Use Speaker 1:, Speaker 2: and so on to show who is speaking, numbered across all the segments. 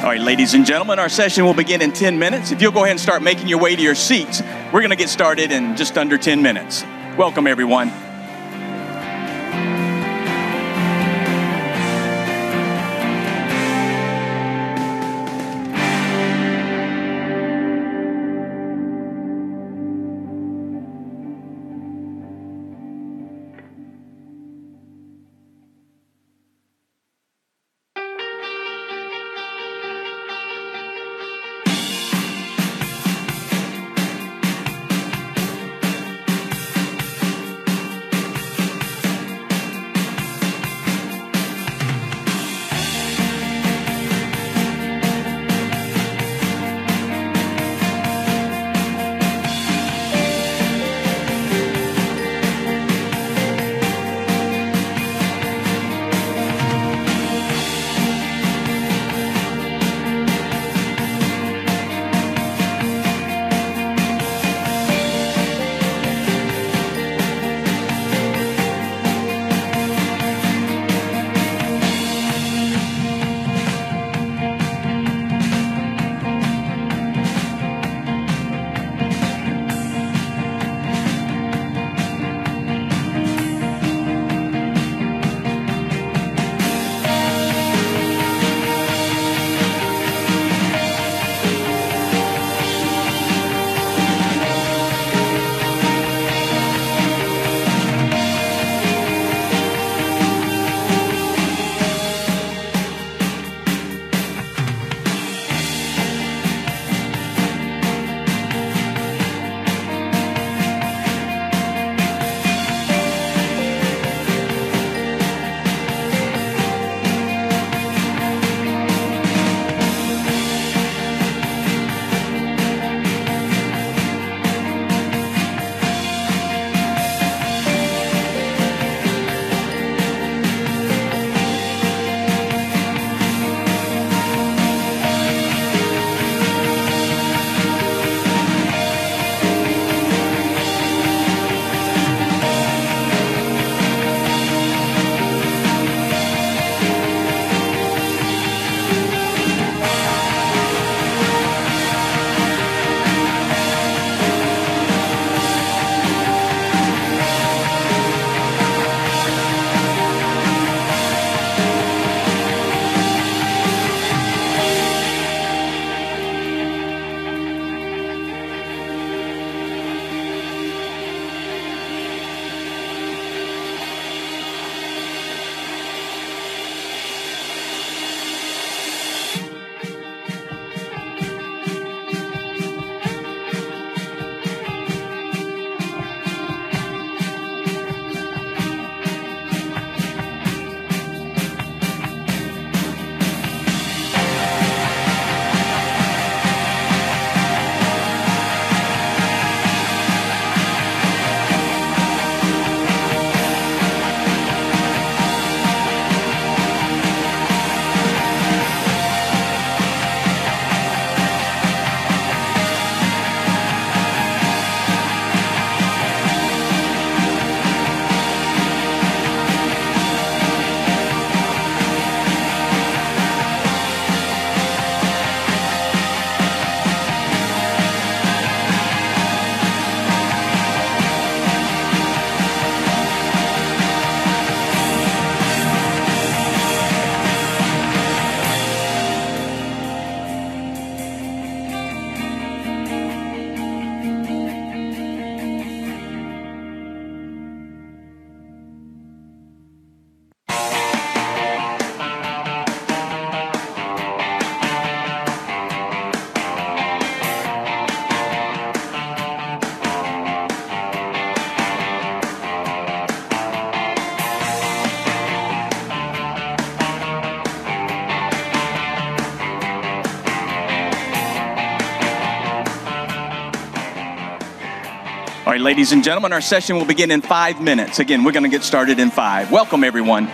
Speaker 1: All right, ladies and gentlemen, our session will begin in 10 minutes. If you'll go ahead and start making your way to your seats, we're going to get started in just under 10 minutes. Welcome, everyone. All right, ladies and gentlemen, our session will begin in five minutes. Again, we're going to get started in five. Welcome, everyone.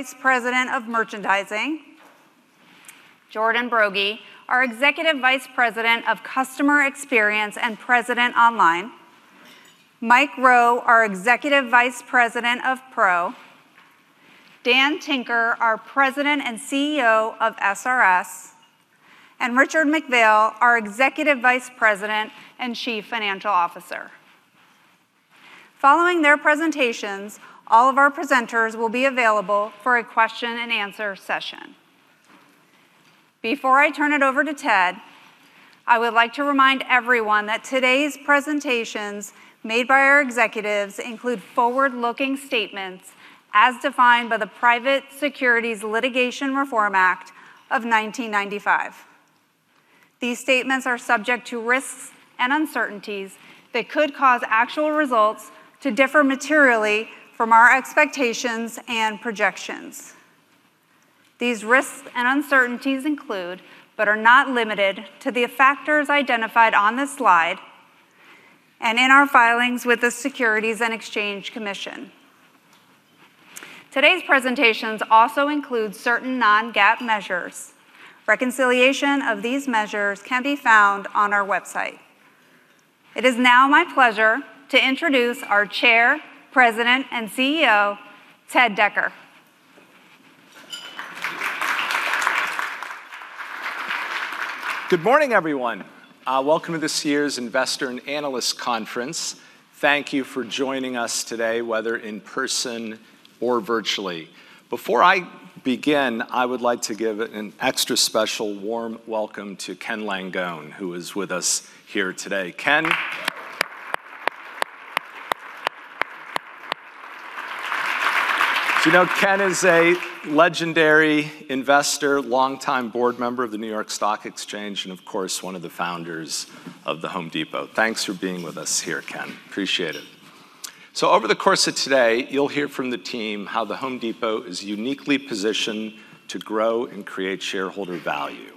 Speaker 2: Ted Decker, President and CEO Ann-Marie Campbell, our Senior Executive Vice President, Billy Bastek, our Executive Vice President of Merchandising, Jordan Broggi, our Executive Vice President of Customer Experience and President Online, Mike Rowe, our Executive Vice President of Pro, Dan Tinker, our President and CEO of SRS, and Richard McPhail, our Executive Vice President and Chief Financial Officer. Following their presentations, all of our presenters will be available for a question-and-answer session. Before I turn it over to Ted, I would like to remind everyone that today's presentations made by our executives include forward-looking statements as defined by the Private Securities Litigation Reform Act of 1995. These statements are subject to risks and uncertainties that could cause actual results to differ materially from our expectations and projections. These risks and uncertainties include, but are not limited to, the factors identified on this slide and in our filings with the Securities and Exchange Commission. Today's presentations also include certain non-GAAP measures. Reconciliation of these measures can be found on our website. It is now my pleasure to introduce our Chair, President, and CEO, Ted Decker.
Speaker 1: Good morning, everyone. Welcome to this year's Investor and Analyst Conference. Thank you for joining us today, whether in person or virtually. Before I begin, I would like to give an extra special warm welcome to Ken Langone, who is with us here today. Ken. You know, Ken is a legendary investor, longtime board member of the New York Stock Exchange, and of course, one of the founders of The Home Depot. Thanks for being with us here, Ken. Appreciate it. So, over the course of today, you'll hear from the team how The Home Depot is uniquely positioned to grow and create shareholder value.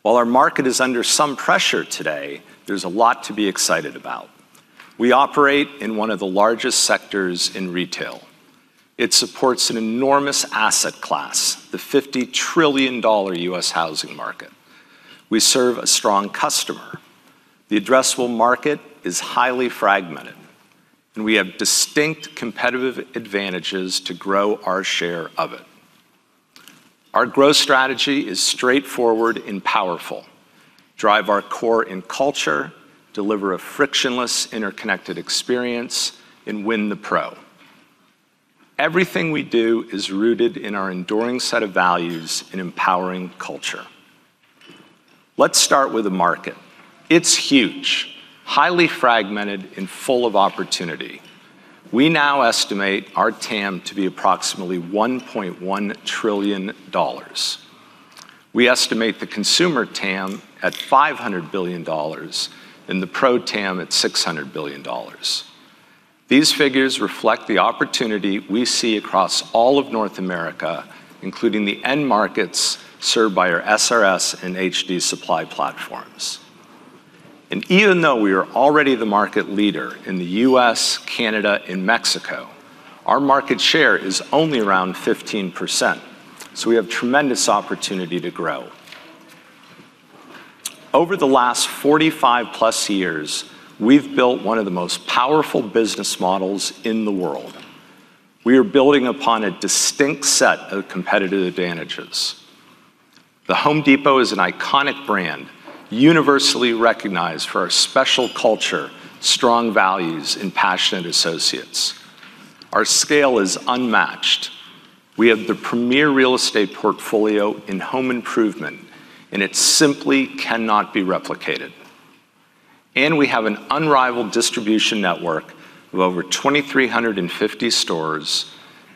Speaker 1: While our market is under some pressure today, there's a lot to be excited about. We operate in one of the largest sectors in retail. It supports an enormous asset class, the $50 trillion U.S. housing market. We serve a strong customer. The addressable market is highly fragmented, and we have distinct competitive advantages to grow our share of it. Our growth strategy is straightforward and powerful: drive our core in culture, deliver a frictionless, interconnected experience, and win the Pro. Everything we do is rooted in our enduring set of values and empowering culture. Let's start with the market. It's huge, highly fragmented, and full of opportunity. We now estimate our TAM to be approximately $1.1 trillion. We estimate the consumer TAM at $500 billion and the Pro TAM at $600 billion. These figures reflect the opportunity we see across all of North America, including the end markets served by our SRS and HD Supply platforms. And even though we are already the market leader in the U.S., Canada, and Mexico, our market share is only around 15%, so we have tremendous opportunity to grow. Over the last 45-plus years, we've built one of the most powerful business models in the world. We are building upon a distinct set of competitive advantages. The Home Depot is an iconic brand, universally recognized for our special culture, strong values, and passionate associates. Our scale is unmatched. We have the premier real estate portfolio in home improvement, and it simply cannot be replicated, and we have an unrivaled distribution network of over 2,350 stores,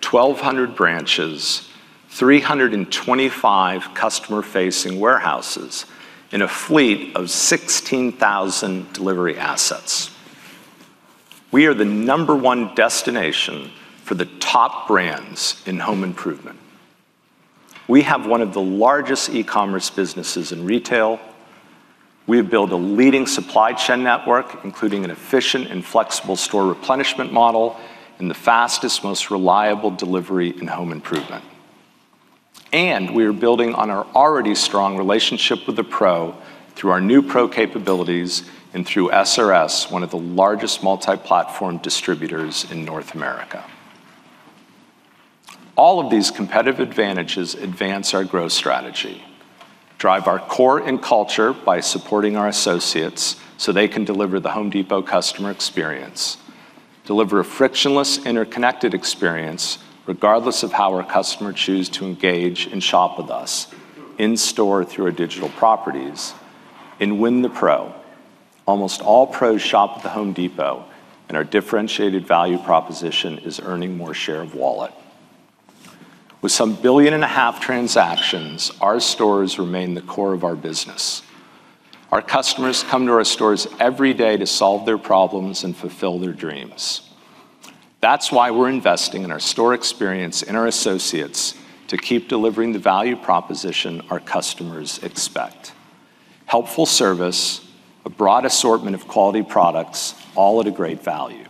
Speaker 1: 1,200 branches, 325 customer-facing warehouses, and a fleet of 16,000 delivery assets. We are the number one destination for the top brands in home improvement. We have one of the largest e-commerce businesses in retail. We have built a leading supply chain network, including an efficient and flexible store replenishment model and the fastest, most reliable delivery in home improvement. And we are building on our already strong relationship with the Pro through our new Pro capabilities and through SRS, one of the largest multi-platform distributors in North America. All of these competitive advantages advance our growth strategy, drive our core in culture by supporting our associates so they can deliver the Home Depot customer experience, deliver a frictionless, interconnected experience regardless of how our customers choose to engage and shop with us in-store through our digital properties, and win the Pro. Almost all Pros shop at the Home Depot, and our differentiated value proposition is earning more share of wallet. With 1.5 billion transactions, our stores remain the core of our business. Our customers come to our stores every day to solve their problems and fulfill their dreams. That's why we're investing in our store experience and our associates to keep delivering the value proposition our customers expect: helpful service, a broad assortment of quality products, all at a great value.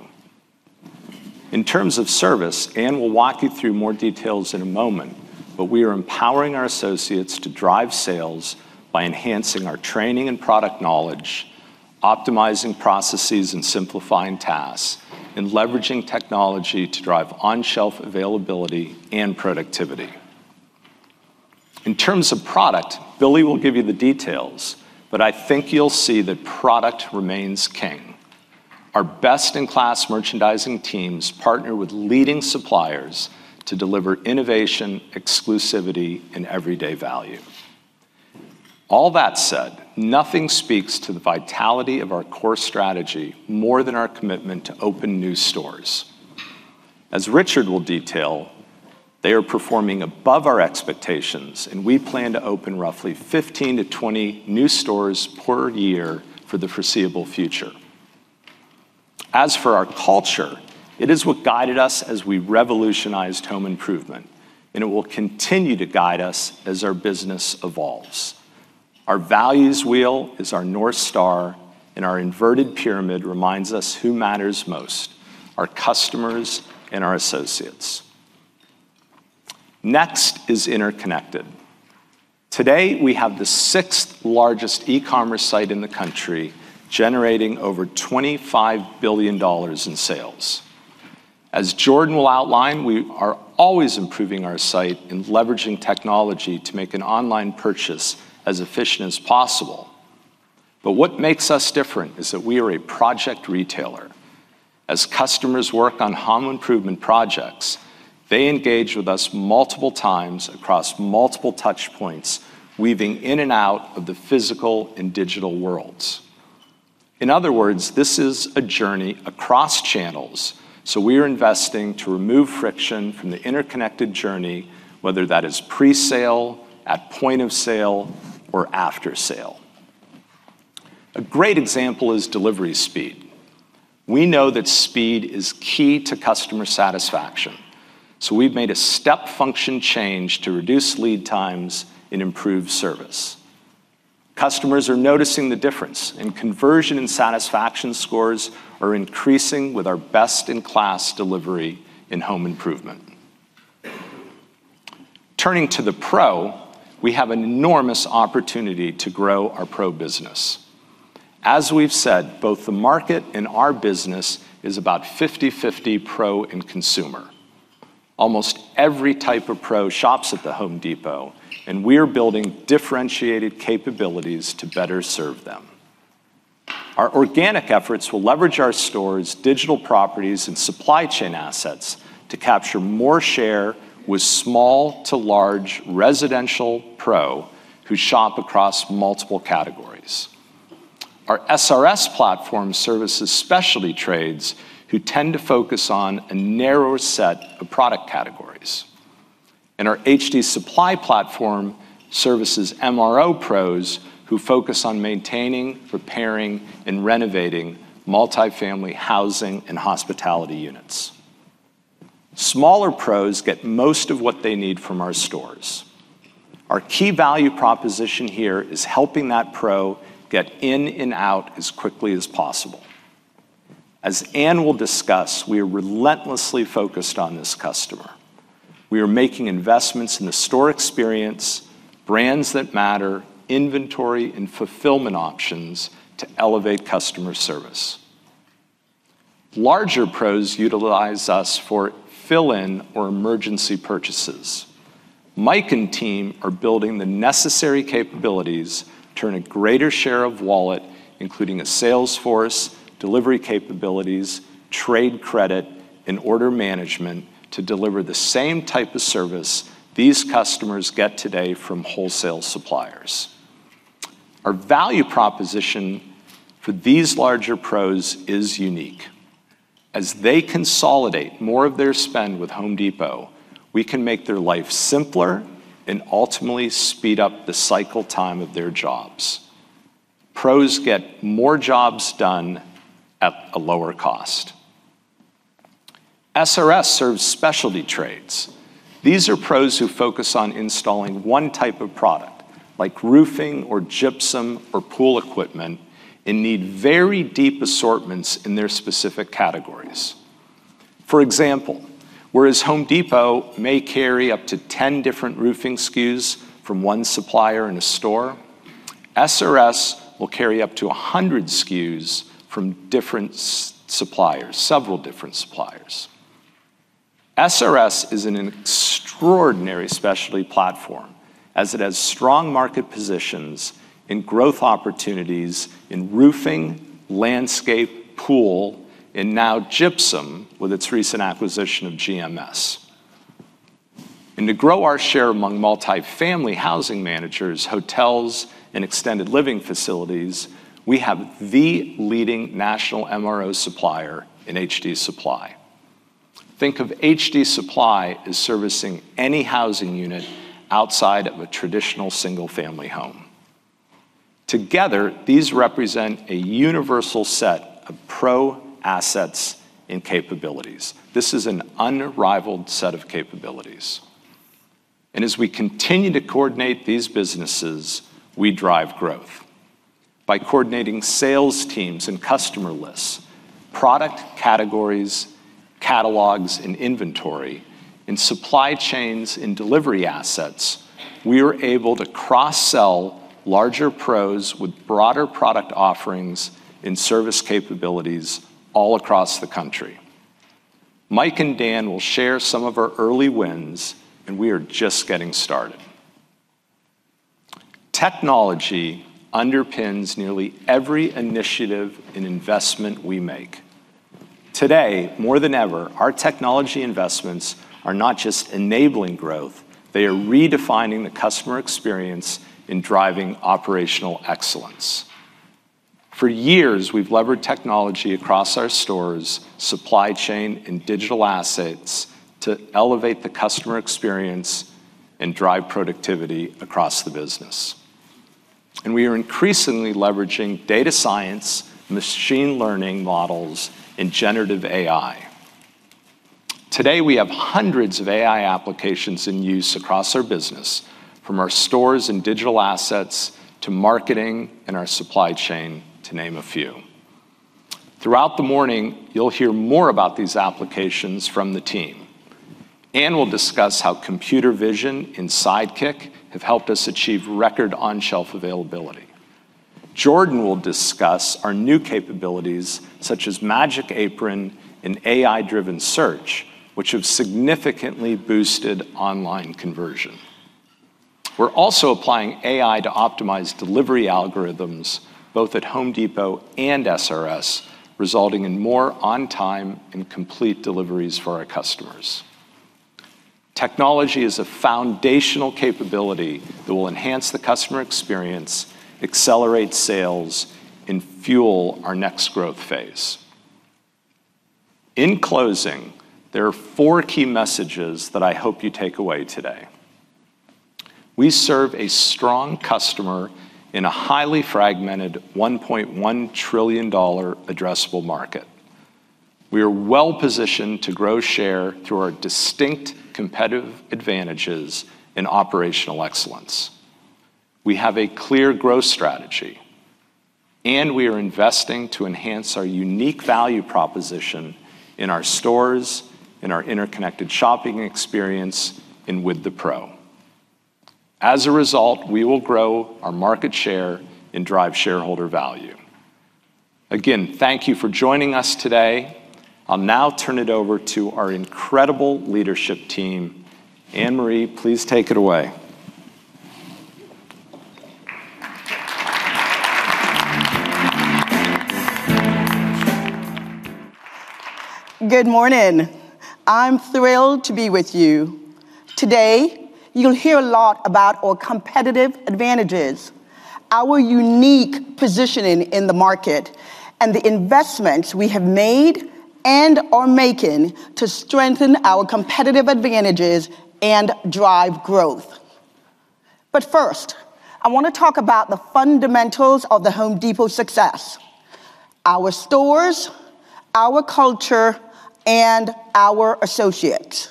Speaker 1: In terms of service, Ann will walk you through more details in a moment, but we are empowering our associates to drive sales by enhancing our training and product knowledge, optimizing processes and simplifying tasks, and leveraging technology to drive on-shelf availability and productivity. In terms of product, Billy will give you the details, but I think you'll see that product remains king. Our best-in-class merchandising teams partner with leading suppliers to deliver innovation, exclusivity, and everyday value. All that said, nothing speaks to the vitality of our core strategy more than our commitment to open new stores. As Richard will detail, they are performing above our expectations, and we plan to open roughly 15-20 new stores per year for the foreseeable future. As for our culture, it is what guided us as we revolutionized home improvement, and it will continue to guide us as our business evolves. Our values wheel is our North Star, and our inverted pyramid reminds us who matters most: our customers and our associates. Next is interconnected. Today, we have the sixth-largest e-commerce site in the country, generating over $25 billion in sales. As Jordan will outline, we are always imProving our site and leveraging technology to make an online purchase as efficient as possible. But what makes us different is that we are a project retailer. As customers work on home improvement projects, they engage with us multiple times across multiple touchpoints, weaving in and out of the physical and digital worlds. In other words, this is a journey across channels, so we are investing to remove friction from the interconnected journey, whether that is pre-sale, at point of sale, or after sale. A great example is delivery speed. We know that speed is key to customer satisfaction, so we've made a step function change to reduce lead times and improve service. Customers are noticing the difference, and conversion and satisfaction scores are increasing with our best-in-class delivery in home improvement. Turning to the Pro, we have an enormous opportunity to grow our Pro business. As we've said, both the market and our business is about 50/50 Pro and consumer. Almost every type of Pro shops at The Home Depot, and we are building differentiated capabilities to better serve them. Our organic efforts will leverage our stores, digital properties, and supply chain assets to capture more share with small to large residential Pro who shop across multiple categories. Our SRS platform services specialty trades who tend to focus on a narrower set of product categories. Our HD Supply platform services MRO Pros who focus on maintaining, repairing, and renovating multifamily housing and hospitality units. Smaller Pros get most of what they need from our stores. Our key value proposition here is helping that Pro get in and out as quickly as possible. As Ann will discuss, we are relentlessly focused on this customer. We are making investments in the store experience, brands that matter, inventory, and fulfillment options to elevate customer service. Larger Pros utilize us for fill-in or emergency purchases. Mike and team are building the necessary capabilities to earn a greater share of wallet, including a sales force, delivery capabilities, trade credit, and order management to deliver the same type of service these customers get today from wholesale suppliers. Our value proposition for these larger Pros is unique. As they consolidate more of their spend with Home Depot, we can make their life simpler and ultimately speed up the cycle time of their jobs. Pros get more jobs done at a lower cost. SRS serves specialty trades. These are Pros who focus on installing one type of product, like roofing or gypsum or pool equipment, and need very deep assortments in their specific categories. For example, whereas Home Depot may carry up to 10 different roofing SKUs from one supplier in a store, SRS will carry up to 100 SKUs from different suppliers, several different suppliers. SRS is an extraordinary specialty platform as it has strong market positions in growth opportunities in roofing, landscape, pool, and now gypsum with its recent acquisition of GMS. And to grow our share among multifamily housing managers, hotels, and extended living facilities, we have the leading national MRO supplier in HD Supply. Think of HD Supply as servicing any housing unit outside of a traditional single-family home. Together, these represent a universal set of Pro assets and capabilities. This is an unrivaled set of capabilities. And as we continue to coordinate these businesses, we drive growth. By coordinating sales teams and customer lists, product categories, catalogs, and inventory, and supply chains and delivery assets, we are able to cross-sell larger Pros with broader product offerings and service capabilities all across the country. Mike and Dan will share some of our early wins, and we are just getting started. Technology underpins nearly every initiative and investment we make. Today, more than ever, our technology investments are not just enabling growth. They are redefining the customer experience and driving operational excellence. For years, we've leveraged technology across our stores, supply chain, and digital assets to elevate the customer experience and drive productivity across the business, and we are increasingly leveraging data science, machine learning models, and generative AI. Today, we have hundreds of AI applications in use across our business, from our stores and digital assets to marketing and our supply chain, to name a few. Throughout the morning, you'll hear more about these applications from the team. Ann will discuss how computer vision and Sidekick have helped us achieve record on-shelf availability. Jordan will discuss our new capabilities, such as MyApron and AI-driven search, which have significantly boosted online conversion. We're also applying AI to optimize delivery algorithms both at Home Depot and SRS, resulting in more on-time and complete deliveries for our customers. Technology is a foundational capability that will enhance the customer experience, accelerate sales, and fuel our next growth phase. In closing, there are four key messages that I hope you take away today. We serve a strong customer in a highly fragmented $1.1 trillion addressable market. We are well-positioned to grow share through our distinct competitive advantages and operational excellence. We have a clear growth strategy, and we are investing to enhance our unique value proposition in our stores, in our interconnected shopping experience, and with the Pro. As a result, we will grow our market share and drive shareholder value. Again, thank you for joining us today. I'll now turn it over to our incredible leadership team. Ann-Marie, please take it away.
Speaker 3: Good morning. I'm thrilled to be with you. Today, you'll hear a lot about our competitive advantages, our unique positioning in the market, and the investments we have made and are making to strengthen our competitive advantages and drive growth. But first, I want to talk about the fundamentals of The Home Depot success: our stores, our culture, and our associates.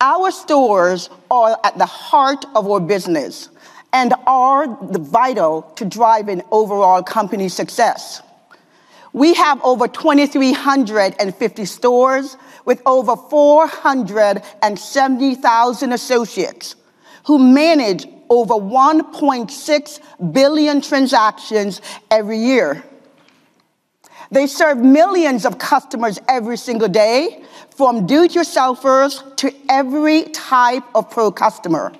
Speaker 3: Our stores are at the heart of our business and are vital to driving overall company success. We have over 2,350 stores with over 470,000 associates who manage over 1.6 billion transactions every year. They serve millions of customers every single day, from do-it-yourselfers to every type of Pro customer.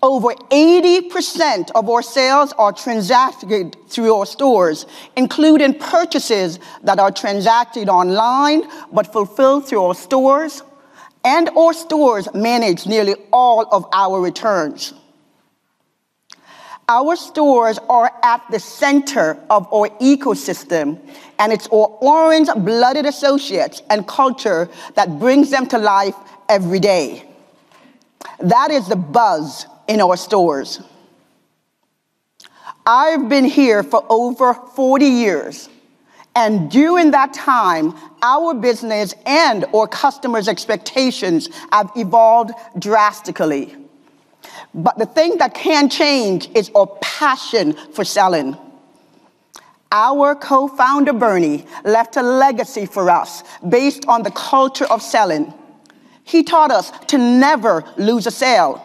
Speaker 3: Over 80% of our sales are transacted through our stores, including purchases that are transacted online but fulfilled through our stores, and our stores manage nearly all of our returns. Our stores are at the center of our ecosystem, and it's our orange-blooded associates and culture that brings them to life every day. That is the buzz in our stores. I've been here for over 40 years, and during that time, our business and our customers' expectations have evolved drastically. But the thing that can change is our passion for selling. Our co-founder, Bernie, left a legacy for us based on the culture of selling. He taught us to never lose a sale.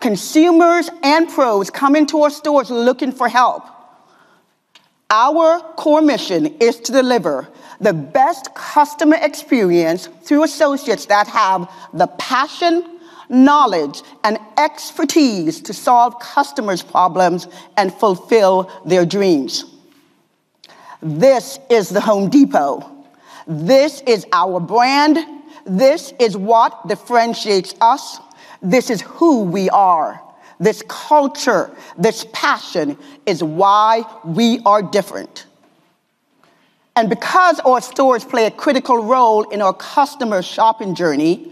Speaker 3: Consumers and Pros come into our stores looking for help. Our core mission is to deliver the best customer experience through associates that have the passion, knowledge, and expertise to solve customers' problems and fulfill their dreams. This is The Home Depot. This is our brand. This is what differentiates us. This is who we are. This culture, this passion is why we are different, and because our stores play a critical role in our customer shopping journey,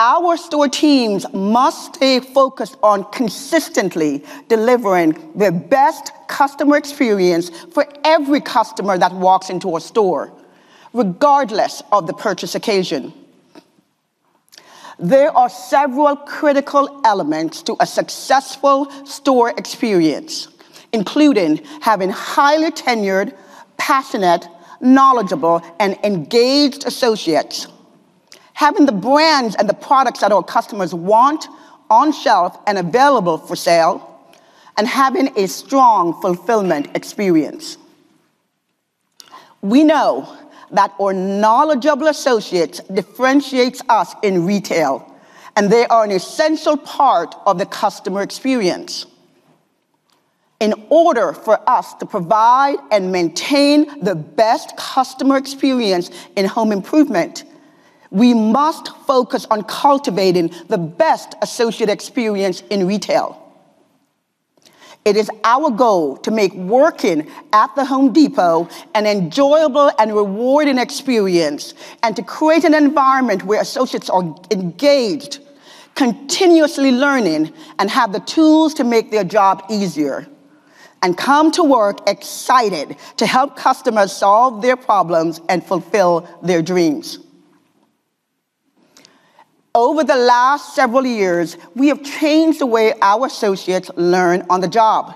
Speaker 3: our store teams must stay focused on consistently delivering the best customer experience for every customer that walks into our store, regardless of the purchase occasion. There are several critical elements to a successful store experience, including having highly tenured, passionate, knowledgeable, and engaged associates, having the brands and the products that our customers want on shelf and available for sale, and having a strong fulfillment experience. We know that our knowledgeable associates differentiate us in retail, and they are an essential part of the customer experience. In order for us to provide and maintain the best customer experience in home improvement, we must focus on cultivating the best associate experience in retail. It is our goal to make working at the Home Depot an enjoyable and rewarding experience and to create an environment where associates are engaged, continuously learning, and have the tools to make their job easier, and come to work excited to help customers solve their problems and fulfill their dreams. Over the last several years, we have changed the way our associates learn on the job.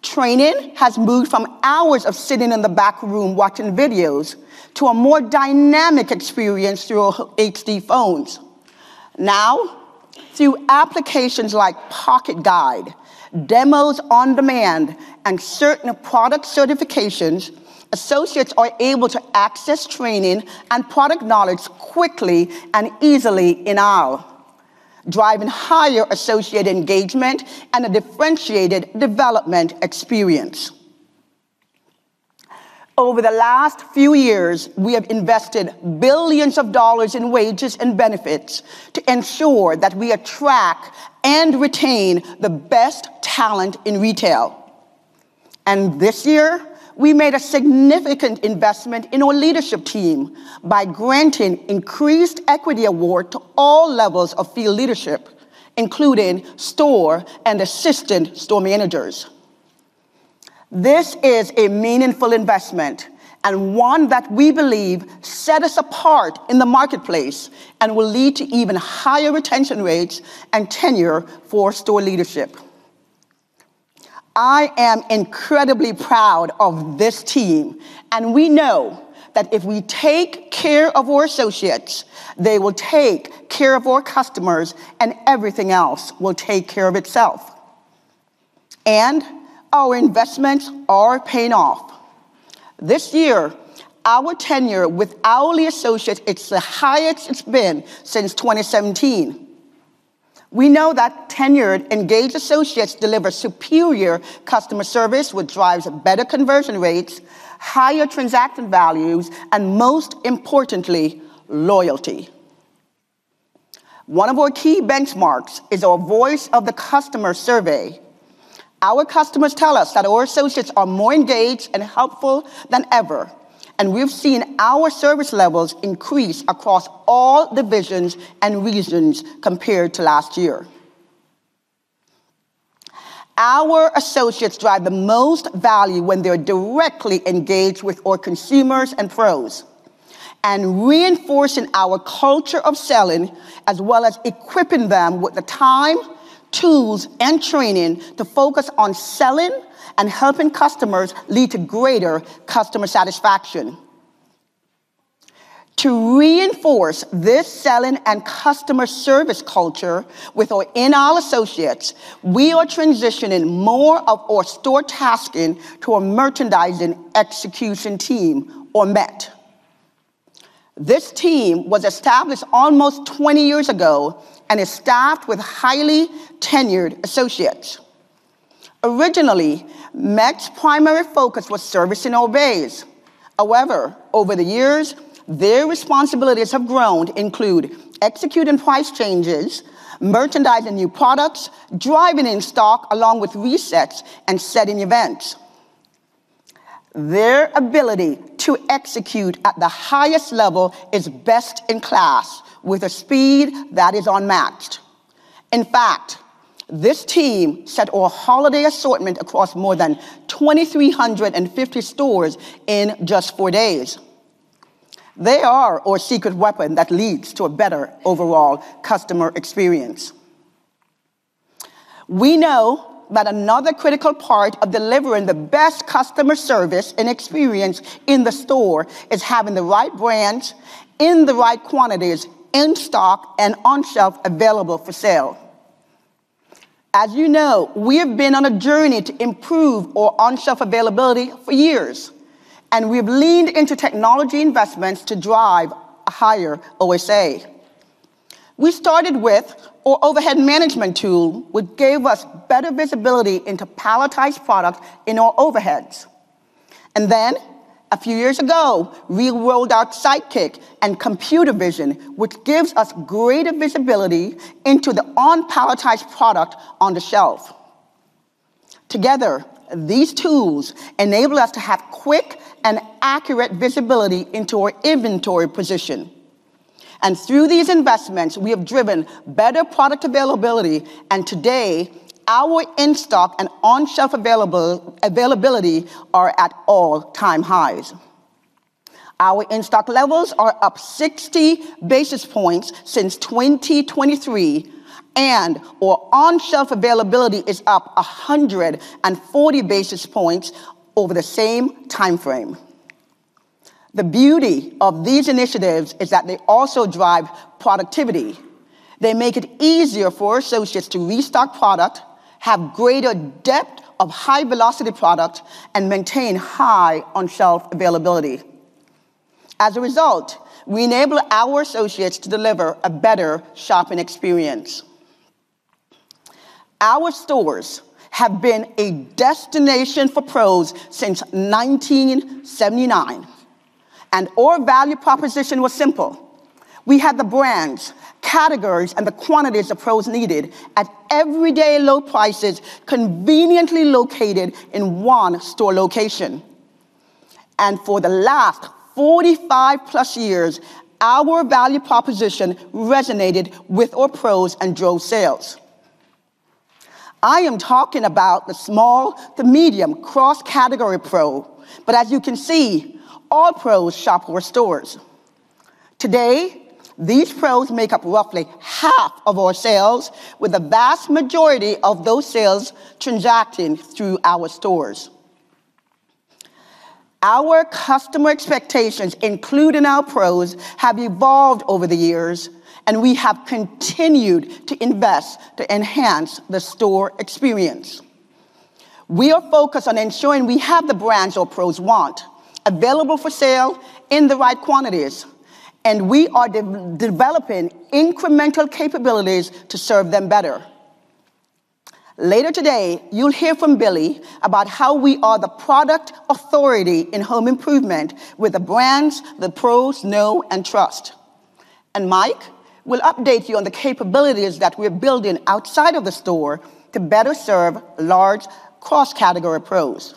Speaker 3: Training has moved from hours of sitting in the back room watching videos to a more dynamic experience through HD phones. Now, through applications like PocketGuide, demos on demand, and certain product certifications, associates are able to access training and product knowledge quickly and easily in-house, driving higher associate engagement and a differentiated development experience. Over the last few years, we have invested billions of dollars in wages and benefits to ensure that we attract and retain the best talent in retail. And this year, we made a significant investment in our leadership team by granting increased equity awards to all levels of field leadership, including store and assistant store managers. This is a meaningful investment and one that we believe sets us apart in the marketplace and will lead to even higher retention rates and tenure for store leadership. I am incredibly proud of this team, and we know that if we take care of our associates, they will take care of our customers, and everything else will take care of itself, and our investments are paying off. This year, our tenure with hourly associates is the highest it's been since 2017. We know that tenured, engaged associates deliver superior customer service, which drives better conversion rates, higher transaction values, and most importantly, loyalty. One of our key benchmarks is our voice of the customer survey. Our customers tell us that our associates are more engaged and helpful than ever, and we've seen our service levels increase across all divisions and regions compared to last year. Our associates drive the most value when they're directly engaged with our consumers and Pros, and reinforcing our culture of selling, as well as equipping them with the time, tools, and training to focus on selling and helping customers lead to greater customer satisfaction. To reinforce this selling and customer service culture with our in-house associates, we are transitioning more of our store tasking to our Merchandising Execution Team, or MET. This team was established almost 20 years ago and is staffed with highly tenured associates. Originally, MET's primary focus was servicing our bays. However, over the years, their responsibilities have grown, including executing price changes, merchandising new products, driving in stock along with resets and setting events. Their ability to execute at the highest level is best in class, with a speed that is unmatched. In fact, this team set our holiday assortment across more than 2,350 stores in just four days. They are our secret weapon that leads to a better overall customer experience. We know that another critical part of delivering the best customer service and experience in the store is having the right brands in the right quantities in stock and on-shelf available for sale. As you know, we have been on a journey to improve our on-shelf availability for years, and we have leaned into technology investments to drive a higher OSA. We started with our overhead management tool, which gave us better visibility into palletized products in our overheads. And then, a few years ago, we rolled out Sidekick and Computer Vision, which gives us greater visibility into the unpalletized product on the shelf. Together, these tools enable us to have quick and accurate visibility into our inventory position. Through these investments, we have driven better product availability, and today, our in-stock and on-shelf availability are at all-time highs. Our in-stock levels are up 60 basis points since 2023, and our on-shelf availability is up 140 basis points over the same timeframe. The beauty of these initiatives is that they also drive productivity. They make it easier for our associates to restock product, have greater depth of high-velocity product, and maintain high on-shelf availability. As a result, we enable our associates to deliver a better shopping experience. Our stores have been a destination for Pros since 1979, and our value proposition was simple. We had the brands, categories, and the quantities of Pros needed at everyday low prices, conveniently located in one store location. For the last 45-plus years, our value proposition resonated with our Pros and drove sales. I am talking about the small to medium cross-category Pro, but as you can see, all Pros shop our stores. Today, these Pros make up roughly half of our sales, with the vast majority of those sales transacting through our stores. Our customer expectations, including our Pros, have evolved over the years, and we have continued to invest to enhance the store experience. We are focused on ensuring we have the brands our Pros want, available for sale in the right quantities, and we are developing incremental capabilities to serve them better. Later today, you'll hear from Billy about how we are the product authority in home improvement with the brands the Pros know and trust. And Mike will update you on the capabilities that we are building outside of the store to better serve large cross-category Pros.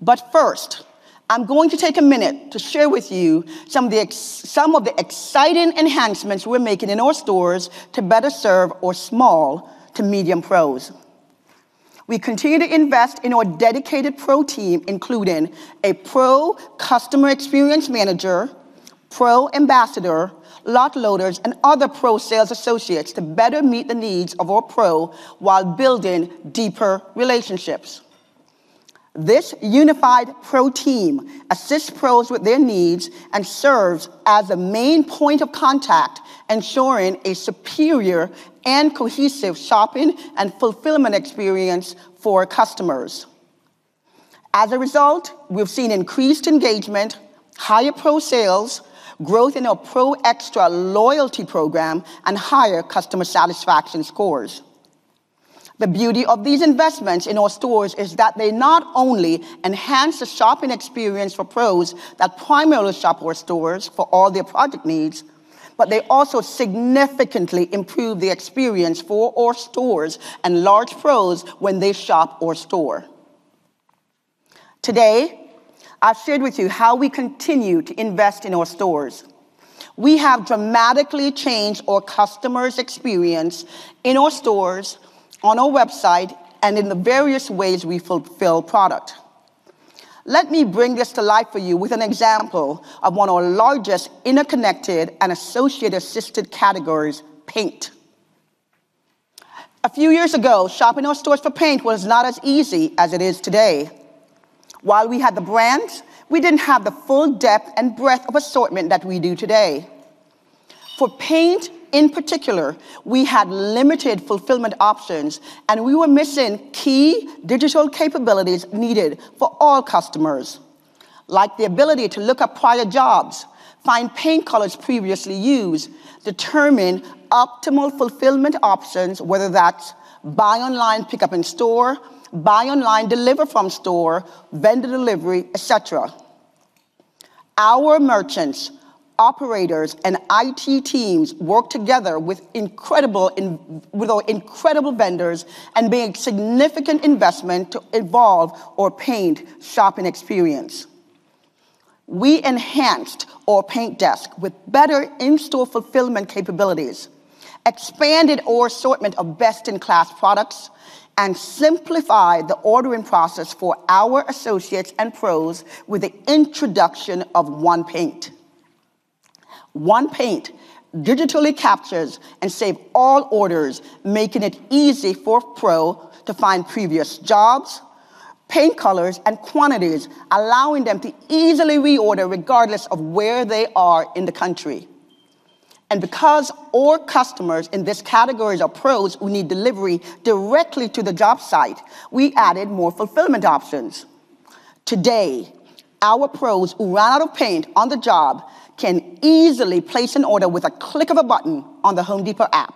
Speaker 3: But first, I'm going to take a minute to share with you some of the exciting enhancements we're making in our stores to better serve our small to medium Pros. We continue to invest in our dedicated Pro team, including a Pro Customer Experience Manager, Pro Ambassador, Lot Loaders, and other Pro sales associates to better meet the needs of our Pro while building deeper relationships. This unified Pro team assists Pros with their needs and serves as a main point of contact, ensuring a superior and cohesive shopping and fulfillment experience for customers. As a result, we've seen increased engagement, higher Pro sales, growth in our Pro Xtra Loyalty program, and higher customer satisfaction scores. The beauty of these investments in our stores is that they not only enhance the shopping experience for Pros that primarily shop our stores for all their product needs, but they also significantly improve the experience for our stores and large Pros when they shop our store. Today, I'll share with you how we continue to invest in our stores. We have dramatically changed our customers' experience in our stores, on our website, and in the various ways we fulfill product. Let me bring this to life for you with an example of one of our largest interconnected and associate-assisted categories, Paint. A few years ago, shopping our stores for Paint was not as easy as it is today. While we had the brands, we didn't have the full depth and breadth of assortment that we do today. For Paint, in particular, we had limited fulfillment options, and we were missing key digital capabilities needed for all customers, like the ability to look up prior jobs, find paint colors previously used, determine optimal fulfillment options, whether that's buy online, pick up in store, buy online, deliver from store, vendor delivery, etc. Our merchants, operators, and IT teams worked together with our incredible vendors and made significant investments to evolve our Paint shopping experience. We enhanced our Paint desk with better in-store fulfillment capabilities, expanded our assortment of best-in-class products, and simplified the ordering process for our associates and Pros with the introduction of One Paint. One Paint digitally captures and saves all orders, making it easy for a Pro to find previous jobs, paint colors, and quantities, allowing them to easily reorder regardless of where they are in the country. Because all customers in this category are Pros who need delivery directly to the job site, we added more fulfillment options. Today, our Pros who run out of paint on the job can easily place an order with a click of a button on the Home Depot app.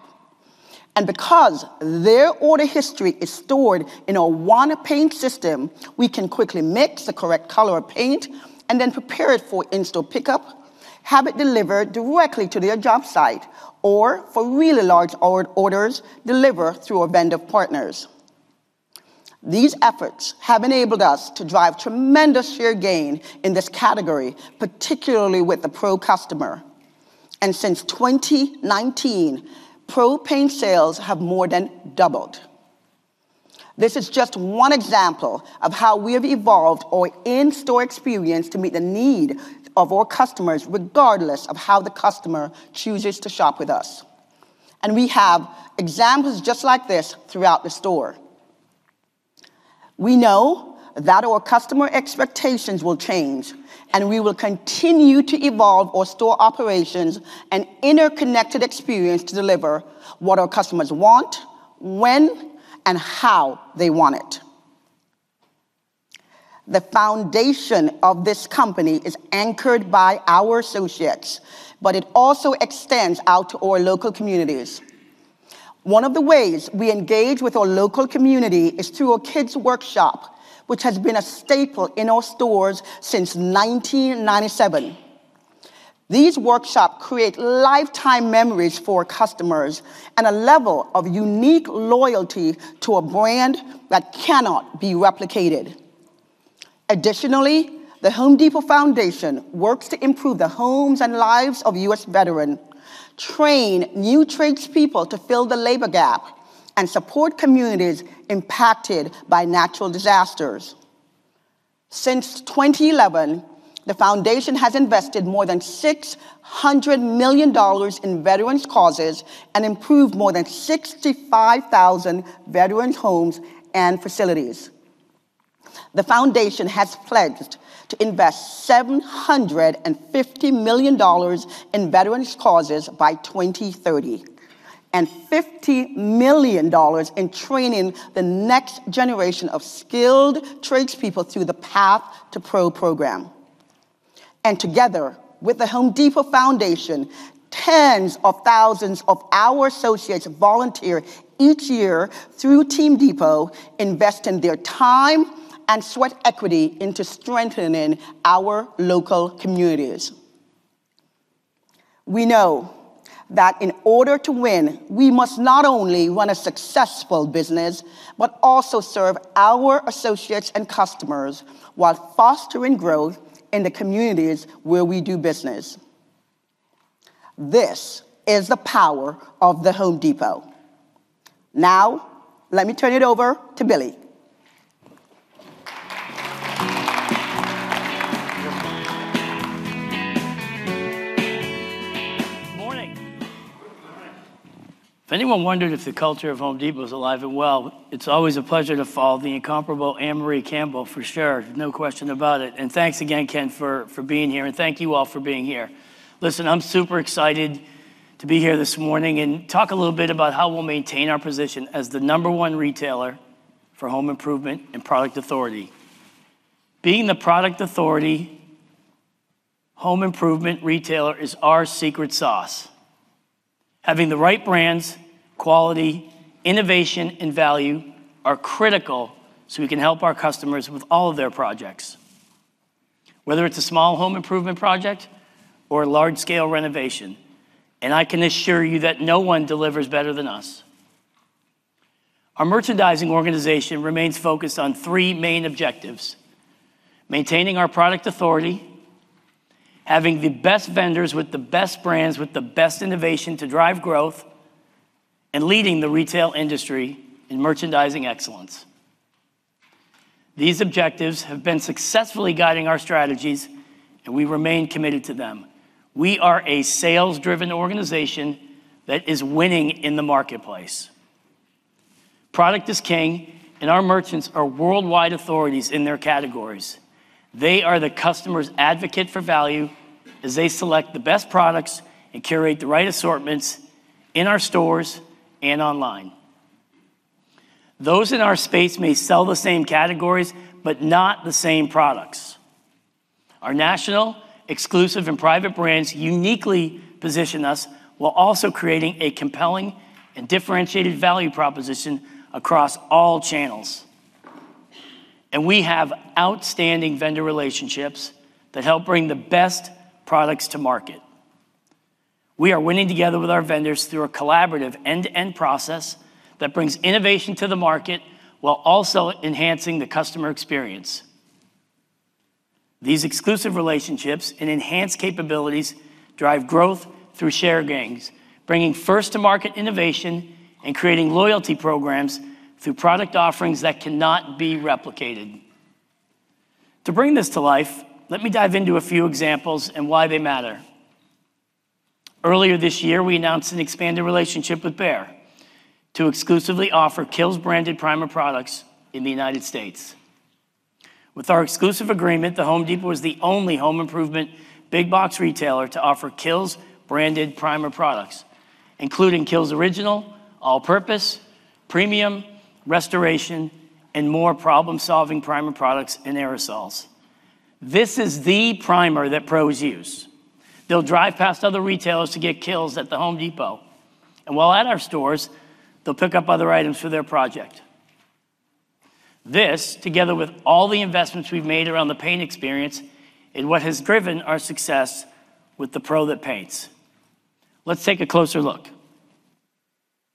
Speaker 3: Because their order history is stored in our One Paint system, we can quickly mix the correct color of paint and then prepare it for in-store pickup, have it delivered directly to their job site, or for really large orders delivered through our vendor partners. These efforts have enabled us to drive tremendous share gain in this category, particularly with the Pro customer. Since 2019, Pro Paint sales have more than doubled. This is just one example of how we have evolved our in-store experience to meet the need of our customers regardless of how the customer chooses to shop with us. And we have examples just like this throughout the store. We know that our customer expectations will change, and we will continue to evolve our store operations and interconnected experience to deliver what our customers want, when, and how they want it. The foundation of this company is anchored by our associates, but it also extends out to our local communities. One of the ways we engage with our local community is through our kids' workshop, which has been a staple in our stores since 1997. These workshops create lifetime memories for our customers and a level of unique loyalty to a brand that cannot be replicated. Additionally, The Home Depot Foundation works to improve the homes and lives of U.S. veterans, train new tradespeople to fill the labor gap, and support communities impacted by natural disasters. Since 2011, the Foundation has invested more than $600 million in veterans' causes and improved more than 65,000 veterans' homes and facilities. The Foundation has pledged to invest $750 million in veterans' causes by 2030 and $50 million in training the next generation of skilled tradespeople through the Path to Pro program, and together with The Home Depot Foundation, tens of thousands of our associates volunteer each year through Team Depot, investing their time and sweat equity into strengthening our local communities. We know that in order to win, we must not only run a successful business, but also serve our associates and customers while fostering growth in the communities where we do business. This is the power of the Home Depot. Now, let me turn it over to Billy.
Speaker 4: Good morning. If anyone wondered if the culture of Home Depot is alive and well, it's always a pleasure to follow the incomparable Ann-Marie Campbell, for sure, no question about it. And thanks again, Ken, for being here, and thank you all for being here. Listen, I'm super excited to be here this morning and talk a little bit about how we'll maintain our position as the number one retailer for home improvement and product authority. Being the product authority, home improvement retailer is our secret sauce. Having the right brands, quality, innovation, and value are critical so we can help our customers with all of their projects, whether it's a small home improvement project or a large-scale renovation. And I can assure you that no one delivers better than us. Our merchandising organization remains focused on three main objectives: maintaining our product authority, having the best vendors with the best brands, with the best innovation to drive growth, and leading the retail industry in merchandising excellence. These objectives have been successfully guiding our strategies, and we remain committed to them. We are a sales-driven organization that is winning in the marketplace. product is king, and our merchants are worldwide authorities in their categories. They are the customer's advocate for value as they select the best products and curate the right assortments in our stores and online. Those in our space may sell the same categories, but not the same products. Our national, exclusive, and private brands uniquely position us while also creating a compelling and differentiated value proposition across all channels. And we have outstanding vendor relationships that help bring the best products to market. We are winning together with our vendors through a collaborative end-to-end process that brings innovation to the market while also enhancing the customer experience. These exclusive relationships and enhanced capabilities drive growth through share gains, bringing first-to-market innovation and creating loyalty programs through product offerings that cannot be replicated. To bring this to life, let me dive into a few examples and why they matter. Earlier this year, we announced an expanded relationship with Behr to exclusively offer KILZ branded primer products in the United States. With our exclusive agreement, The Home Depot is the only home improvement big box retailer to offer KILZ branded primer products, including KILZ Original, All-Purpose, Premium, Restoration, and more Problem-solving primer products and aerosols. This is the primer that Pros use. They'll drive past other retailers to get KILZ at the Home Depot, and while at our stores, they'll pick up other items for their project. This, together with all the investments we've made around the paint experience, is what has driven our success with the Pro that Paints. Let's take a closer look.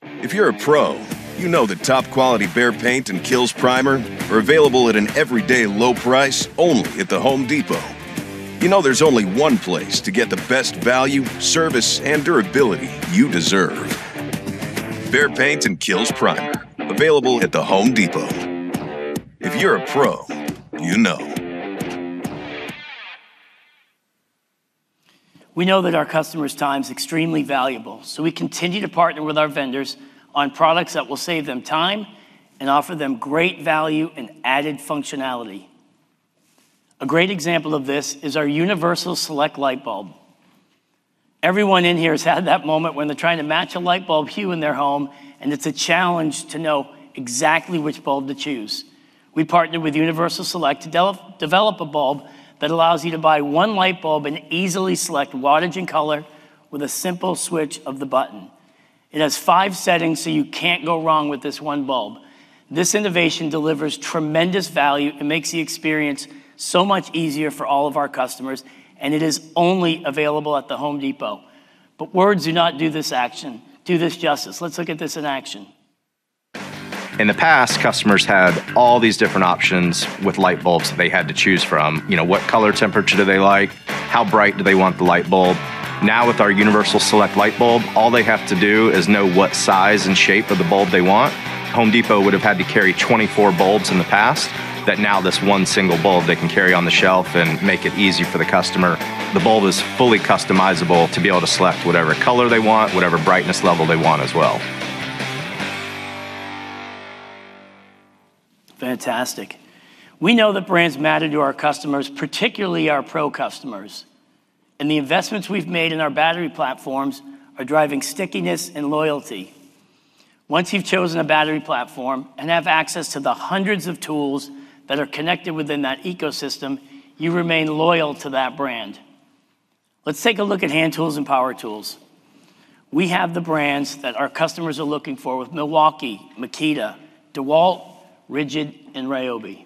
Speaker 5: If you're a Pro, you know the top quality Behr Paint and KILZ primer are available at an everyday low price only at the Home Depot. You know there's only one place to get the best value, service, and durability you deserve. Behr Paint and KILZ primer available at the Home Depot. If you're a Pro, you know.
Speaker 4: We know that our customers' time is extremely valuable, so we continue to partner with our vendors on products that will save them time and offer them great value and added functionality. A great example of this is our Universal Select Light Bulb. Everyone in here has had that moment when they're trying to match a light bulb hue in their home, and it's a challenge to know exactly which bulb to choose. We partnered with Universal Select to develop a bulb that allows you to buy one light bulb and easily select wattage and color with a simple switch of the button. It has five settings, so you can't go wrong with this one bulb. This innovation delivers tremendous value and makes the experience so much easier for all of our customers, and it is only available at The Home Depot. But words do not do this justice. Let's look at this in action.
Speaker 5: In the past, customers had all these different options with light bulbs that they had to choose from. What color temperature do they like? How bright do they want the light bulb? Now, with our Universal Select Light Bulb, all they have to do is know what size and shape of the bulb they want. Home Depot would have had to carry 24 bulbs in the past. Now, this one single bulb, they can carry on the shelf and make it easy for the customer. The bulb is fully customizable to be able to select whatever color they want, whatever brightness level they want as well.
Speaker 4: Fantastic. We know that brands matter to our customers, particularly our Pro customers. And the investments we've made in our battery platforms are driving stickiness and loyalty. Once you've chosen a battery platform and have access to the hundreds of tools that are connected within that ecosystem, you remain loyal to that brand. Let's take a look at Hand Tools and Power Tools. We have the brands that our customers are looking for with Milwaukee, Makita, DeWalt, RIDGID, and Ryobi.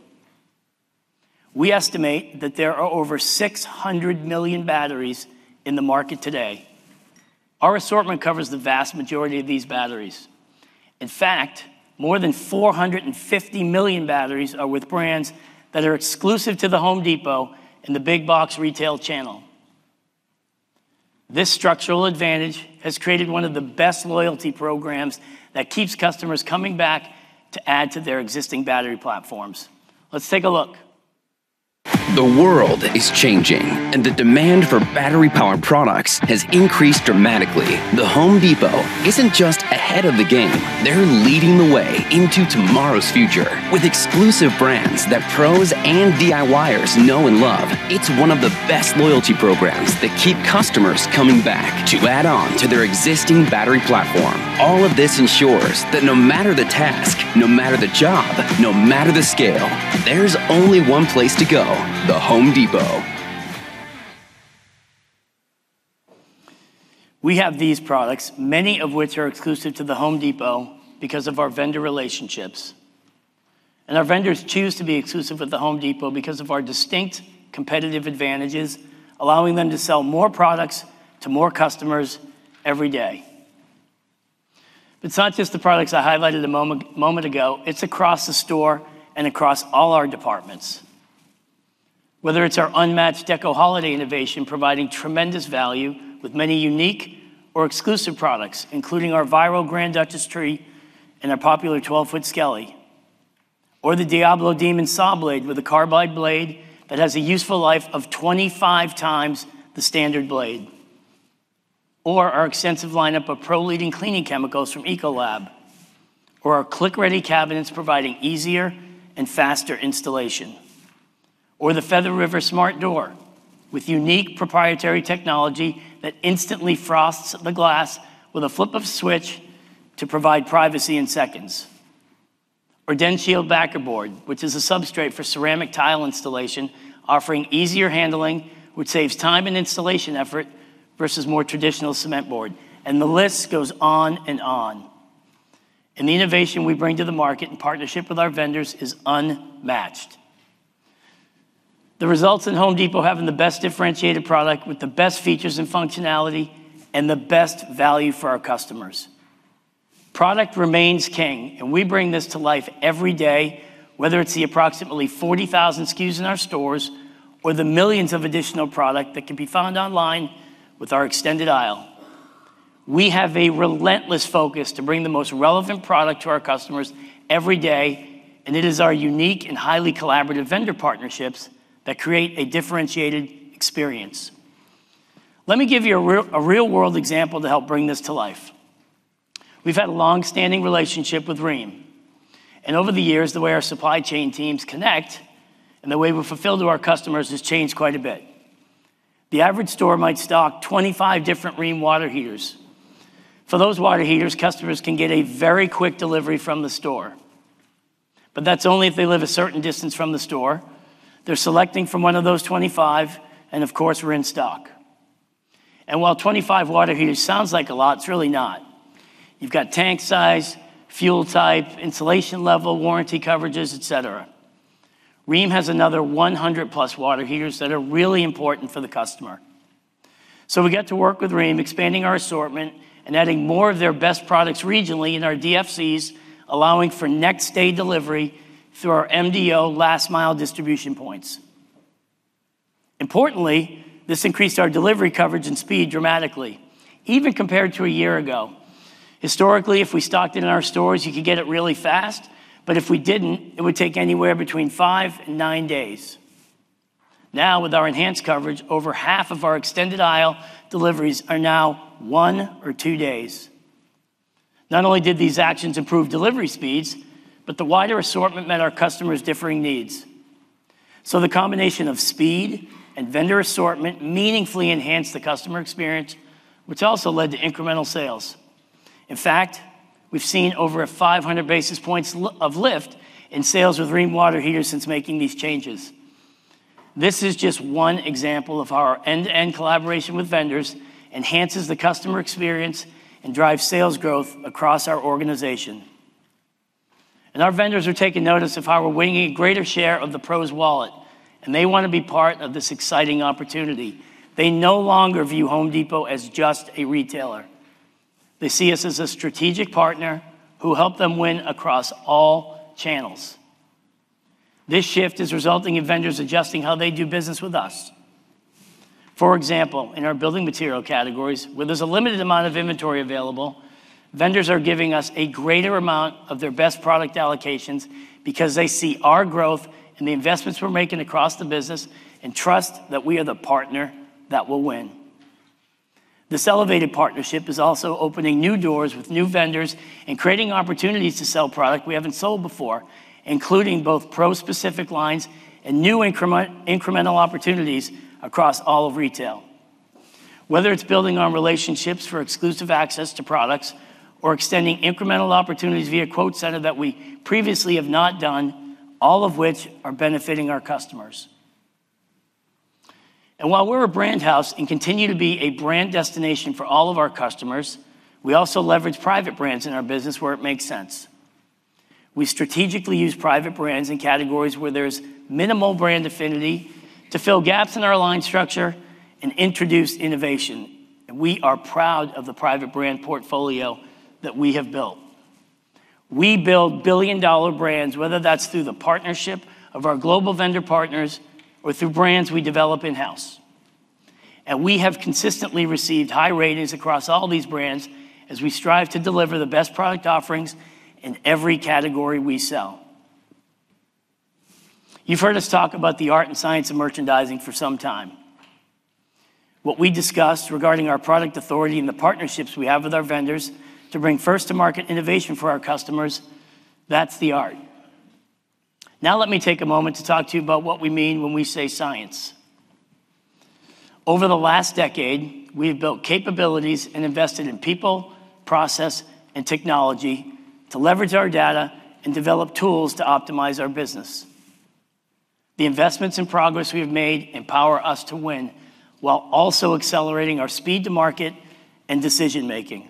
Speaker 4: We estimate that there are over 600 million batteries in the market today. Our assortment covers the vast majority of these batteries. In fact, more than 450 million batteries are with brands that are exclusive to The Home Depot and the big box retail channel. This structural advantage has created one of the best loyalty programs that keeps customers coming back to add to their existing battery platforms. Let's take a look.
Speaker 5: The world is changing, and the demand for battery-powered products has increased dramatically. The Home Depot isn't just ahead of the game. They're leading the way into tomorrow's future with exclusive brands that Pros and DIYers know and love. It's one of the best loyalty programs that keep customers coming back to add on to their existing battery platform. All of this ensures that no matter the task, no matter the job, no matter the scale, there's only one place to go: the Home Depot.
Speaker 4: We have these products, many of which are exclusive to the Home Depot because of our vendor relationships. And our vendors choose to be exclusive with the Home Depot because of our distinct competitive advantages, allowing them to sell more products to more customers every day. But it's not just the products I highlighted a moment ago. It's across the store and across all our departments. Whether it's our unmatched Decor Holiday innovation Providing tremendous value with many unique or exclusive products, including our viral Grand Duchess Tree and our popular 12-foot Skelly, or the Diablo Demon Saw Blade with a carbide blade that has a useful life of 25 times the standard blade, or our extensive lineup of Pro leading cleaning chemicals from Ecolab, or our Click-Ready Cabinets Providing easier and faster installation, or the Feather River Smart Door with unique Proprietary technology that instantly frosts the glass with a flip of a switch to provide privacy in seconds, or DensShield Backer Board, which is a substrate for ceramic tile installation, offering easier handling, which saves time and installation effort versus more traditional cement board. And the list goes on and on. And the innovation we bring to the market in partnership with our vendors is unmatched. The results in Home Depot having the best differentiated product with the best features and functionality and the best value for our customers. product remains king, and we bring this to life every day, whether it's the approximately 40,000 SKUs in our stores or the millions of additional product that can be found online with our extended aisle. We have a relentless focus to bring the most relevant product to our customers every day, and it is our unique and highly collaborative vendor partnerships that create a differentiated experience. Let me give you a real-world example to help bring this to life. We've had a long-standing relationship with Rheem, and over the years, the way our supply chain teams connect and the way we fulfill to our customers has changed quite a bit. The average store might stock 25 different Rheem water heaters. For those water heaters, customers can get a very quick delivery from the store, but that's only if they live a certain distance from the store. They're selecting from one of those 25, and of course, we're in stock. And while 25 water heaters sounds like a lot, it's really not. You've got tank size, fuel type, insulation level, warranty coverages, etc. Rheem has another 100+ water heaters that are really important for the customer. So we got to work with Rheem, expanding our assortment and adding more of their best products regionally in our DFCs, allowing for next-day delivery through our MDO last-mile distribution points. Importantly, this increased our delivery coverage and speed dramatically, even compared to a year ago. Historically, if we stocked it in our stores, you could get it really fast, but if we didn't, it would take anywhere between five and nine days. Now, with our enhanced coverage, over half of our extended aisle deliveries are now one or two days. Not only did these actions improve delivery speeds, but the wider assortment met our customers' differing needs. So the combination of speed and vendor assortment meaningfully enhanced the customer experience, which also led to incremental sales. In fact, we've seen over 500 basis points of lift in sales with Rheem water heaters since making these changes. This is just one example of how our end-to-end collaboration with vendors enhances the customer experience and drives sales growth across our organization. And our vendors are taking notice of how we're winning a greater share of the Pros' wallet, and they want to be part of this exciting opportunity. They no longer view Home Depot as just a retailer. They see us as a strategic partner who helps them win across all channels. This shift is resulting in vendors adjusting how they do business with us. For example, in our building material categories, where there's a limited amount of inventory available, vendors are giving us a greater amount of their best product allocations because they see our growth and the investments we're making across the business and trust that we are the partner that will win. This elevated partnership is also opening new doors with new vendors and creating opportunities to sell product we haven't sold before, including both Pro-specific lines and new incremental opportunities across all of retail. Whether it's building on relationships for exclusive access to products or extending incremental opportunities via QuoteCenter that we previously have not done, all of which are benefiting our customers. While we're a brand house and continue to be a brand destination for all of our customers, we also leverage private brands in our business where it makes sense. We strategically use private brands in categories where there's minimal brand affinity to fill gaps in our line structure and introduce innovation. We are proud of the private brand portfolio that we have built. We build billion-dollar brands, whether that's through the partnership of our global vendor partners or through brands we develop in-house. We have consistently received high ratings across all these brands as we strive to deliver the best product offerings in every category we sell. You've heard us talk about the art and science of merchandising for some time. What we discussed regarding our product authority and the partnerships we have with our vendors to bring first-to-market innovation for our customers, that's the art. Now, let me take a moment to talk to you about what we mean when we say science. Over the last decade, we have built capabilities and invested in people, process, and technology to leverage our data and develop tools to optimize our business. The investments and Progress we have made empower us to win while also accelerating our speed to market and decision-making.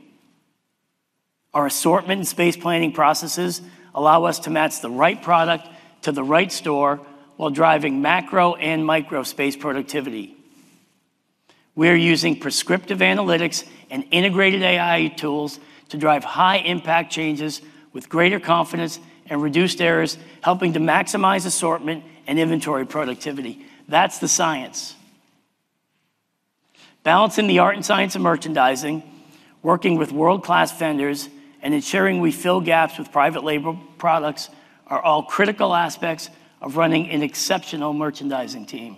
Speaker 4: Our assortment and space planning processes allow us to match the right product to the right store while driving macro and micro space productivity. We're using prescriptive analytics and integrated AI tools to drive high-impact changes with greater confidence and reduced errors, helping to maximize assortment and inventory productivity. That's the science. Balancing the art and science of merchandising, working with world-class vendors, and ensuring we fill gaps with private label products are all critical aspects of running an exceptional merchandising team.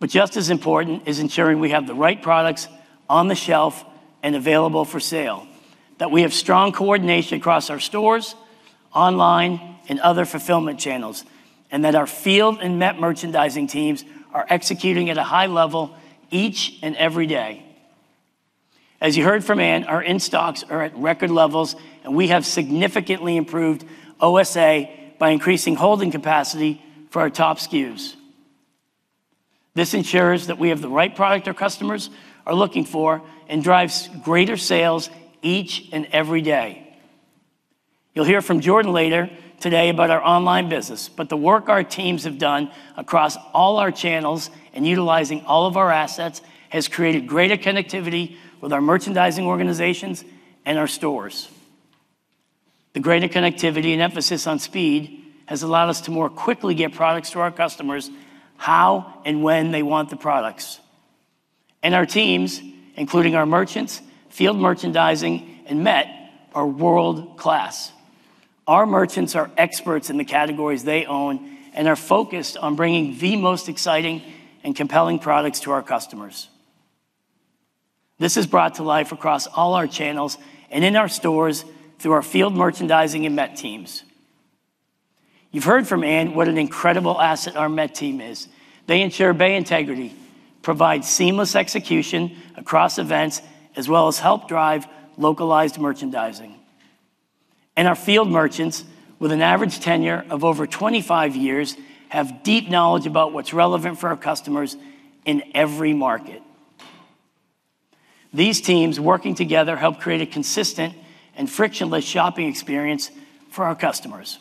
Speaker 4: But just as important is ensuring we have the right products on the shelf and available for sale, that we have strong coordination across our stores, online, and other fulfillment channels, and that our field and MET merchandising teams are executing at a high level each and every day. As you heard from Ann, our in-stocks are at record levels, and we have significantly improved OSA by increasing holding capacity for our top SKUs. This ensures that we have the right product our customers are looking for and drives greater sales each and every day. You'll hear from Jordan later today about our online business, but the work our teams have done across all our channels and utilizing all of our assets has created greater connectivity with our merchandising organizations and our stores. The greater connectivity and emphasis on speed has allowed us to more quickly get products to our customers how and when they want the products, and our teams, including our merchants, field merchandising, and MET, are world-class. Our merchants are experts in the categories they own and are focused on bringing the most exciting and compelling products to our customers. This is brought to life across all our channels and in our stores through our field merchandising and MET teams. You've heard from Ann what an incredible asset our MET team is. They ensure bay integrity, provide seamless execution across events, as well as help drive localized merchandising, and our field merchants, with an average tenure of over 25 years, have deep knowledge about what's relevant for our customers in every market. These teams working together help create a consistent and frictionless shopping experience for our customers.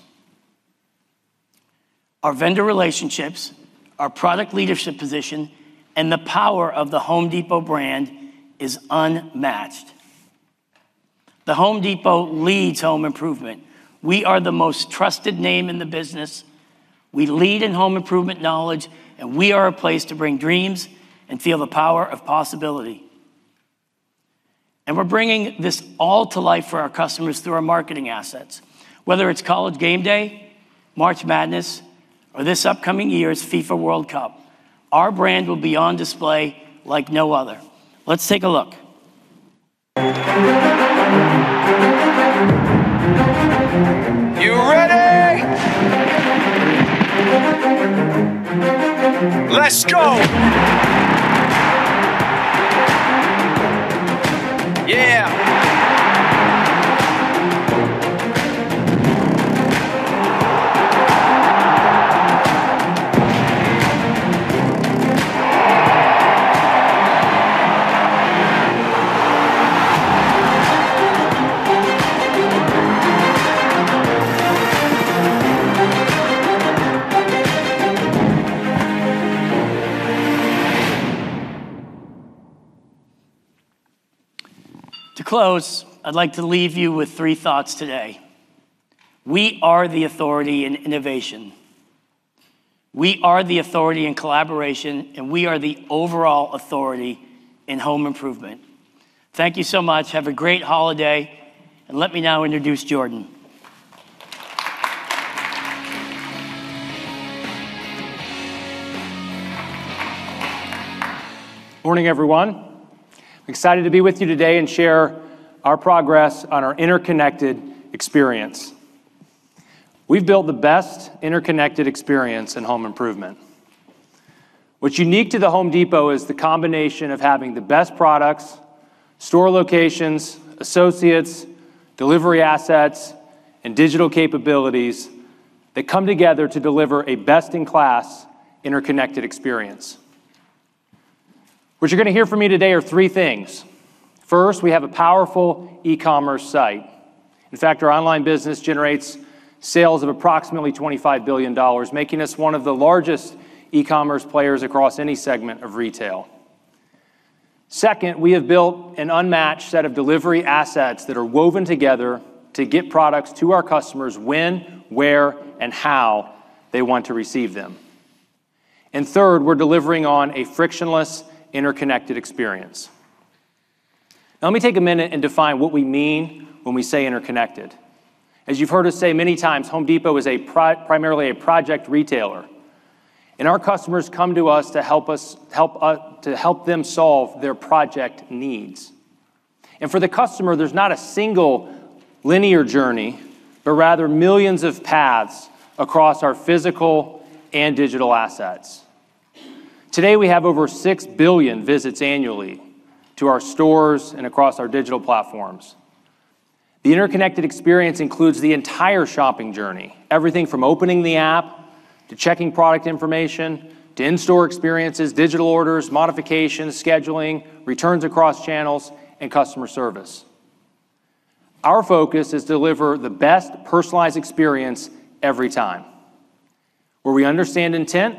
Speaker 4: Our vendor relationships, our product leadership position, and the power of the Home Depot brand is unmatched. The Home Depot leads home improvement. We are the most trusted name in the business. We lead in home improvement knowledge, and we are a place to bring dreams and feel the power of possibility. And we're bringing this all to life for our customers through our marketing assets. Whether it's college game day, March Madness, or this upcoming year's FIFA World Cup, our brand will be on display like no other. Let's take a look.
Speaker 5: You ready? Let's go. Yeah.
Speaker 4: To close, I'd like to leave you with three thoughts today. We are the authority in innovation. We are the authority in collaboration, and we are the overall authority in home improvement. Thank you so much. Have a great holiday. And let me now introduce Jordan.
Speaker 6: Morning, everyone. I'm excited to be with you today and share our Progress on our interconnected experience. We've built the best interconnected experience in home improvement. What's unique to The Home Depot is the combination of having the best products, store locations, associates, delivery assets, and digital capabilities that come together to deliver a best-in-class interconnected experience. What you're going to hear from me today are three things. First, we have a powerful e-commerce site. In fact, our online business generates sales of approximately $25 billion, making us one of the largest e-commerce players across any segment of retail. Second, we have built an unmatched set of delivery assets that are woven together to get products to our customers when, where, and how they want to receive them. And third, we're delivering on a frictionless interconnected experience. Let me take a minute and define what we mean when we say interconnected. As you've heard us say many times, Home Depot is primarily a project retailer. And our customers come to us to help them solve their project needs. And for the customer, there's not a single linear journey, but rather millions of paths across our physical and digital assets. Today, we have over 6 billion visits annually to our stores and across our digital platforms. The interconnected experience includes the entire shopping journey, everything from opening the app to checking product information to in-store experiences, digital orders, modifications, scheduling, returns across channels, and customer service. Our focus is to deliver the best personalized experience every time, where we understand intent,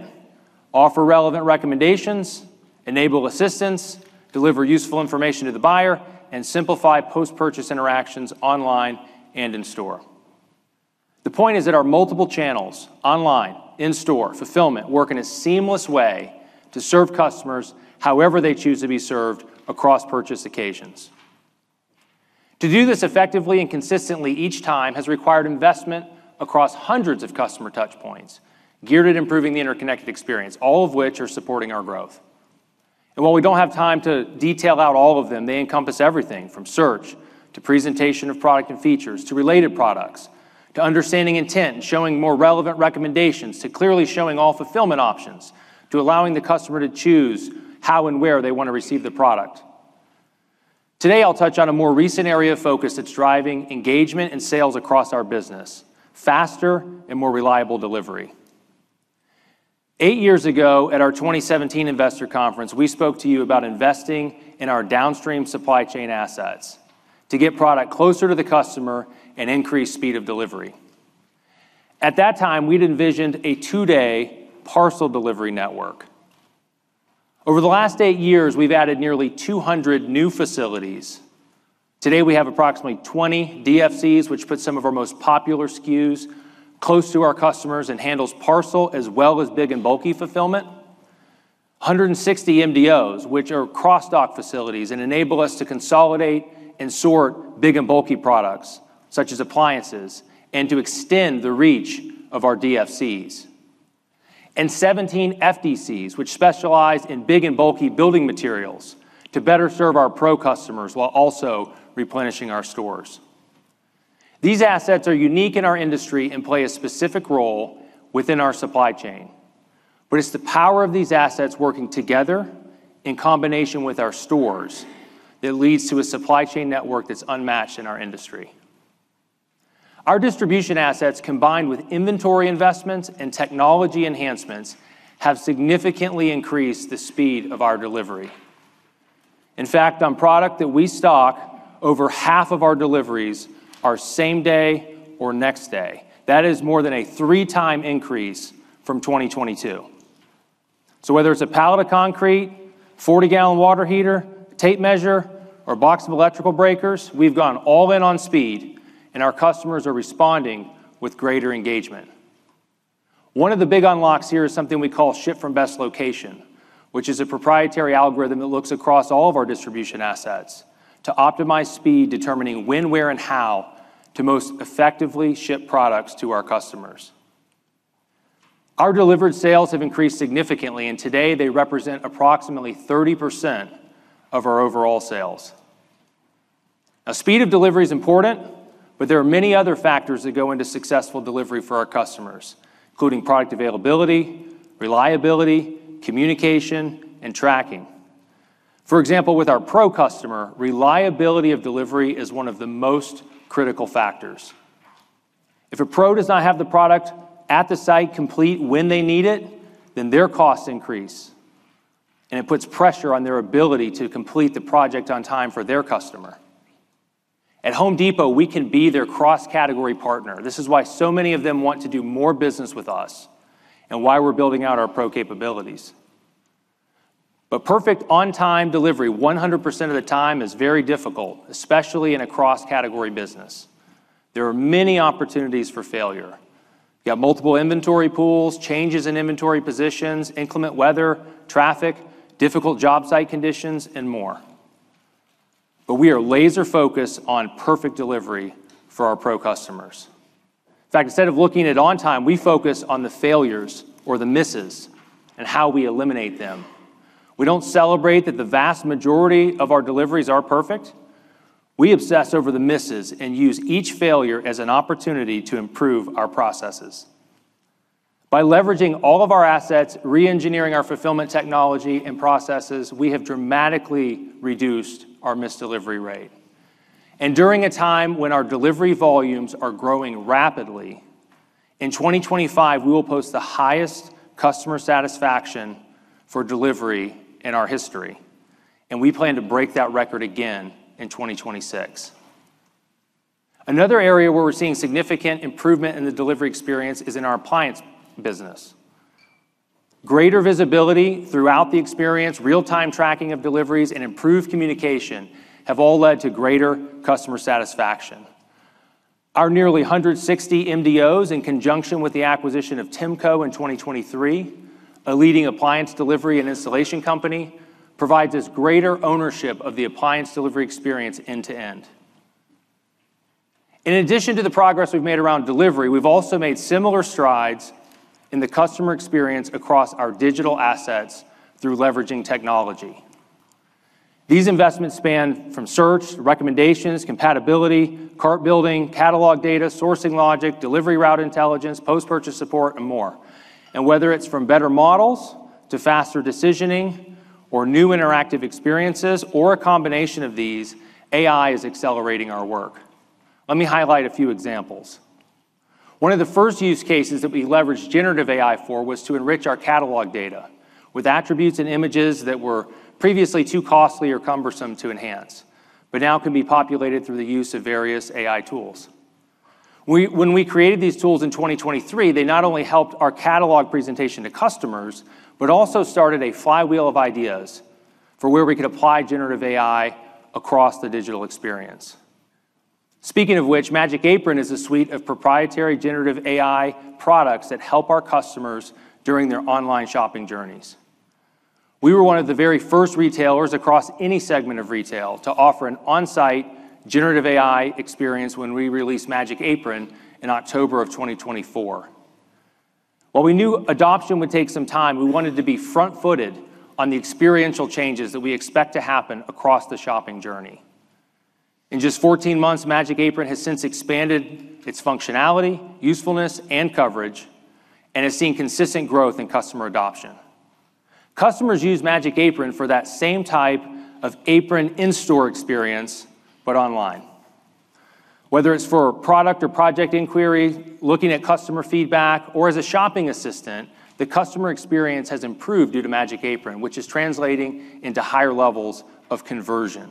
Speaker 6: offer relevant recommendations, enable assistance, deliver useful information to the buyer, and simplify post-purchase interactions online and in store. The point is that our multiple channels - online, in-store, fulfillment - work in a seamless way to serve customers however they choose to be served across purchase occasions. To do this effectively and consistently each time has required investment across hundreds of customer touchpoints geared at imProving the interconnected experience, all of which are supporting our growth. And while we don't have time to detail out all of them, they encompass everything from search to presentation of product and features to related products to understanding intent and showing more relevant recommendations to clearly showing all fulfillment options to allowing the customer to choose how and where they want to receive the product. Today, I'll touch on a more recent area of focus that's driving engagement and sales across our business: faster and more reliable delivery. Eight years ago, at our 2017 investor conference, we spoke to you about investing in our downstream supply chain assets to get product closer to the customer and increase speed of delivery. At that time, we'd envisioned a two-day parcel delivery network. Over the last eight years, we've added nearly 200 new facilities. Today, we have approximately 20 DFCs, which put some of our most popular SKUs close to our customers and handle parcel as well as big and bulky fulfillment, 160 MDOs, which are cross-dock facilities and enable us to consolidate and sort big and bulky products such as appliances and to extend the reach of our DFCs, and 17 FDCs, which specialize in big and bulky building materials to better serve our Pro customers while also replenishing our stores. These assets are unique in our industry and play a specific role within our supply chain. It's the power of these assets working together in combination with our stores that leads to a supply chain network that's unmatched in our industry. Our distribution assets, combined with inventory investments and technology enhancements, have significantly increased the speed of our delivery. In fact, on products that we stock, over half of our deliveries are same-day or next-day. That is more than a three-time increase from 2022. Whether it's a pallet of concrete, 40-gallon water heater, tape measure, or box of electrical breakers, we've gone all in on speed, and our customers are responding with greater engagement. One of the big unlocks here is something we call ship from best location, which is a Proprietary algorithm that looks across all of our distribution assets to optimize speed, determining when, where, and how to most effectively ship products to our customers. Our delivered sales have increased significantly, and today, they represent approximately 30% of our overall sales. Now, speed of delivery is important, but there are many other factors that go into successful delivery for our customers, including product availability, reliability, communication, and tracking. For example, with our Pro customer, reliability of delivery is one of the most critical factors. If a Pro does not have the product at the site complete when they need it, then their costs increase, and it puts pressure on their ability to complete the project on time for their customer. At Home Depot, we can be their cross-category partner. This is why so many of them want to do more business with us and why we're building out our Pro capabilities. But perfect on-time delivery 100% of the time is very difficult, especially in a cross-category business. There are many opportunities for failure. You got multiple inventory pools, changes in inventory positions, inclement weather, traffic, difficult job site conditions, and more. But we are laser-focused on perfect delivery for our Pro customers. In fact, instead of looking at on-time, we focus on the failures or the misses and how we eliminate them. We don't celebrate that the vast majority of our deliveries are perfect. We obsess over the misses and use each failure as an opportunity to improve our processes. By leveraging all of our assets, re-engineering our fulfillment technology and processes, we have dramatically reduced our missed delivery rate. And during a time when our delivery volumes are growing rapidly, in 2025, we will post the highest customer satisfaction for delivery in our history. And we plan to break that record again in 2026. Another area where we're seeing significant improvement in the delivery experience is in our appliance business. Greater visibility throughout the experience, real-time tracking of deliveries, and improved communication have all led to greater customer satisfaction. Our nearly 160 MDOs, in conjunction with the acquisition of Temco in 2023, a leading appliance delivery and installation company, provides us greater ownership of the appliance delivery experience end-to-end. In addition to the Progress we've made around delivery, we've also made similar strides in the customer experience across our digital assets through leveraging technology. These investments span from search, recommendations, compatibility, cart building, catalog data, sourcing logic, delivery route intelligence, post-purchase support, and more, and whether it's from better models to faster decisioning or new interactive experiences or a combination of these, AI is accelerating our work. Let me highlight a few examples. One of the first use cases that we leveraged generative AI for was to enrich our catalog data with attributes and images that were previously too costly or cumbersome to enhance, but now can be populated through the use of various AI tools. When we created these tools in 2023, they not only helped our catalog presentation to customers, but also started a flywheel of ideas for where we could apply generative AI across the digital experience. Speaking of which, MyApron is a suite of Proprietary generative AI products that help our customers during their online shopping journeys. We were one of the very first retailers across any segment of retail to offer an on-site generative AI experience when we released MyApron in October of 2024. While we knew adoption would take some time, we wanted to be front-footed on the experiential changes that we expect to happen across the shopping journey. In just 14 months, MyApron has since expanded its functionality, usefulness, and coverage, and has seen consistent growth in customer adoption. Customers use MyApron for that same type of aPron in-store experience, but online. Whether it's for product or project inquiries, looking at customer feedback, or as a shopping assistant, the customer experience has improved due to MyApron, which is translating into higher levels of conversion.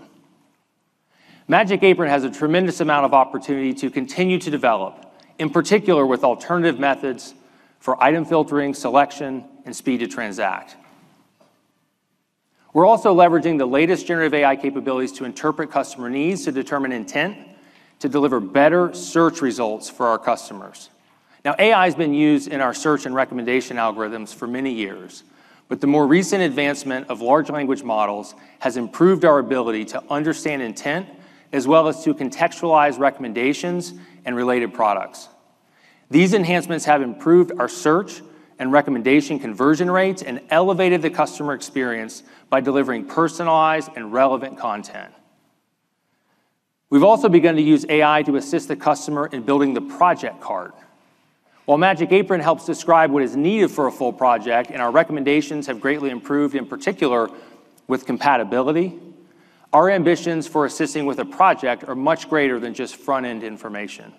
Speaker 6: MyApron has a tremendous amount of opportunity to continue to develop, in particular with alternative methods for item filtering, selection, and speed to transact. We're also leveraging the latest generative AI capabilities to interpret customer needs to determine intent to deliver better search results for our customers. Now, AI has been used in our search and recommendation algorithms for many years, but the more recent advancement of large language models has improved our ability to understand intent as well as to contextualize recommendations and related products. These enhancements have improved our search and recommendation conversion rates and elevated the customer experience by delivering personalized and relevant content. We've also begun to use AI to assist the customer in building the project cart. While MyApron helps describe what is needed for a full project and our recommendations have greatly improved, in particular with compatibility, our ambitions for assisting with a project are much greater than just front-end information.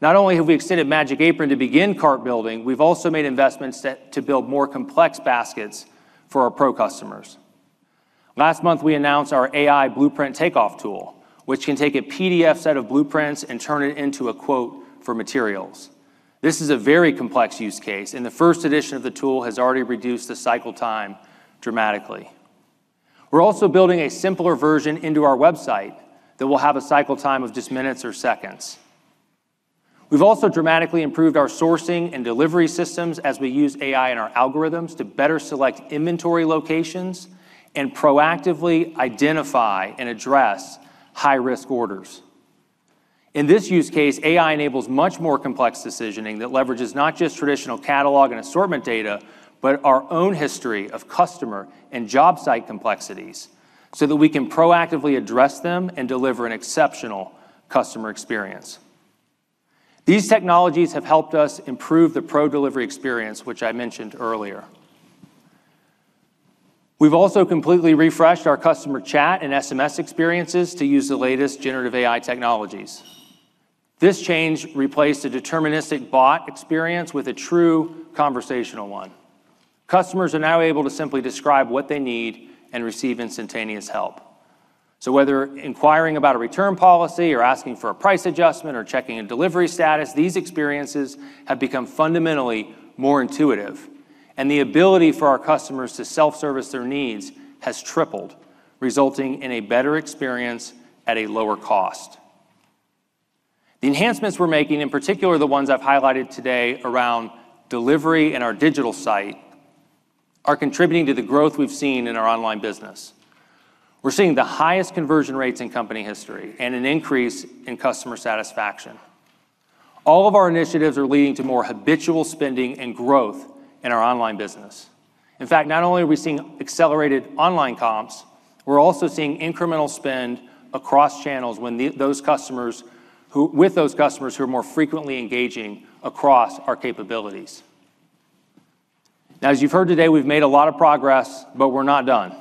Speaker 6: Not only have we extended MyApron to begin cart building, we've also made investments to build more complex baskets for our Pro customers. Last month, we announced our AI blueprint takeoff tool, which can take a PDF set of blueprints and turn it into a quote for materials. This is a very complex use case, and the first edition of the tool has already reduced the cycle time dramatically. We're also building a simpler version into our website that will have a cycle time of just minutes or seconds. We've also dramatically improved our sourcing and delivery systems as we use AI and our algorithms to better select inventory locations and Proactively identify and address high-risk orders. In this use case, AI enables much more complex decisioning that leverages not just traditional catalog and assortment data, but our own history of customer and job site complexities so that we can Proactively address them and deliver an exceptional customer experience. These technologies have helped us improve the Pro delivery experience, which I mentioned earlier. We've also completely refreshed our customer chat and SMS experiences to use the latest generative AI technologies. This change replaced a deterministic bot experience with a true conversational one. Customers are now able to simply describe what they need and receive instantaneous help. So whether inquiring about a return policy or asking for a price adjustment or checking a delivery status, these experiences have become fundamentally more intuitive, and the ability for our customers to self-service their needs has tripled, resulting in a better experience at a lower cost. The enhancements we're making, in particular the ones I've highlighted today around delivery and our digital site, are contributing to the growth we've seen in our online business. We're seeing the highest conversion rates in company history and an increase in customer satisfaction. All of our initiatives are leading to more habitual spending and growth in our online business. In fact, not only are we seeing accelerated online comps, we're also seeing incremental spend across channels with those customers who are more frequently engaging across our capabilities. Now, as you've heard today, we've made a lot of Progress, but we're not done.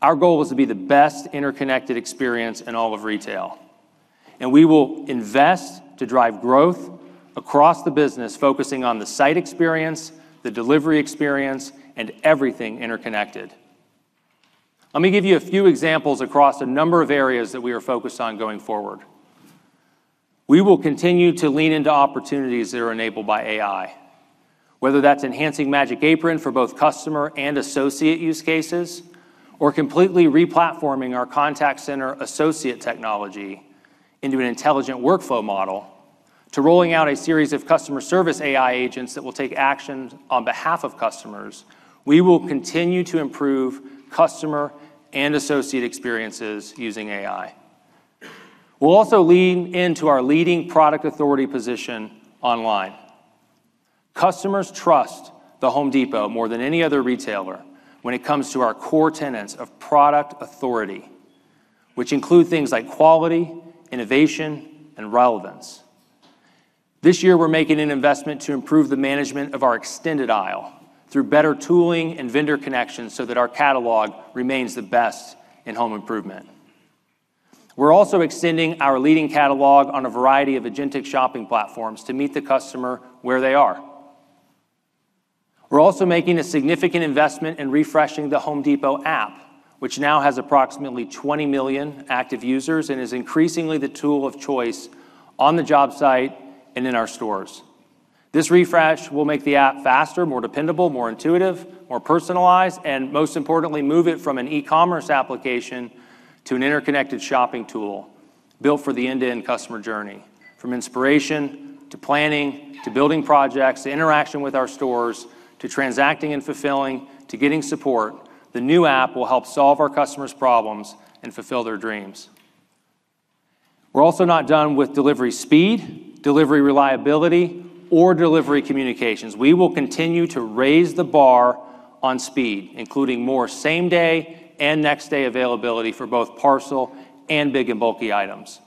Speaker 6: Our goal is to be the best interconnected experience in all of retail, and we will invest to drive growth across the business, focusing on the site experience, the delivery experience, and everything interconnected. Let me give you a few examples across a number of areas that we are focused on going forward. We will continue to lean into opportunities that are enabled by AI, whether that's enhancing MyApron for both customer and associate use cases, or completely replatforming our contact center associate technology into an intelligent workflow model, to rolling out a series of customer service AI agents that will take action on behalf of customers. We will continue to improve customer and associate experiences using AI. We'll also lean into our leading product authority position online. Customers trust The Home Depot more than any other retailer when it comes to our core tenets of product authority, which include things like quality, innovation, and relevance. This year, we're making an investment to improve the management of our extended aisle through better tooling and vendor connections so that our catalog remains the best in home improvement. We're also extending our leading catalog on a variety of agentic shopping platforms to meet the customer where they are. We're also making a significant investment in refreshing the Home Depot app, which now has approximately 20 million active users and is increasingly the tool of choice on the job site and in our stores. This refresh will make the app faster, more dependable, more intuitive, more personalized, and most importantly, move it from an e-commerce application to an interconnected shopping tool built for the end-to-end customer journey. From inspiration to planning to building projects to interaction with our stores to transacting and fulfilling to getting support, the new app will help solve our customers' problems and fulfill their dreams. We're also not done with delivery speed, delivery reliability, or delivery communications. We will continue to raise the bar on speed, including more same-day and next-day availability for both parcel and big and bulky items.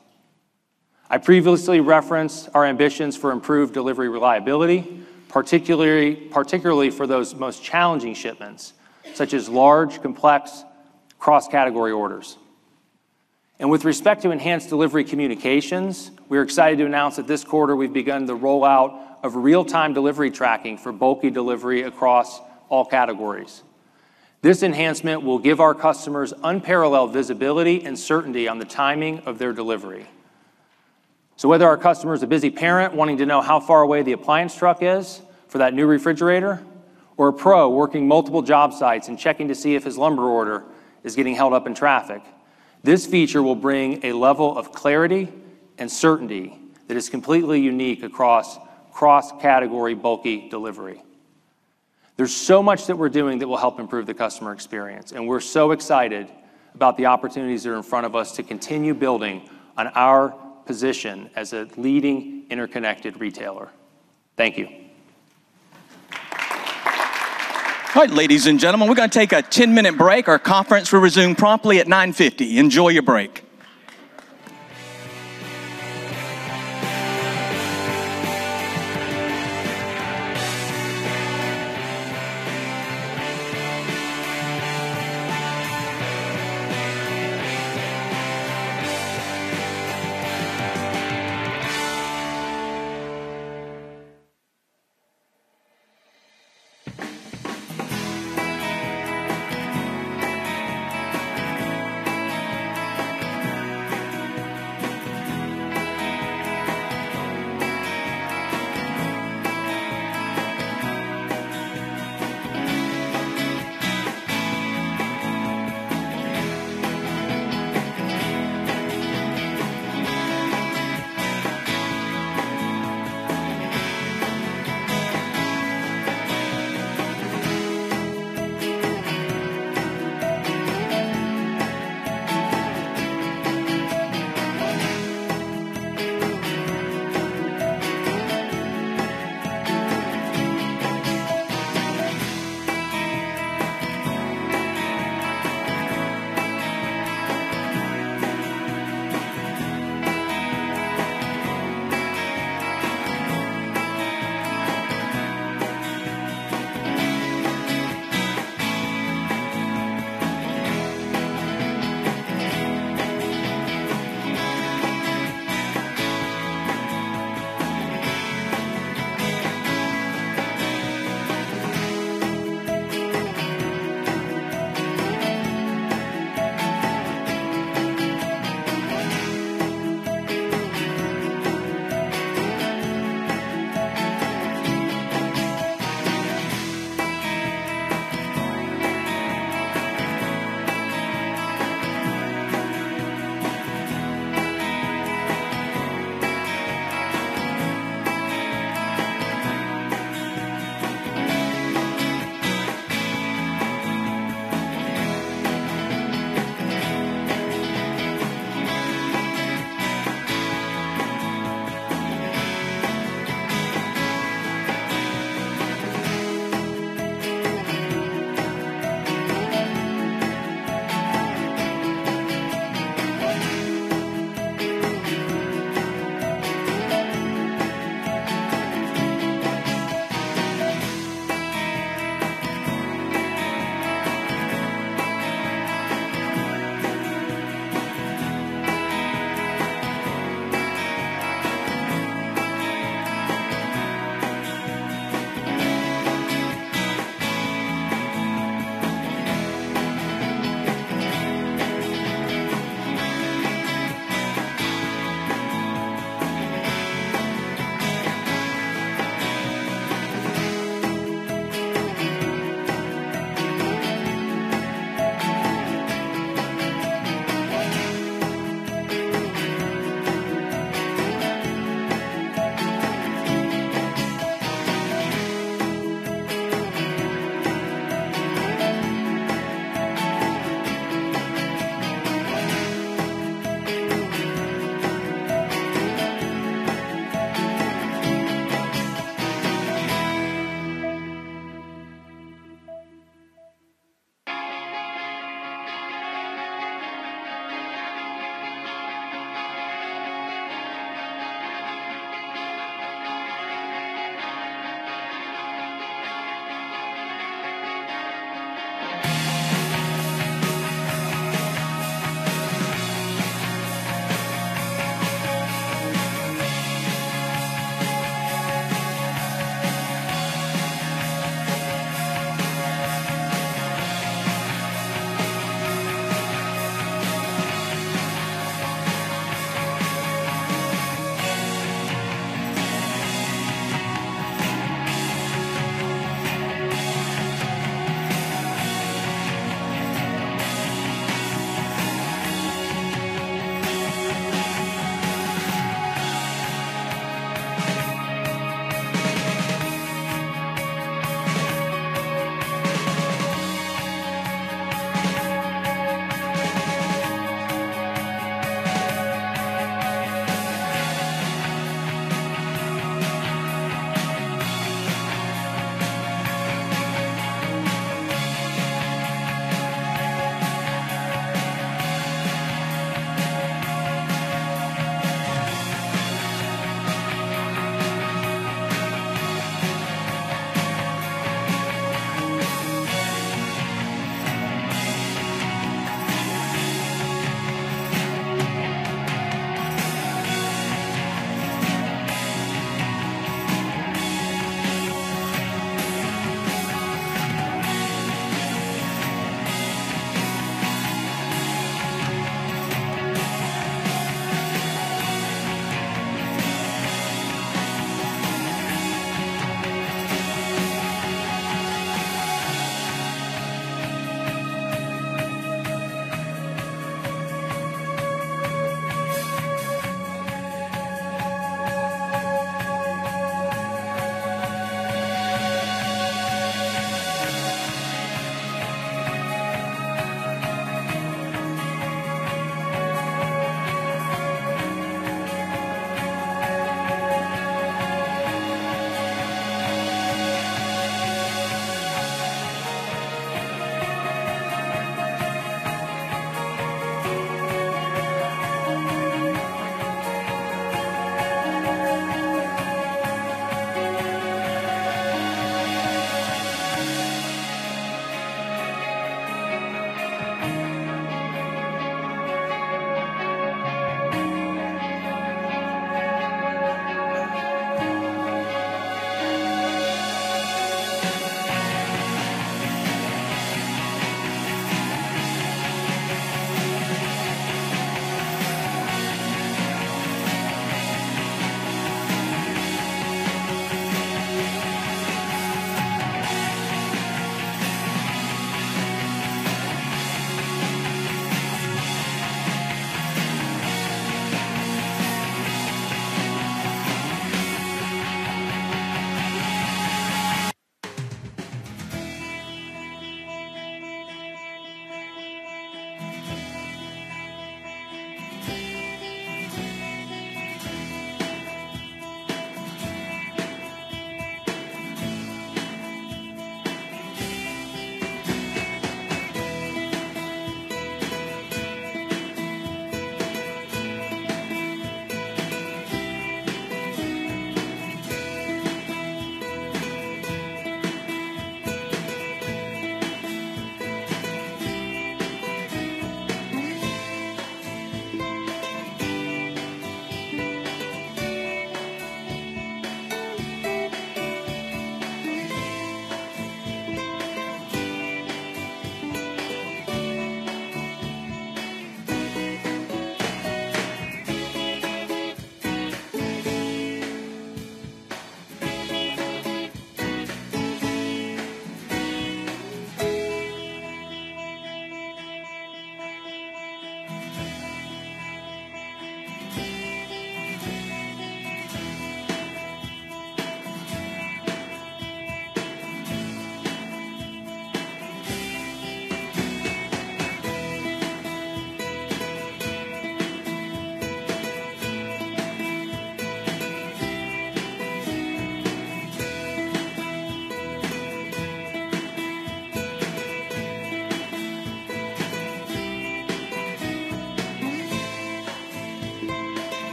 Speaker 6: I previously referenced our ambitions for improved delivery reliability, particularly for those most challenging shipments, such as large, complex, cross-category orders, and with respect to enhanced delivery communications, we are excited to announce that this quarter we've begun the rollout of real-time delivery tracking for bulky delivery across all categories. This enhancement will give our customers unparalleled visibility and certainty on the timing of their delivery, so whether our customer is a busy parent wanting to know how far away the appliance truck is for that new refrigerator, or a Pro working multiple job sites and checking to see if his lumber order is getting held up in traffic, this feature will bring a level of clarity and certainty that is completely unique across cross-category bulky delivery. There's so much that we're doing that will help improve the customer experience, and we're so excited about the opportunities that are in front of us to continue building on our position as a leading interconnected retailer.
Speaker 1: Thank you. All right, ladies and gentlemen, we're going to take a 10-minute break. Our conference will resume Promptly at 9:50 A.M. Enjoy your break.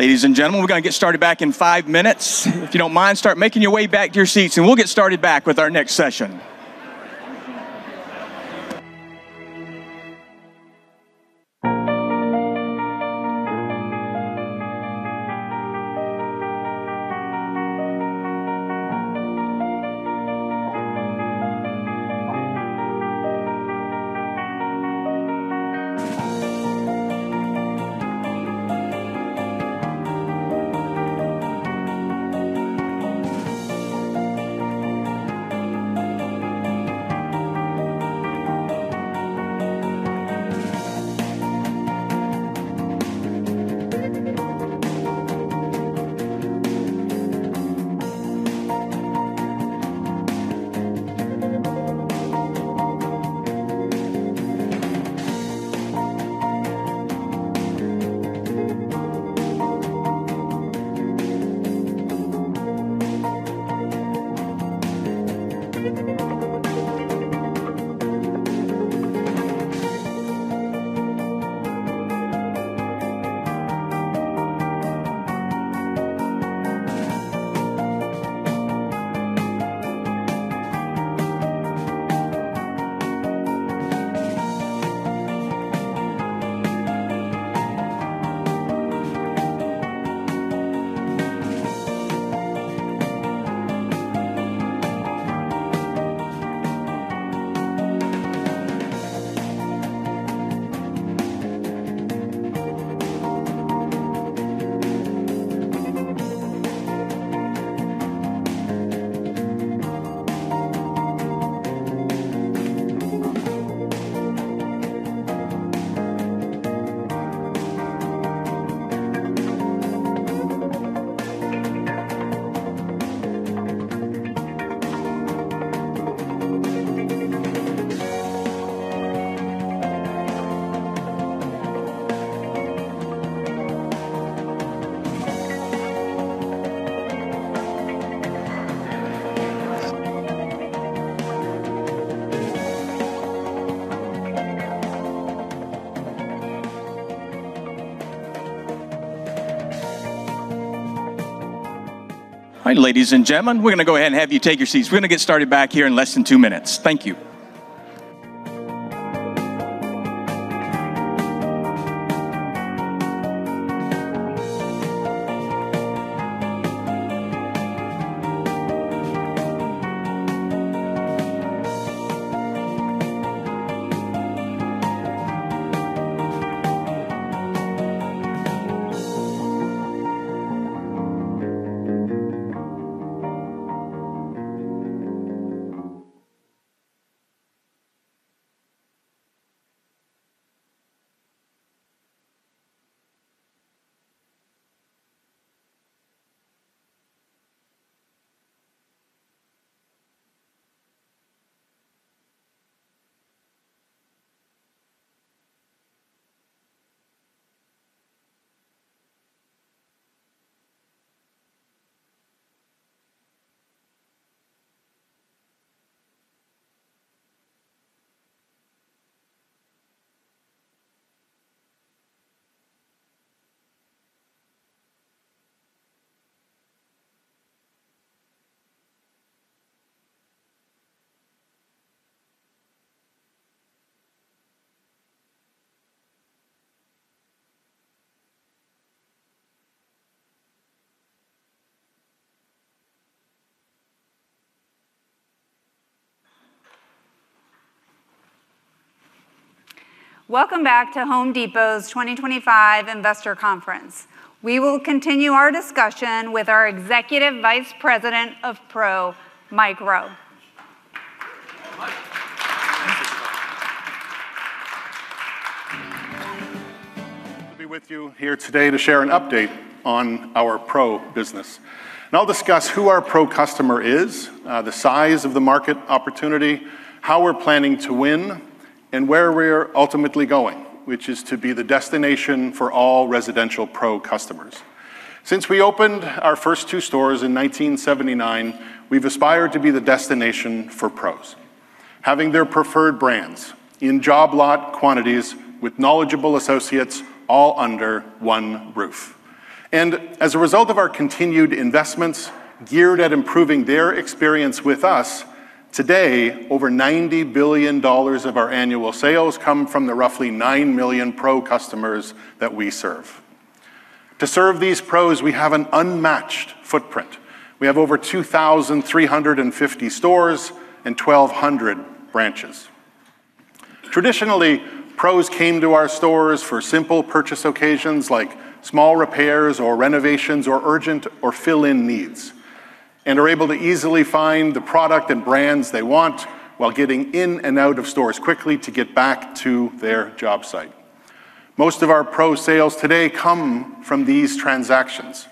Speaker 1: All right, ladies and gentlemen, we're going to get started back in five minutes. If you don't mind, start making your way back to your seats, and we'll get started back with our next session. All right, ladies and gentlemen, we're going to go ahead and have you take your seats. We're going to get started back here in less than two minutes. Thank you.
Speaker 2: Welcome back to Home Depot's 2025 investor conference. We will continue our discussion with our Executive Vice President of Pro, Mike Rowe. Thank you.
Speaker 7: I'll be with you here today to share an update on our Pro business. And I'll discuss who our Pro customer is, the size of the market opportunity, how we're planning to win, and where we're ultimately going, which is to be the destination for all residential Pro customers. Since we opened our first two stores in 1979, we've aspired to be the destination for Pros, having their preferred brands in job lot quantities with knowledgeable associates all under one roof. And as a result of our continued investments geared at imProving their experience with us, today, over $90 billion of our annual sales come from the roughly nine million Pro customers that we serve. To serve these Pros, we have an unmatched footprint. We have over 2,350 stores and 1,200 branches. Traditionally, Pros came to our stores for simple purchase occasions like small repairs or renovations or urgent or fill-in needs, and are able to easily find the product and brands they want while getting in and out of stores quickly to get back to their job site. Most of our Pro sales today come from these transactions.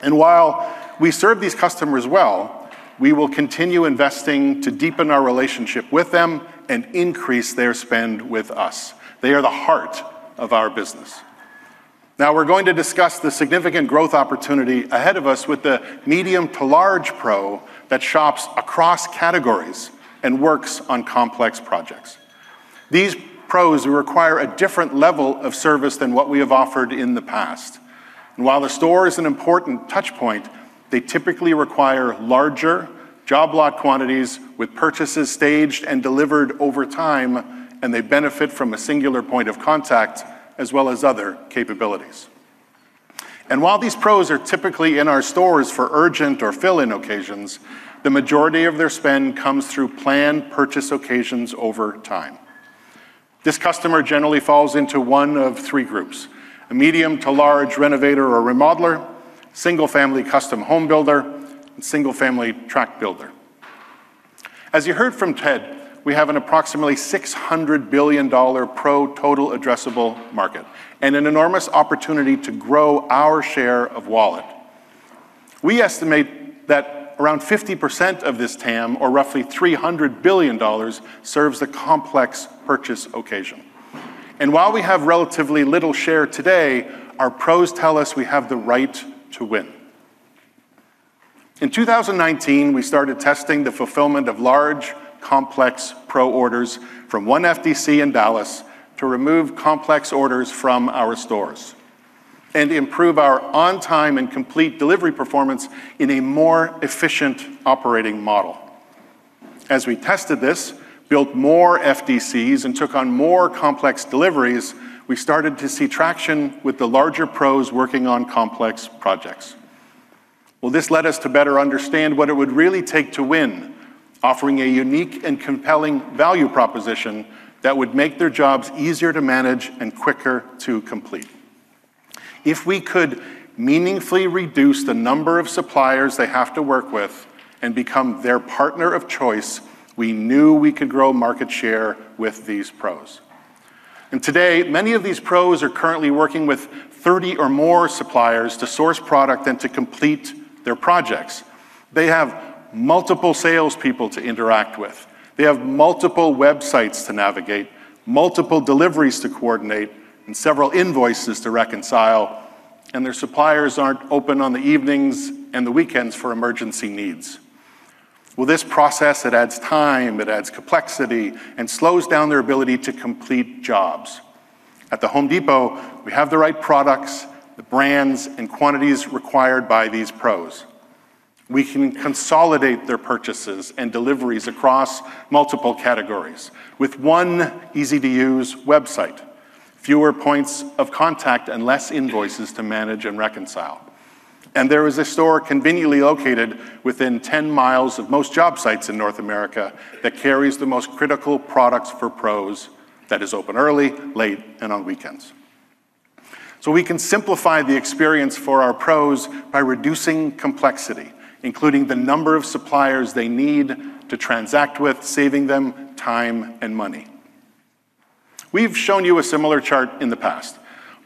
Speaker 7: And while we serve these customers well, we will continue investing to deepen our relationship with them and increase their spend with us. They are the heart of our business. Now, we're going to discuss the significant growth opportunity ahead of us with the medium to large Pro that shops across categories and works on complex projects. These Pros require a different level of service than what we have offered in the past. While the store is an important touchpoint, they typically require larger job lot quantities with purchases staged and delivered over time, and they benefit from a singular point of contact as well as other capabilities. While these Pros are typically in our stores for urgent or fill-in occasions, the majority of their spend comes through planned purchase occasions over time. This customer generally falls into one of three groups: a medium to large renovator or remodeler, single-family custom home builder, and single-family tract builder. As you heard from Ted, we have approximately $600 billion Pro total addressable market and an enormous opportunity to grow our share of wallet. We estimate that around 50% of this TAM, or roughly $300 billion, serves a complex purchase occasion. While we have relatively little share today, our Pros tell us we have the right to win. In 2019, we started testing the fulfillment of large Complex Pro orders from one FDC in Dallas to remove complex orders from our stores and improve our on-time and complete delivery performance in a more efficient operating model. As we tested this, built more FDCs, and took on more complex deliveries, we started to see traction with the larger Pros working on complex projects. This led us to better understand what it would really take to win, offering a unique and compelling value proposition that would make their jobs easier to manage and quicker to complete. If we could meaningfully reduce the number of suppliers they have to work with and become their partner of choice, we knew we could grow market share with these Pros. Today, many of these Pros are currently working with 30 or more suppliers to source product and to complete their projects. They have multiple salespeople to interact with. They have multiple websites to navigate, multiple deliveries to coordinate, and several invoices to reconcile, and their suppliers aren't open on the evenings and the weekends for emergency needs. Well, this process, it adds time, it adds complexity, and slows down their ability to complete jobs. At The Home Depot, we have the right products, the brands, and quantities required by these Pros. We can consolidate their purchases and deliveries across multiple categories with one easy-to-use website, fewer points of contact, and less invoices to manage and reconcile. And there is a store conveniently located within 10 miles of most job sites in North America that carries the most critical products for Pros that is open early, late, and on weekends. So we can simplify the experience for our Pros by reducing complexity, including the number of suppliers they need to transact with, saving them time and money. We've shown you a similar chart in the past.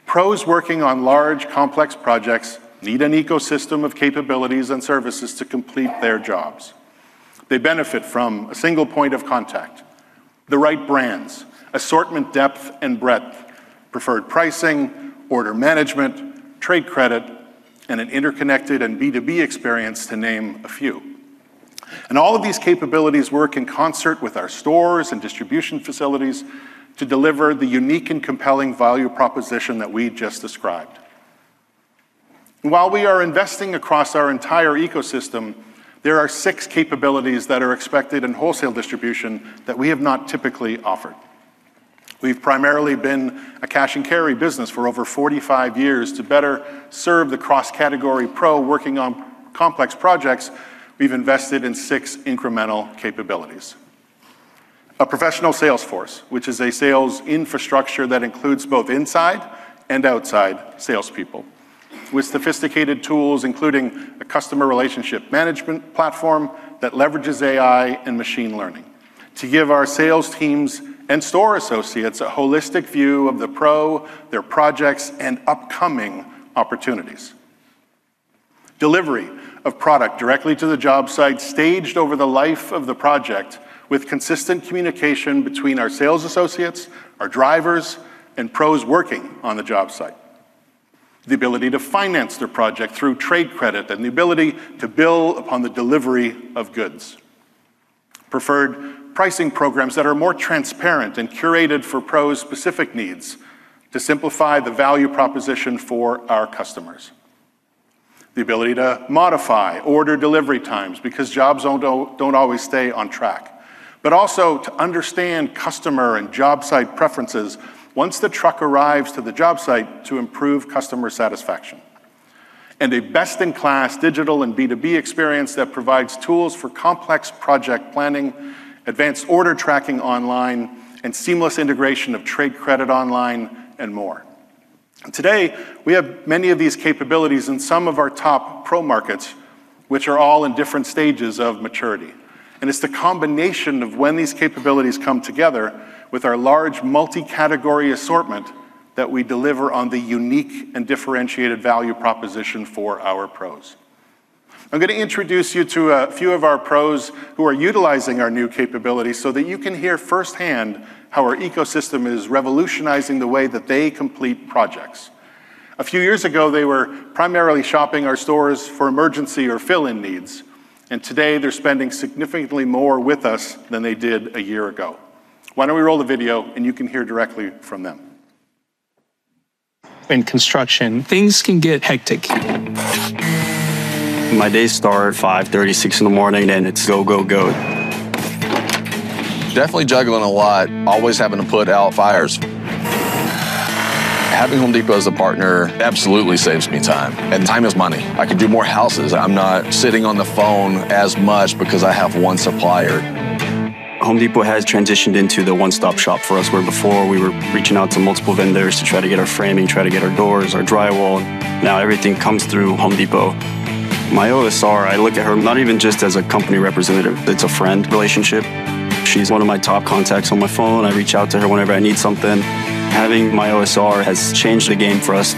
Speaker 7: Pros working on large complex projects need an ecosystem of capabilities and services to complete their jobs. They benefit from a single point of contact, the right brands, assortment depth and breadth, preferred pricing, order management, trade credit, and an interconnected and B2B experience to name a few. And all of these capabilities work in concert with our stores and distribution facilities to deliver the unique and compelling value proposition that we just described. And while we are investing across our entire ecosystem, there are six capabilities that are expected in wholesale distribution that we have not typically offered. We've primarily been a cash and carry business for over 45 years to better serve the cross-category Pro working on complex projects. We've invested in six incremental capabilities: a Professional sales force, which is a sales infrastructure that includes both inside and outside salespeople, with sophisticated tools, including a customer relationship management platform that leverages AI and machine learning to give our sales teams and store associates a holistic view of the Pro, their projects, and upcoming opportunities. Delivery of product directly to the job site, staged over the life of the project, with consistent communication between our sales associates, our drivers, and Pros working on the job site. The ability to finance their project through trade credit and the ability to bill upon the delivery of goods. Preferred pricing programs that are more transparent and curated for Pro's specific needs to simplify the value proposition for our customers. The ability to modify order delivery times because jobs don't always stay on track, but also to understand customer and job site preferences once the truck arrives to the job site to improve customer satisfaction. And a best-in-class digital and B2B experience that provides tools for complex project planning, advanced order tracking online, and seamless integration of trade credit online, and more. Today, we have many of these capabilities in some of our top Pro markets, which are all in different stages of maturity, and it's the combination of when these capabilities come together with our large multi-category assortment that we deliver on the unique and differentiated value proposition for our Pros. I'm going to introduce you to a few of our Pros who are utilizing our new capabilities so that you can hear firsthand how our ecosystem is revolutionizing the way that they complete projects. A few years ago, they were primarily shopping our stores for emergency or fill-in needs, and today they're spending significantly more with us than they did a year ago. Why don't we roll the video, and you can hear directly from them.
Speaker 8: In construction, things can get hectic.
Speaker 9: My day starts at 5:36 A.M., and it's go, go, go.
Speaker 10: Definitely juggling a lot, always having to put out fires. Having Home Depot as a partner absolutely saves me time, and time is money. I can do more houses. I'm not sitting on the phone as much because I have one supplier.
Speaker 11: Home Depot has transitioned into the one-stop shop for us, where before we were reaching out to multiple vendors to try to get our framing, try to get our doors, our drywall. Now everything comes through Home Depot. My OSR, I look at her not even just as a company representative. It's a friend relationship. She's one of my top contacts on my phone. I reach out to her whenever I need something. Having my OSR has changed the game for us.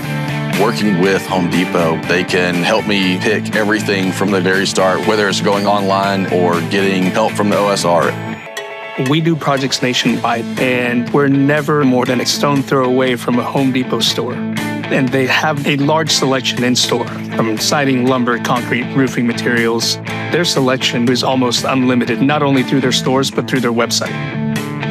Speaker 12: Working with Home Depot, they can help me pick everything from the very start, whether it's going online or getting help from the OSR.
Speaker 13: We do projects nationwide, and we're never more than a stone's throw away from a Home Depot store. And they have a large selection in-store from siding, lumber, concrete, roofing materials. Their selection is almost unlimited, not only through their stores, but through their website.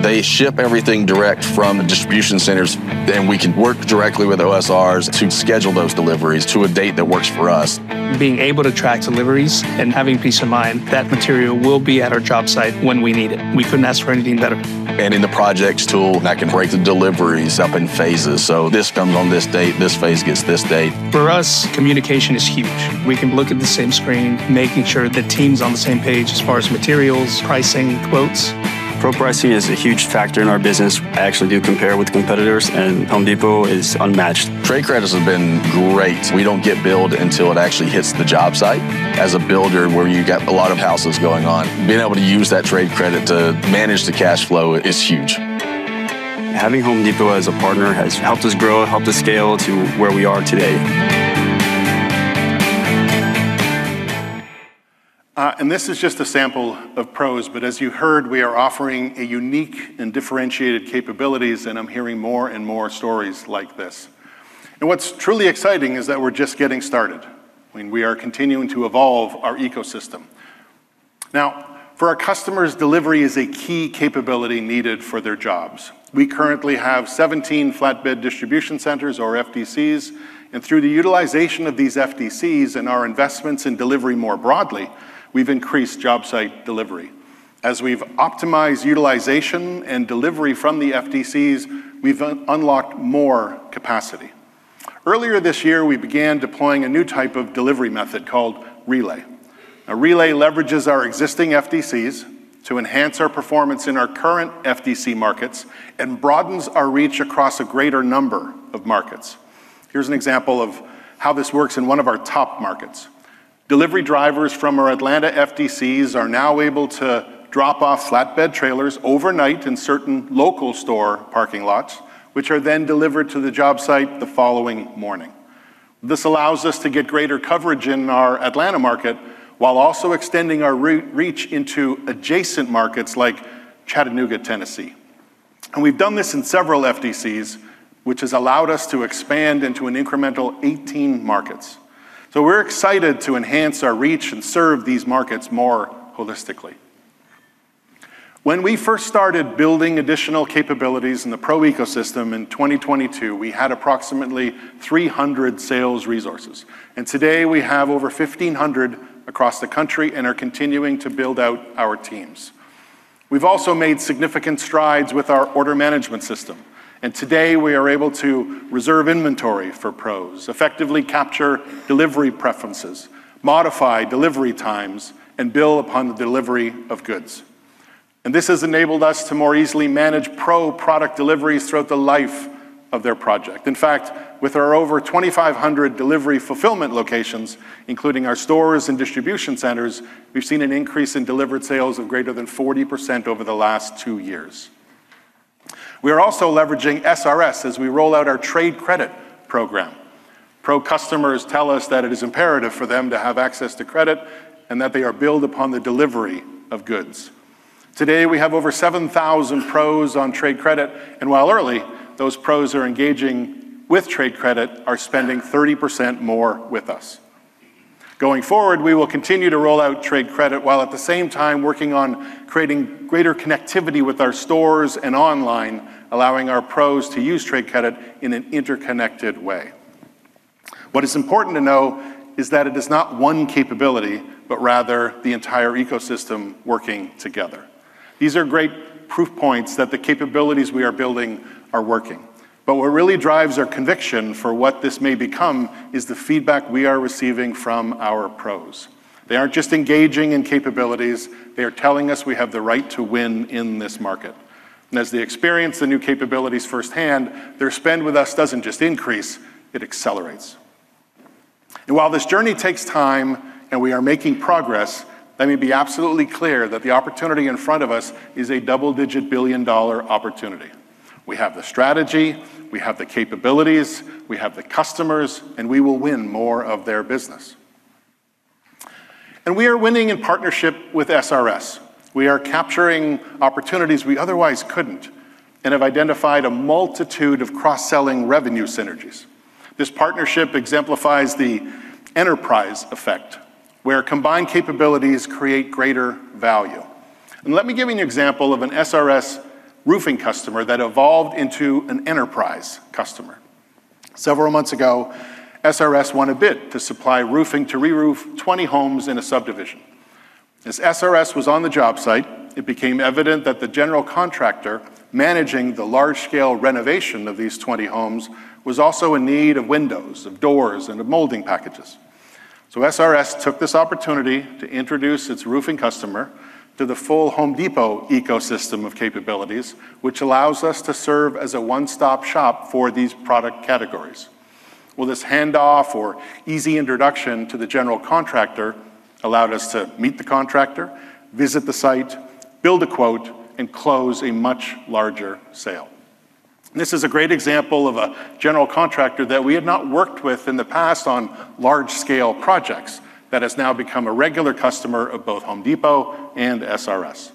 Speaker 14: They ship everything direct from the distribution centers, and we can work directly with OSRs to schedule those deliveries to a date that works for us.
Speaker 15: Being able to track deliveries and having peace of mind that material will be at our job site when we need it. We couldn't ask for anything better.
Speaker 16: And in the projects tool, that can break the deliveries up in phases. So this comes on this date. This phase gets this date.
Speaker 17: For us, communication is huge. We can look at the same screen, making sure the team's on the same page as far as materials, pricing, quotes. Pro pricing is a huge factor in our business. I actually do compare with competitors, and Home Depot is unmatched. Trade credits have been great. We don't get billed until it actually hits the job site. As a builder, where you've got a lot of houses going on, being able to use that trade credit to manage the cash flow is huge. Having Home Depot as a partner has helped us grow, helped us scale to where we are today.
Speaker 7: And this is just a sample of Pros, but as you heard, we are offering unique and differentiated capabilities, and I'm hearing more and more stories like this. And what's truly exciting is that we're just getting started. I mean, we are continuing to evolve our ecosystem. Now, for our customers, delivery is a key capability needed for their jobs. We currently have 17 flatbed distribution centers, or FDCs, and through the utilization of these FDCs and our investments in delivery more broadly, we've increased job site delivery. As we've optimized utilization and delivery from the FDCs, we've unlocked more capacity. Earlier this year, we began deploying a new type of delivery method called Relay. Now, Relay leverages our existing FDCs to enhance our performance in our current FDC markets and broadens our reach across a greater number of markets. Here's an example of how this works in one of our top markets. Delivery drivers from our Atlanta FDCs are now able to drop off flatbed trailers overnight in certain local store parking lots, which are then delivered to the job site the following morning. This allows us to get greater coverage in our Atlanta market while also extending our reach into adjacent markets like Chattanooga, Tennessee. We've done this in several FDCs, which has allowed us to expand into an incremental 18 markets. So we're excited to enhance our reach and serve these markets more holistically. When we first started building additional capabilities in the Pro ecosystem in 2022, we had approximately 300 sales resources. Today, we have over 1,500 across the country and are continuing to build out our teams. We've also made significant strides with our order management system. Today, we are able to reserve inventory for Pros, effectively capture delivery preferences, modify delivery times, and bill upon the delivery of goods. This has enabled us to more easily manage Pro product deliveries throughout the life of their project. In fact, with our over 2,500 delivery fulfillment locations, including our stores and distribution centers, we've seen an increase in delivered sales of greater than 40% over the last two years. We are also leveraging SRS as we roll out our trade credit program. Pro customers tell us that it is imperative for them to have access to credit and that they are billed upon the delivery of goods. Today, we have over 7,000 Pros on trade credit, and while early, those Pros are engaging with trade credit, are spending 30% more with us. Going forward, we will continue to roll out trade credit while at the same time working on creating greater connectivity with our stores and online, allowing our Pros to use trade credit in an interconnected way. What is important to know is that it is not one capability, but rather the entire ecosystem working together. These are great Proof points that the capabilities we are building are working. But what really drives our conviction for what this may become is the feedback we are receiving from our Pros. They aren't just engaging in capabilities. They are telling us we have the right to win in this market. And as they experience the new capabilities firsthand, their spend with us doesn't just increase. It accelerates. And while this journey takes time and we are making Progress, let me be absolutely clear that the opportunity in front of us is a double-digit billion-dollar opportunity. We have the strategy, we have the capabilities, we have the customers, and we will win more of their business. And we are winning in partnership with SRS. We are capturing opportunities we otherwise couldn't and have identified a multitude of cross-selling revenue synergies. This partnership exemplifies the enterprise effect, where combined capabilities create greater value. And let me give you an example of an SRS roofing customer that evolved into an enterprise customer. Several months ago, SRS won a bid to supply roofing to reroof 20 homes in a subdivision. As SRS was on the job site, it became evident that the general contractor managing the large-scale renovation of these 20 homes was also in need of windows, of doors, and of molding packages. So SRS took this opportunity to introduce its roofing customer to the full Home Depot ecosystem of capabilities, which allows us to serve as a one-stop shop for these product categories. Well, this handoff or easy introduction to the general contractor allowed us to meet the contractor, visit the site, build a quote, and close a much larger sale. This is a great example of a general contractor that we had not worked with in the past on large-scale projects that has now become a regular customer of both Home Depot and SRS.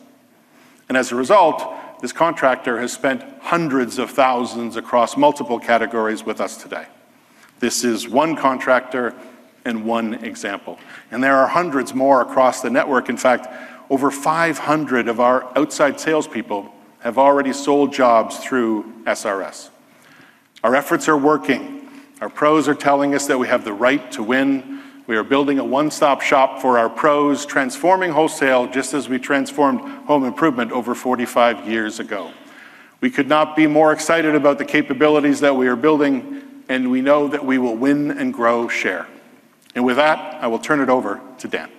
Speaker 7: And as a result, this contractor has spent hundreds of thousands across multiple categories with us today. This is one contractor and one example, and there are hundreds more across the network. In fact, over 500 of our outside salespeople have already sold jobs through SRS. Our efforts are working. Our Pros are telling us that we have the right to win. We are building a one-stop shop for our Pros, transforming wholesale just as we transformed home improvement over 45 years ago. We could not be more excited about the capabilities that we are building, and we know that we will win and grow share. And with that, I will turn it over to Dan.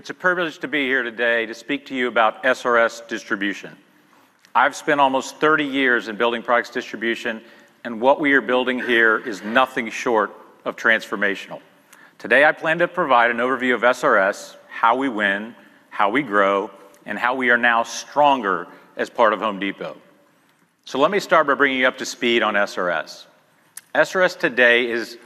Speaker 18: Good morning, everyone. It's a privilege to be here today to speak to you about SRS Distribution. I've spent almost 30 years in building products distribution, and what we are building here is nothing short of transformational. Today, I plan to provide an overview of SRS, how we win, how we grow, and how we are now stronger as part of Home Depot. So let me start by bringing you up to speed on SRS. SRS today is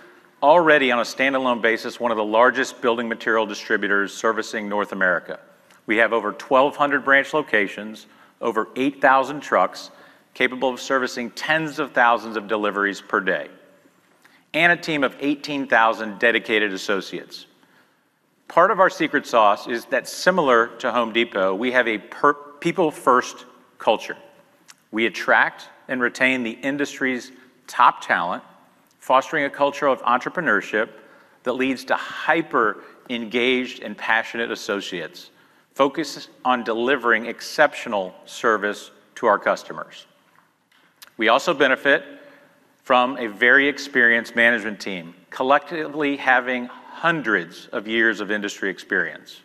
Speaker 18: already, on a standalone basis, one of the largest building material distributors servicing North America. We have over 1,200 branch locations, over 8,000 trucks capable of servicing tens of thousands of deliveries per day, and a team of 18,000 dedicated associates. Part of our secret sauce is that, similar to Home Depot, we have a people-first culture. We attract and retain the industry's top talent, fostering a culture of entrepreneurship that leads to hyper-engaged and passionate associates focused on delivering exceptional service to our customers. We also benefit from a very experienced management team, collectively having hundreds of years of industry experience.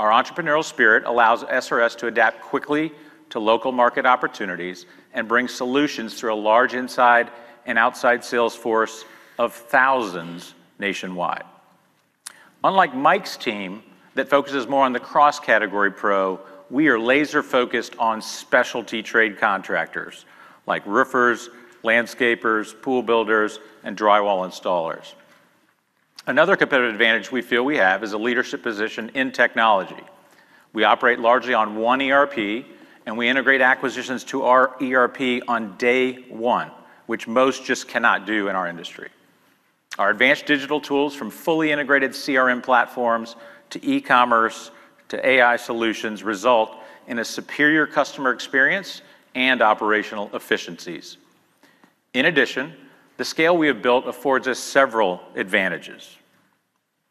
Speaker 18: Our entrepreneurial spirit allows SRS to adapt quickly to local market opportunities and bring solutions through a large inside and outside sales force of thousands nationwide. Unlike Mike's team that focuses more on the cross-category Pro, we are laser-focused on specialty trade contractors like roofers, landscapers, pool builders, and drywall installers. Another competitive advantage we feel we have is a leadership position in technology. We operate largely on one ERP, and we integrate acquisitions to our ERP on day one, which most just cannot do in our industry. Our advanced digital tools, from fully integrated CRM platforms to e-commerce to AI solutions, result in a superior customer experience and operational efficiencies. In addition, the scale we have built affords us several advantages.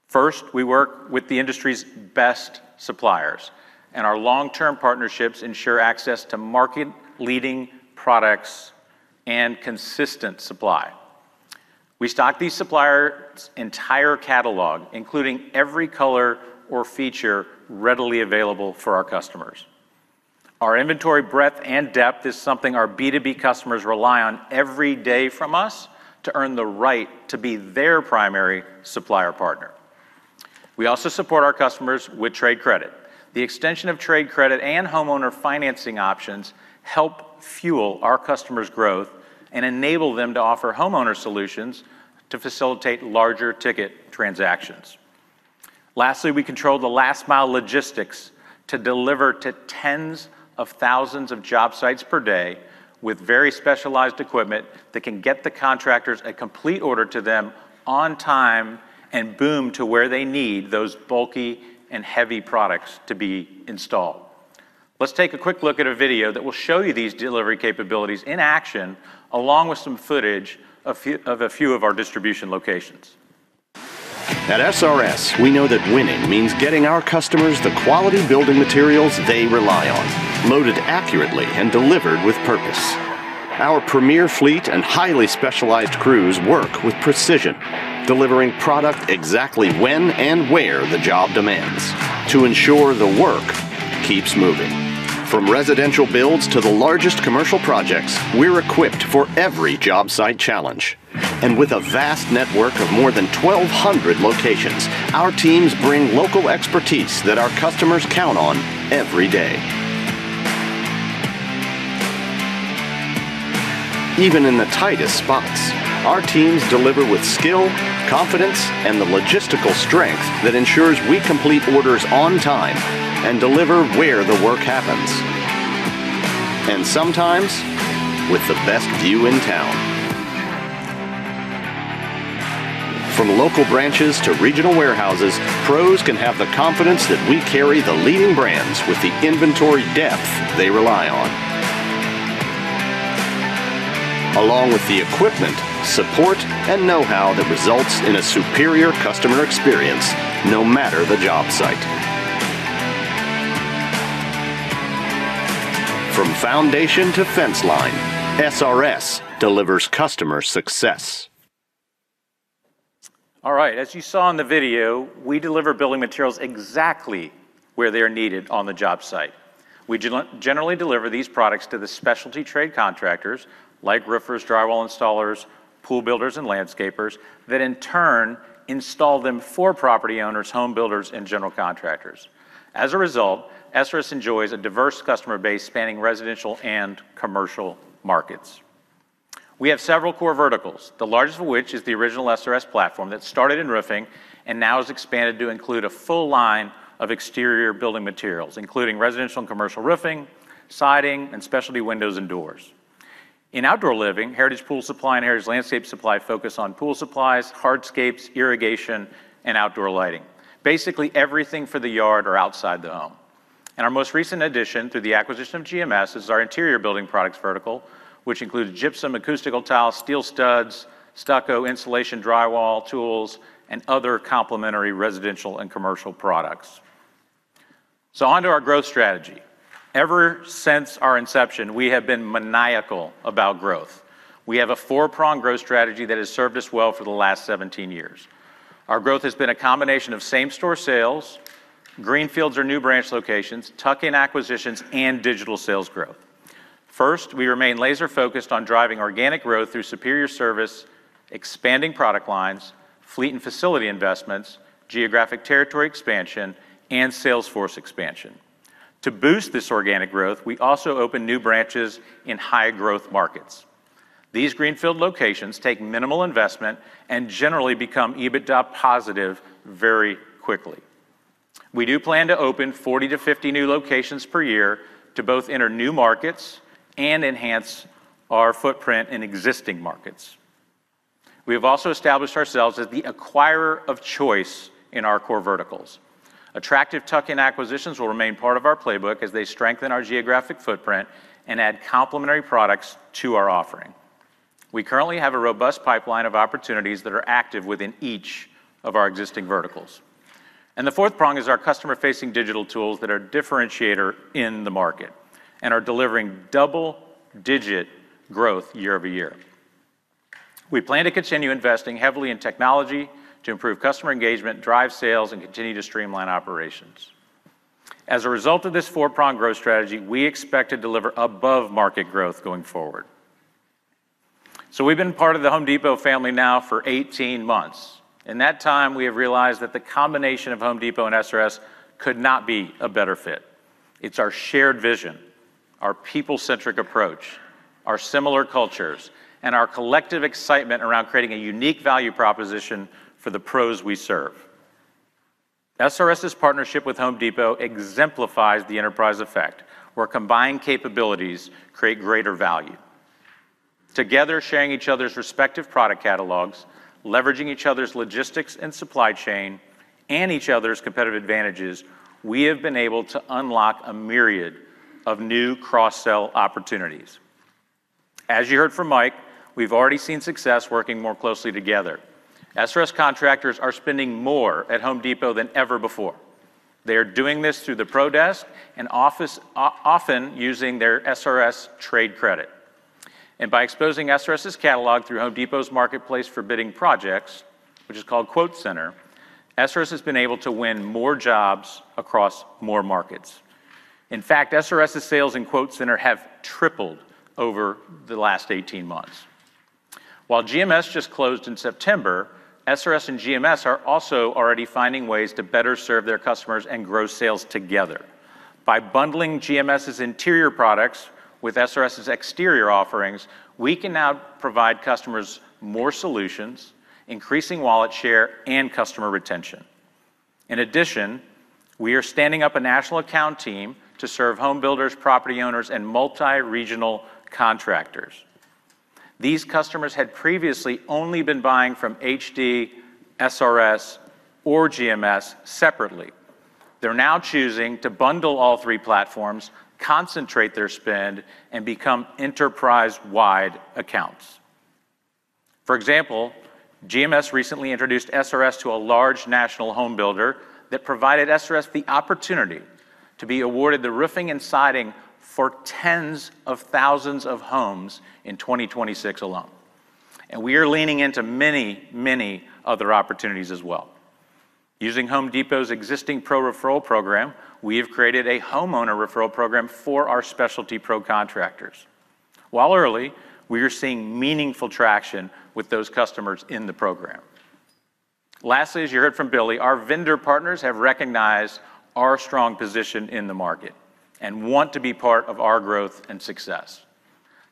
Speaker 18: First, we work with the industry's best suppliers, and our long-term partnerships ensure access to market-leading products and consistent supply. We stock these suppliers' entire catalog, including every color or feature readily available for our customers. Our inventory breadth and depth is something our B2B customers rely on every day from us to earn the right to be their primary supplier partner. We also support our customers with trade credit. The extension of trade credit and homeowner financing options help fuel our customers' growth and enable them to offer homeowner solutions to facilitate larger ticket transactions. Lastly, we control the last-mile logistics to deliver to tens of thousands of job sites per day with very specialized equipment that can get the contractors a complete order to them on time and boom to where they need those bulky and heavy products to be installed. Let's take a quick look at a video that will show you these delivery capabilities in action, along with some footage of a few of our distribution locations.
Speaker 5: At SRS, we know that winning means getting our customers the quality building materials they rely on, loaded accurately and delivered with purpose. Our premier fleet and highly specialized crews work with precision, delivering product exactly when and where the job demands to ensure the work keeps moving. From residential builds to the largest commercial projects, we're equipped for every job site challenge. With a vast network of more than 1,200 locations, our teams bring local expertise that our customers count on every day. Even in the tightest spots, our teams deliver with skill, confidence, and the logistical strength that ensures we complete orders on time and deliver where the work happens, and sometimes with the best view in town. From local branches to regional warehouses, Pros can have the confidence that we carry the leading brands with the inventory depth they rely on, along with the equipment, support, and know-how that results in a superior customer experience no matter the job site. From foundation to fence line, SRS delivers customer success.
Speaker 18: All right, as you saw in the video, we deliver building materials exactly where they are needed on the job site. We generally deliver these products to the specialty trade contractors like roofers, drywall installers, pool builders, and landscapers that, in turn, install them for property owners, home builders, and general contractors. As a result, SRS enjoys a diverse customer base spanning residential and commercial markets. We have several core verticals, the largest of which is the original SRS platform that started in roofing and now has expanded to include a full line of exterior building materials, including residential and commercial roofing, siding, and specialty windows and doors. In outdoor living, Heritage Pool Supply and Heritage Landscape Supply focus on pool supplies, hardscapes, irrigation, and outdoor lighting, basically everything for the yard or outside the home. And our most recent addition through the acquisition of GMS is our interior building products vertical, which includes gypsum, acoustical tile, steel studs, stucco, insulation, drywall tools, and other complementary residential and commercial products. So on to our growth strategy. Ever since our inception, we have been maniacal about growth. We have a four-Prong growth strategy that has served us well for the last 17 years. Our growth has been a combination of same-store sales, greenfields or new branch locations, tuck-in acquisitions, and digital sales growth. First, we remain laser-focused on driving organic growth through superior service, expanding product lines, fleet and facility investments, geographic territory expansion, and sales force expansion. To boost this organic growth, we also open new branches in high-growth markets. These greenfield locations take minimal investment and generally become EBITDA positive very quickly. We do plan to open 40-50 new locations per year to both enter new markets and enhance our footprint in existing markets. We have also established ourselves as the acquirer of choice in our core verticals. Attractive tuck-in acquisitions will remain part of our playbook as they strengthen our geographic footprint and add complementary products to our offering. We currently have a robust pipeline of opportunities that are active within each of our existing verticals. And the fourth Prong is our customer-facing digital tools that are a differentiator in the market and are delivering double-digit growth year over year. We plan to continue investing heavily in technology to improve customer engagement, drive sales, and continue to streamline operations. As a result of this four-Prong growth strategy, we expect to deliver above-market growth going forward. So we've been part of the Home Depot family now for 18 months. In that time, we have realized that the combination of Home Depot and SRS could not be a better fit. It's our shared vision, our people-centric apProach, our similar cultures, and our collective excitement around creating a unique value proposition for the Pros we serve. SRS's partnership with Home Depot exemplifies the enterprise effect, where combined capabilities create greater value. Together, sharing each other's respective product catalogs, leveraging each other's logistics and supply chain, and each other's competitive advantages, we have been able to unlock a myriad of new cross-sell opportunities. As you heard from Mike, we've already seen success working more closely together. SRS contractors are spending more at Home Depot than ever before. They are doing this through the Pro Desk and often using their SRS trade credit, and by exposing SRS's catalog through Home Depot's marketplace for bidding projects, which is called QuoteCenter, SRS has been able to win more jobs across more markets. In fact, SRS's sales in QuoteCenter have tripled over the last 18 months. While GMS just closed in September, SRS and GMS are also already finding ways to better serve their customers and grow sales together. By bundling GMS's interior products with SRS's exterior offerings, we can now provide customers more solutions, increasing wallet share and customer retention. In addition, we are standing up a national account team to serve home builders, property owners, and multi-regional contractors. These customers had previously only been buying from HD, SRS, or GMS separately. They're now choosing to bundle all three platforms, concentrate their spend, and become enterprise-wide accounts. For example, GMS recently introduced SRS to a large national home builder that provided SRS the opportunity to be awarded the roofing and siding for tens of thousands of homes in 2026 alone. And we are leaning into many, many other opportunities as well. Using Home Depot's existing Pro Referral program, we have created a homeowner referral program for our specialty Pro contractors. While early, we are seeing meaningful traction with those customers in the program. Lastly, as you heard from Billy, our vendor partners have recognized our strong position in the market and want to be part of our growth and success.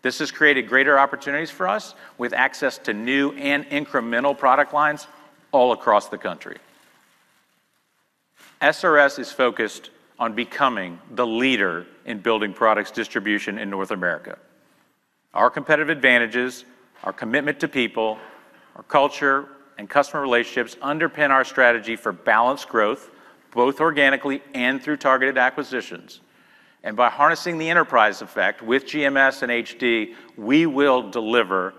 Speaker 18: This has created greater opportunities for us with access to new and incremental product lines all across the country. SRS is focused on becoming the leader in building products distribution in North America. Our competitive advantages, our commitment to people, our culture, and customer relationships underpin our strategy for balanced growth, both organically and through targeted acquisitions. And by harnessing the enterprise effect with GMS and HD, we will deliver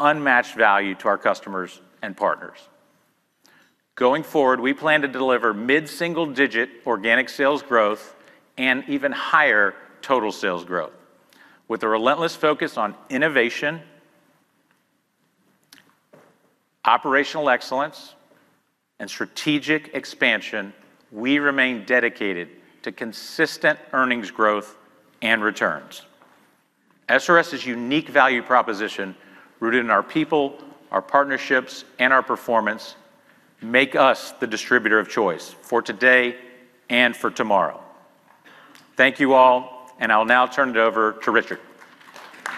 Speaker 18: unmatched value to our customers and partners. Going forward, we plan to deliver mid-single-digit organic sales growth and even higher total sales growth. With a relentless focus on innovation, operational excellence, and strategic expansion, we remain dedicated to consistent earnings growth and returns. SRS's unique value proposition, rooted in our people, our partnerships, and our performance, makes us the distributor of choice for today and for tomorrow. Thank you all, and I'll now turn it over to Richard.
Speaker 19: All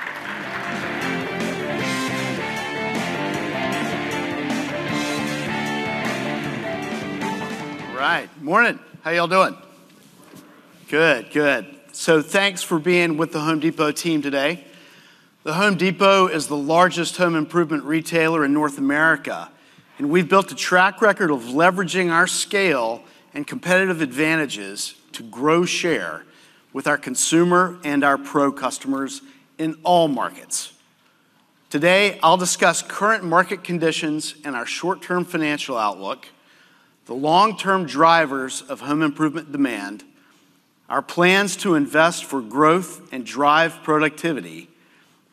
Speaker 19: right. Good morning. How are y'all doing? Good. Good. So thanks for being with the Home Depot team today. The Home Depot is the largest home improvement retailer in North America, and we've built a track record of leveraging our scale and competitive advantages to grow share with our consumer and our Pro customers in all markets. Today, I'll discuss current market conditions and our short-term financial outlook, the long-term drivers of home improvement demand, our plans to invest for growth and drive productivity,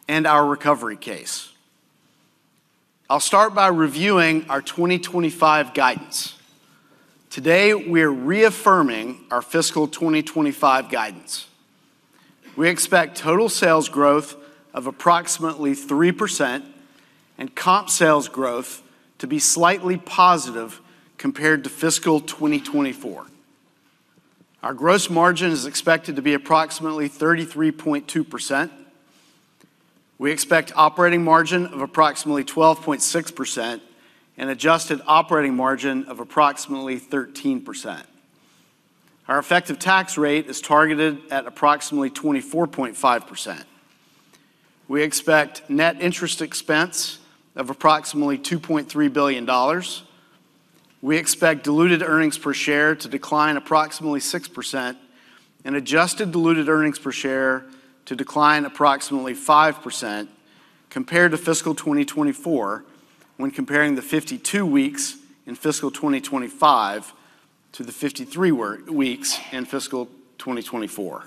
Speaker 19: and our recovery case. I'll start by reviewing our 2025 guidance. Today, we are reaffirming our fiscal 2025 guidance. We expect total sales growth of approximately 3% and comp sales growth to be slightly positive compared to fiscal 2024. Our gross margin is expected to be approximately 33.2%. We expect operating margin of approximately 12.6% and adjusted operating margin of approximately 13%. Our effective tax rate is targeted at approximately 24.5%. We expect net interest expense of approximately $2.3 billion. We expect diluted earnings per share to decline approximately 6% and adjusted diluted earnings per share to decline approximately 5% compared to fiscal 2024 when comparing the 52 weeks in fiscal 2025 to the 53 weeks in fiscal 2024.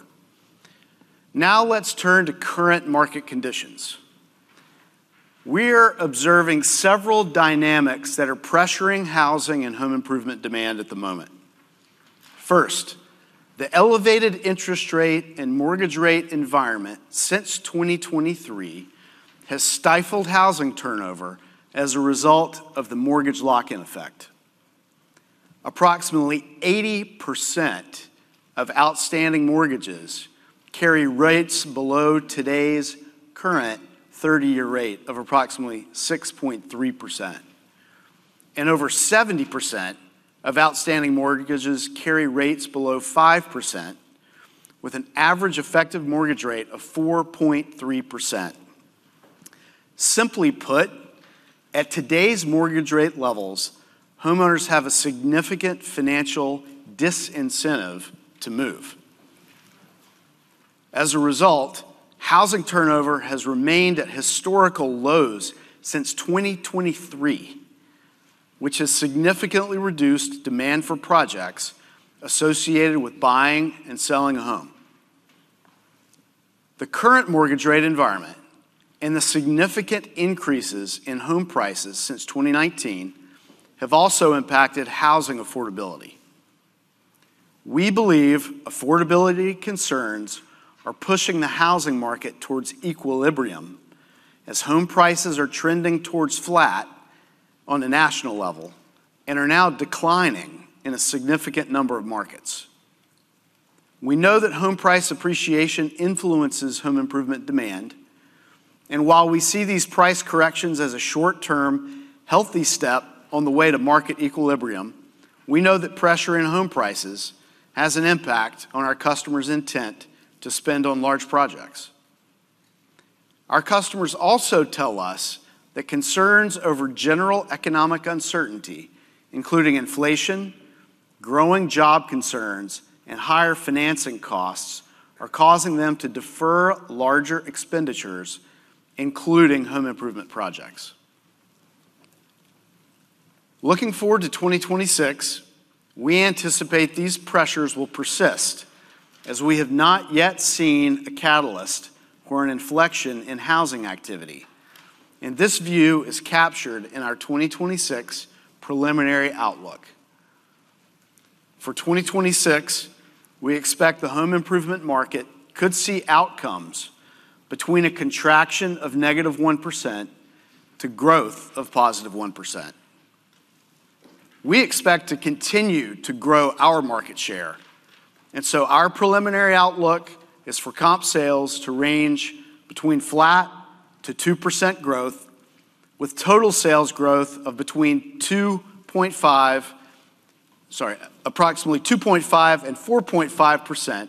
Speaker 19: Now let's turn to current market conditions. We're observing several dynamics that are pressuring housing and home improvement demand at the moment. First, the elevated interest rate and mortgage rate environment since 2023 has stifled housing turnover as a result of the mortgage lock-in effect. approximately 80% of outstanding mortgages carry rates below today's current 30-year rate of approximately 6.3%, and over 70% of outstanding mortgages carry rates below 5%, with an average effective mortgage rate of 4.3%. Simply put, at today's mortgage rate levels, homeowners have a significant financial disincentive to move. As a result, housing turnover has remained at historical lows since 2023, which has significantly reduced demand for projects associated with buying and selling a home. The current mortgage rate environment and the significant increases in home prices since 2019 have also impacted housing affordability. We believe affordability concerns are pushing the housing market towards equilibrium as home prices are trending towards flat on a national level and are now declining in a significant number of markets. We know that home price appreciation influences home improvement demand. And while we see these price corrections as a short-term, healthy step on the way to market equilibrium, we know that pressure in home prices has an impact on our customers' intent to spend on large projects. Our customers also tell us that concerns over general economic uncertainty, including inflation, growing job concerns, and higher financing costs, are causing them to defer larger expenditures, including home improvement projects. Looking forward to 2026, we anticipate these pressures will persist as we have not yet seen a catalyst or an inflection in housing activity. And this view is captured in our 2026 preliminary outlook. For 2026, we expect the home improvement market could see outcomes between a contraction of negative 1% to growth of positive 1%. We expect to continue to grow our market share. And so our preliminary outlook is for comp sales to range between flat to 2% growth, with total sales growth of between 2.5, sorry, approximately 2.5 and 4.5%,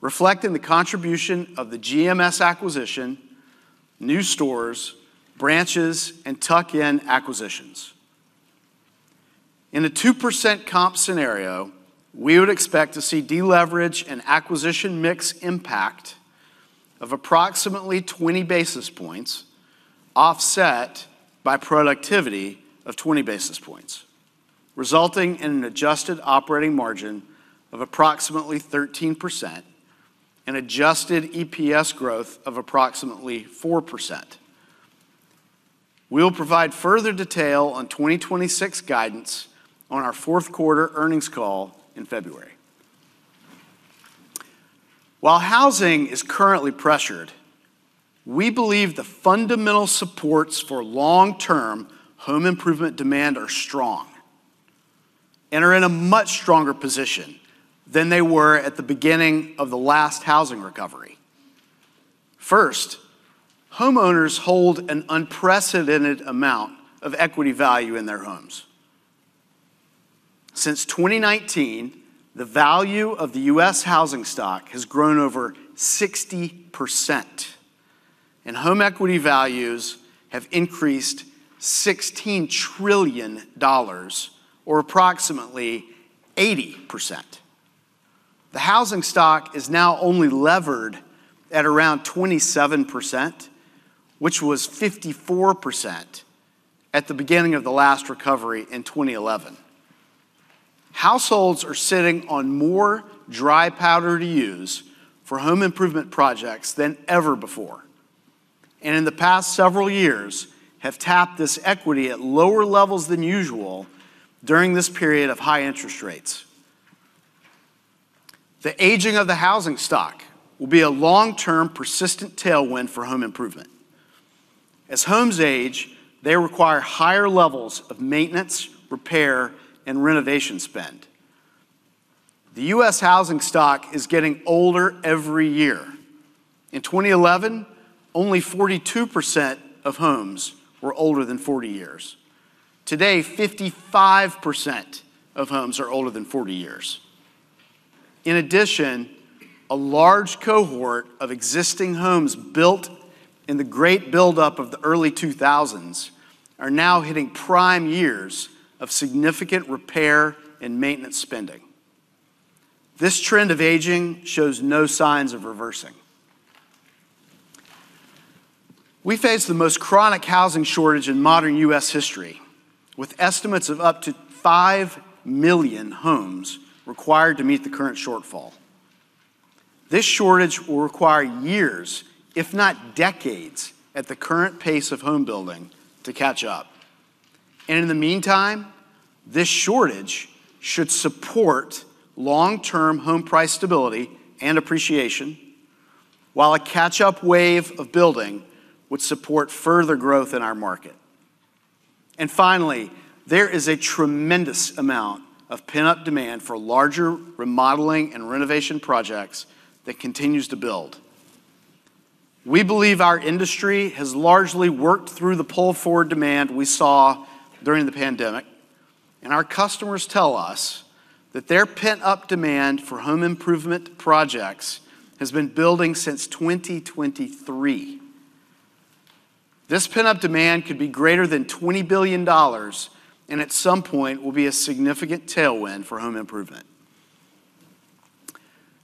Speaker 19: reflecting the contribution of the GMS acquisition, new stores, branches, and tuck-in acquisitions. In a 2% comp scenario, we would expect to see deleverage and acquisition mix impact of approximately 20 basis points offset by productivity of 20 basis points, resulting in an adjusted operating margin of approximately 13% and adjusted EPS growth of approximately 4%. We'll provide further detail on 2026 guidance on our fourth quarter earnings call in February. While housing is currently pressured, we believe the fundamental supports for long-term home improvement demand are strong and are in a much stronger position than they were at the beginning of the last housing recovery. First, homeowners hold an unprecedented amount of equity value in their homes. Since 2019, the value of the U.S. housing stock has grown over 60%, and home equity values have increased $16 trillion, or approximately 80%. The housing stock is now only levered at around 27%, which was 54% at the beginning of the last recovery in 2011. Households are sitting on more dry powder to use for home improvement projects than ever before, and in the past several years, have tapped this equity at lower levels than usual during this period of high interest rates. The aging of the housing stock will be a long-term persistent tailwind for home improvement. As homes age, they require higher levels of maintenance, repair, and renovation spend. The U.S. housing stock is getting older every year. In 2011, only 42% of homes were older than 40 years. Today, 55% of homes are older than 40 years. In addition, a large cohort of existing homes built in the great buildup of the early 2000s are now hitting prime years of significant repair and maintenance spending. This trend of aging shows no signs of reversing. We face the most chronic housing shortage in modern U.S. history, with estimates of up to 5 million homes required to meet the current shortfall. This shortage will require years, if not decades, at the current pace of home building to catch up, and in the meantime, this shortage should support long-term home price stability and appreciation, while a catch-up wave of building would support further growth in our market. Finally, there is a tremendous amount of pent-up demand for larger remodeling and renovation projects that continues to build. We believe our industry has largely worked through the pull-forward demand we saw during the pandemic, and our customers tell us that their pent-up demand for home improvement projects has been building since 2023. This pent-up demand could be greater than $20 billion, and at some point, will be a significant tailwind for home improvement.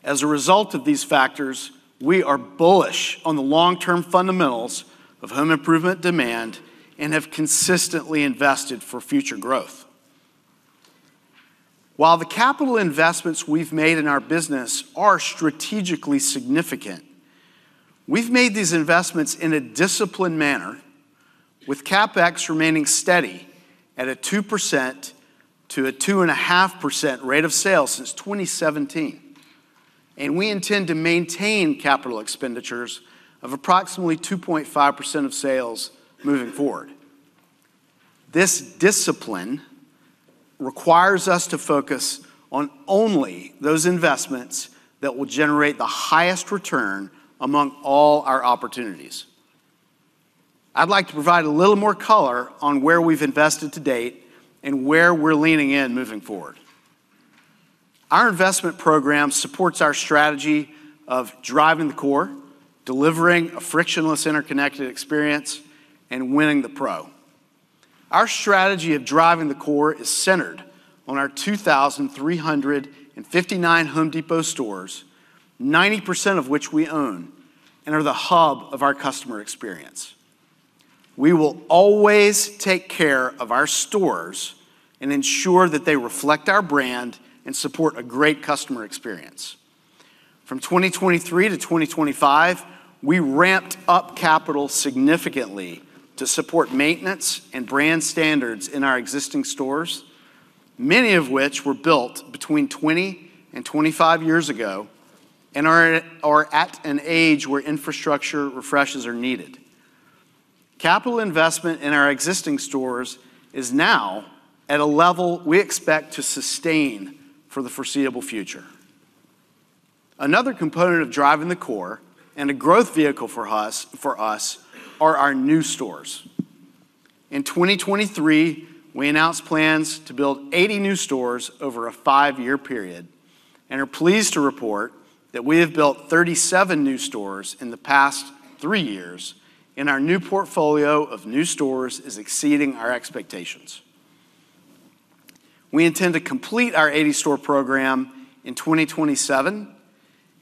Speaker 19: As a result of these factors, we are bullish on the long-term fundamentals of home improvement demand and have consistently invested for future growth. While the capital investments we've made in our business are strategically significant, we've made these investments in a disciplined manner, with CapEx remaining steady at a 2%-2.5% rate of sales since 2017. We intend to maintain capital expenditures of approximately 2.5% of sales moving forward. This discipline requires us to focus on only those investments that will generate the highest return among all our opportunities. I'd like to provide a little more color on where we've invested to date and where we're leaning in moving forward. Our investment program supports our strategy of driving the core, delivering a frictionless interconnected experience, and winning the Pro. Our strategy of driving the core is centered on our 2,359 Home Depot stores, 90% of which we own, and are the hub of our customer experience. We will always take care of our stores and ensure that they reflect our brand and support a great customer experience. From 2023 to 2025, we ramped up capital significantly to support maintenance and brand standards in our existing stores, many of which were built between 20 and 25 years ago and are at an age where infrastructure refreshes are needed. Capital investment in our existing stores is now at a level we expect to sustain for the foreseeable future. Another component of driving the core and a growth vehicle for us are our new stores. In 2023, we announced plans to build 80 new stores over a five-year period and are pleased to report that we have built 37 new stores in the past three years, and our new portfolio of new stores is exceeding our expectations. We intend to complete our 80-store program in 2027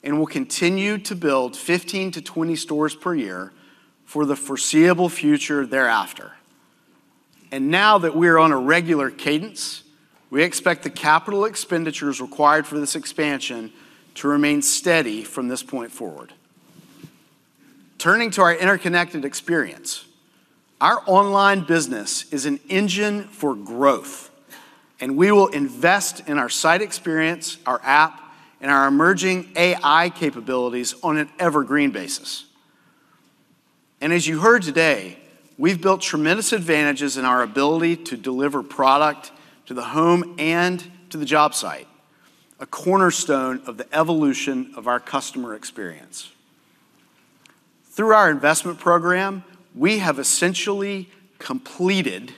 Speaker 19: and will continue to build 15 to 20 stores per year for the foreseeable future thereafter. Now that we are on a regular cadence, we expect the capital expenditures required for this expansion to remain steady from this point forward. Turning to our interconnected experience, our online business is an engine for growth, and we will invest in our site experience, our app, and our emerging AI capabilities on an evergreen basis. And as you heard today, we've built tremendous advantages in our ability to deliver product to the home and to the job site, a cornerstone of the evolution of our customer experience. Through our investment program, we have essentially completed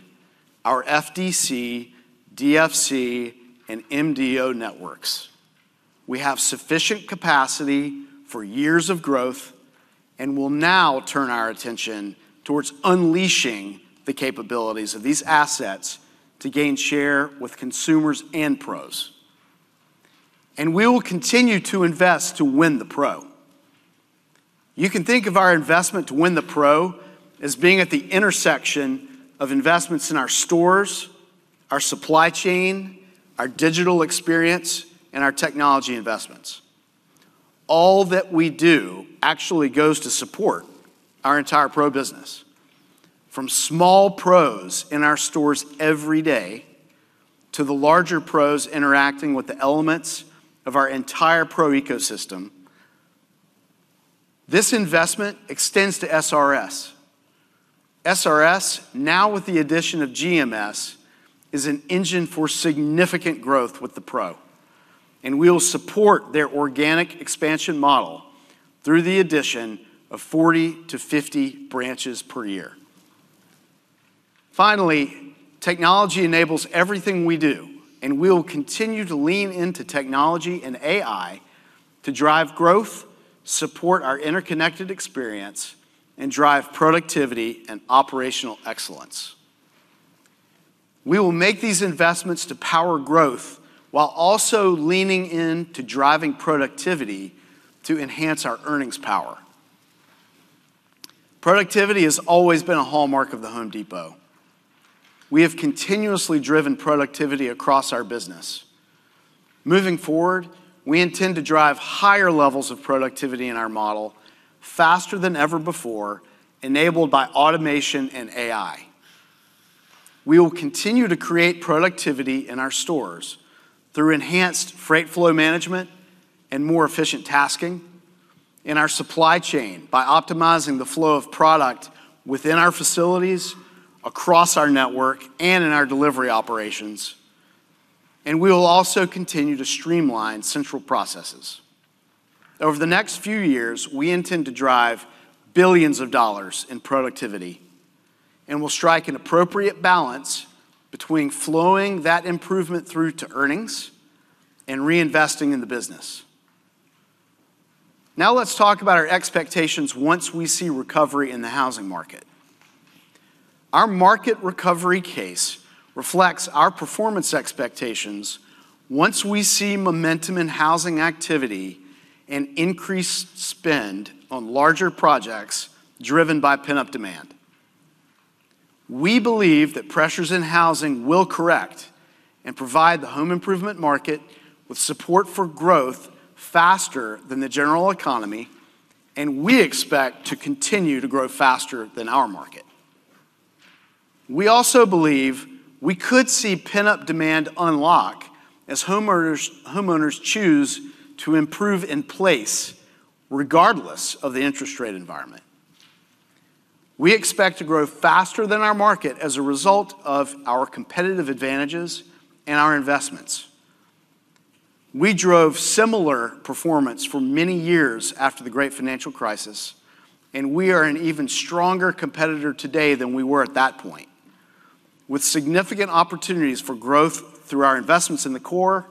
Speaker 19: our FDC, DFC, and MDO networks. We have sufficient capacity for years of growth and will now turn our attention toward unleashing the capabilities of these assets to gain share with consumers and Pros. And we will continue to invest to win the Pro. You can think of our investment to win the Pro as being at the intersection of investments in our stores, our supply chain, our digital experience, and our technology investments. All that we do actually goes to support our entire Pro business, from small Pros in our stores every day to the larger Pros interacting with the elements of our entire Pro ecosystem. This investment extends to SRS. SRS, now with the addition of GMS, is an engine for significant growth with the Pro, and we will support their organic expansion model through the addition of 40 to 50 branches per year. Finally, technology enables everything we do, and we will continue to lean into technology and AI to drive growth, support our interconnected experience, and drive productivity and operational excellence. We will make these investments to power growth while also leaning in to driving productivity to enhance our earnings power. productivity has always been a hallmark of The Home Depot. We have continuously driven productivity across our business. Moving forward, we intend to drive higher levels of productivity in our model faster than ever before, enabled by automation and AI. We will continue to create productivity in our stores through enhanced freight flow management and more efficient tasking in our supply chain by optimizing the flow of product within our facilities, across our network, and in our delivery operations, and we will also continue to streamline central processes. Over the next few years, we intend to drive billions of dollars in productivity and will strike an apPropriate balance between flowing that improvement through to earnings and reinvesting in the business. Now let's talk about our expectations once we see recovery in the housing market. Our market recovery case reflects our performance expectations once we see momentum in housing activity and increased spend on larger projects driven by pent-up demand. We believe that pressures in housing will correct and provide the home improvement market with support for growth faster than the general economy, and we expect to continue to grow faster than our market. We also believe we could see pent-up demand unlock as homeowners choose to improve in place regardless of the interest rate environment. We expect to grow faster than our market as a result of our competitive advantages and our investments. We drove similar performance for many years after the great financial crisis, and we are an even stronger competitor today than we were at that point, with significant opportunities for growth through our investments in the core,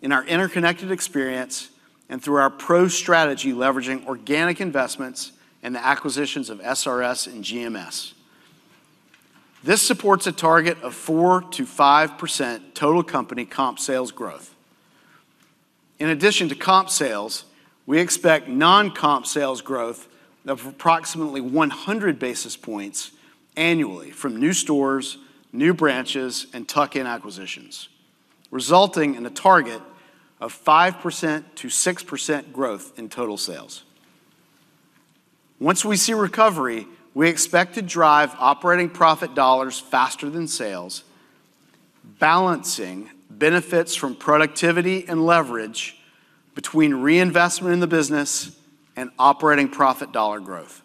Speaker 19: in our interconnected experience, and through our Pro strategy leveraging organic investments and the acquisitions of SRS and GMS. This supports a target of 4%-5% total company comp sales growth. In addition to comp sales, we expect non-comp sales growth of approximately 100 basis points annually from new stores, new branches, and tuck-in acquisitions, resulting in a target of 5% to 6% growth in total sales. Once we see recovery, we expect to drive operating profit dollars faster than sales, balancing benefits from productivity and leverage between reinvestment in the business and operating profit dollar growth.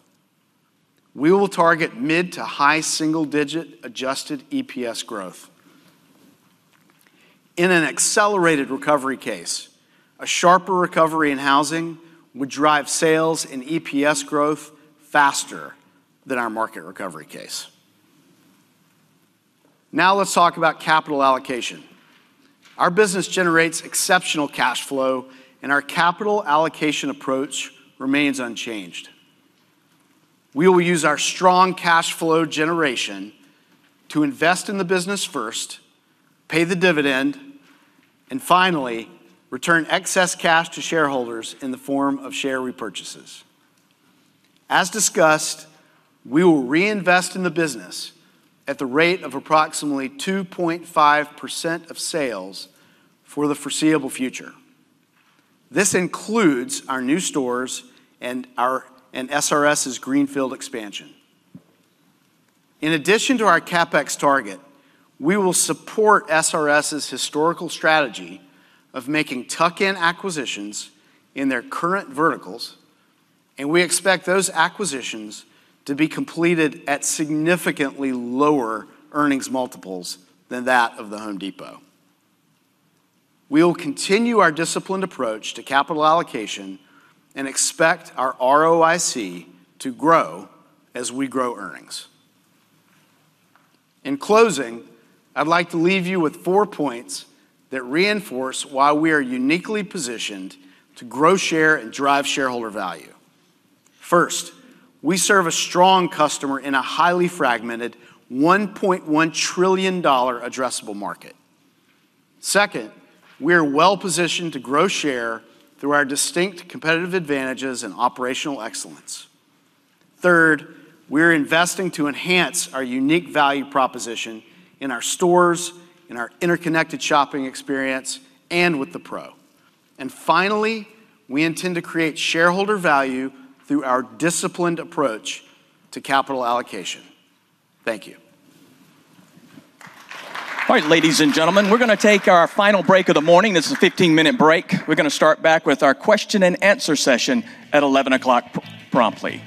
Speaker 19: We will target mid to high single-digit adjusted EPS growth. In an accelerated recovery case, a sharper recovery in housing would drive sales and EPS growth faster than our market recovery case. Now let's talk about capital allocation. Our business generates exceptional cash flow, and our capital allocation apProach remains unchanged. We will use our strong cash flow generation to invest in the business first, pay the dividend, and finally return excess cash to shareholders in the form of share repurchases. As discussed, we will reinvest in the business at the rate of approximately 2.5% of sales for the foreseeable future. This includes our new stores and SRS's Greenfield expansion. In addition to our CapEx target, we will support SRS's historical strategy of making tuck-in acquisitions in their current verticals, and we expect those acquisitions to be completed at significantly lower earnings multiples than that of the Home Depot. We will continue our disciplined apProach to capital allocation and expect our ROIC to grow as we grow earnings. In closing, I'd like to leave you with four points that reinforce why we are uniquely positioned to grow share and drive shareholder value. First, we serve a strong customer in a highly fragmented $1.1 trillion addressable market. Second, we are well-positioned to grow share through our distinct competitive advantages and operational excellence. Third, we are investing to enhance our unique value proposition in our stores, in our interconnected shopping experience, and with the Pro. And finally, we intend to create shareholder value through our disciplined apProach to capital allocation. Thank you.
Speaker 1: All right, ladies and gentlemen, we're going to take our final break of the morning. This is a 15-minute break. We're going to start back with our question-and-answer session at 11 o'clock Promptly.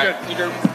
Speaker 1: All right,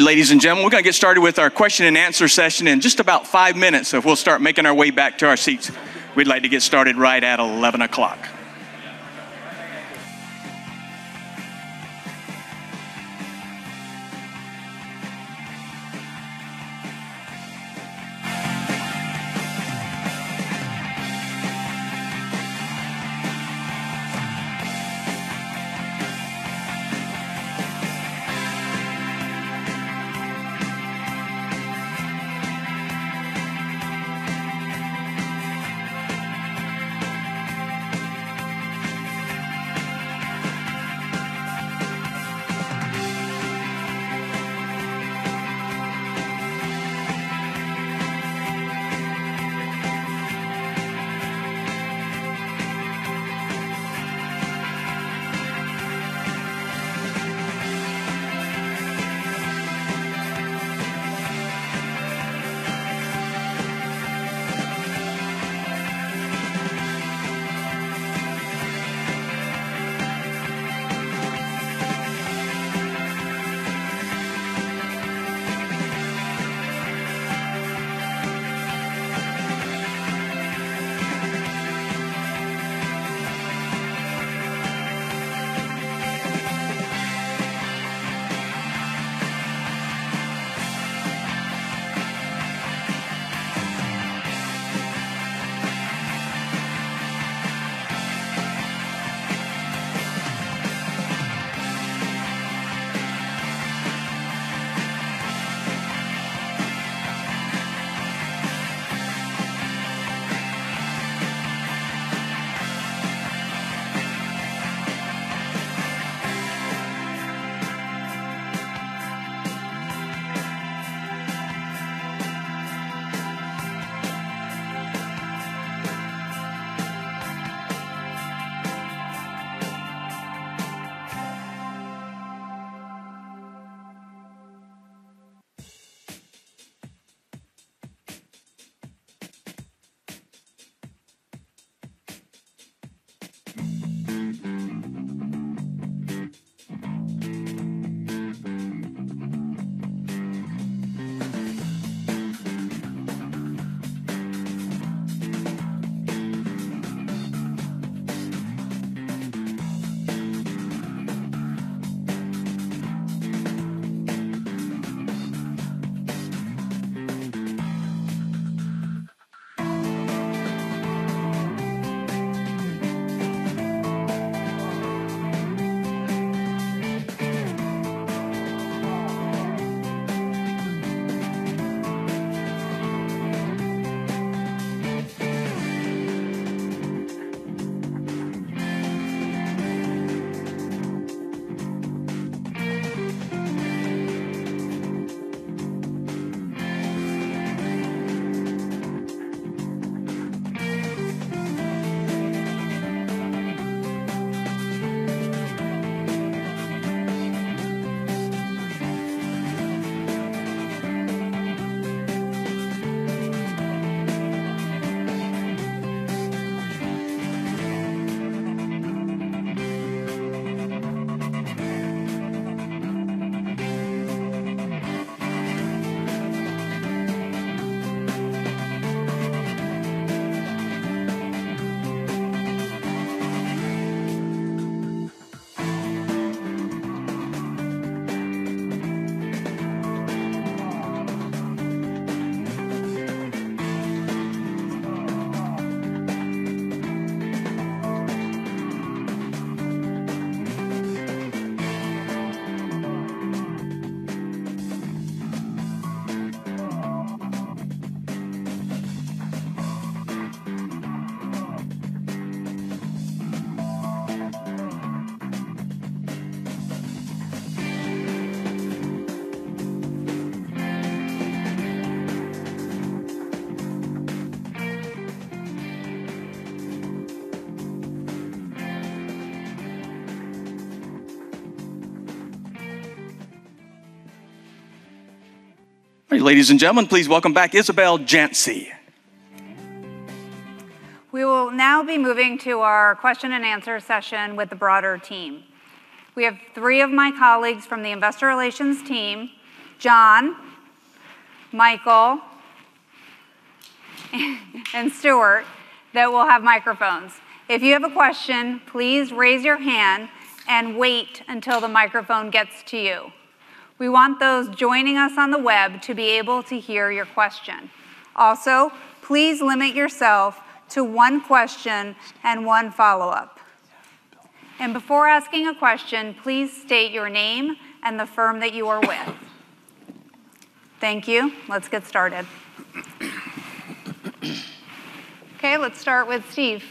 Speaker 1: ladies and gentlemen, we're going to get started with our question-and-answer session in just about five minutes. So if we'll start making our way back to our seats, we'd like to get started right at 11 o'clock. All right, ladies and gentlemen, please welcome back Isabel Janci.
Speaker 2: We will now be moving to our question-and-answer session with the broader team. We have three of my colleagues from the Investor Relations team, John, Michael, and Stuart, that will have microphones. If you have a question, please raise your hand and wait until the microphone gets to you. We want those joining us on the web to be able to hear your question. Also, please limit yourself to one question and one follow-up. Before asking a question, please state your name and the firm that you are with. Thank you. Let's get started. Okay, let's start with Steve.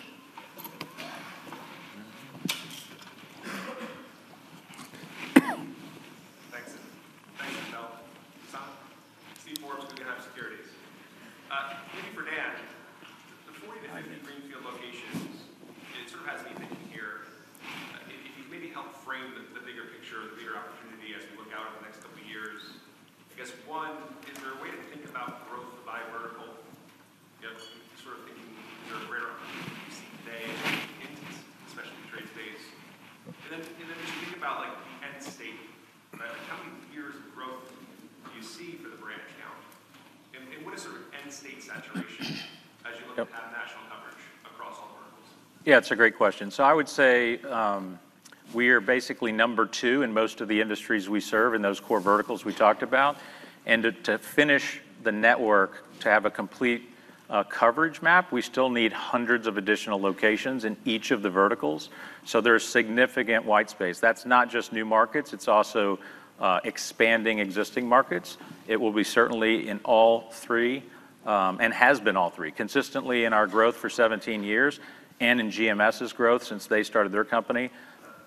Speaker 18: and has been all three, consistently in our growth for 17 years and in GMS's growth since they started their company.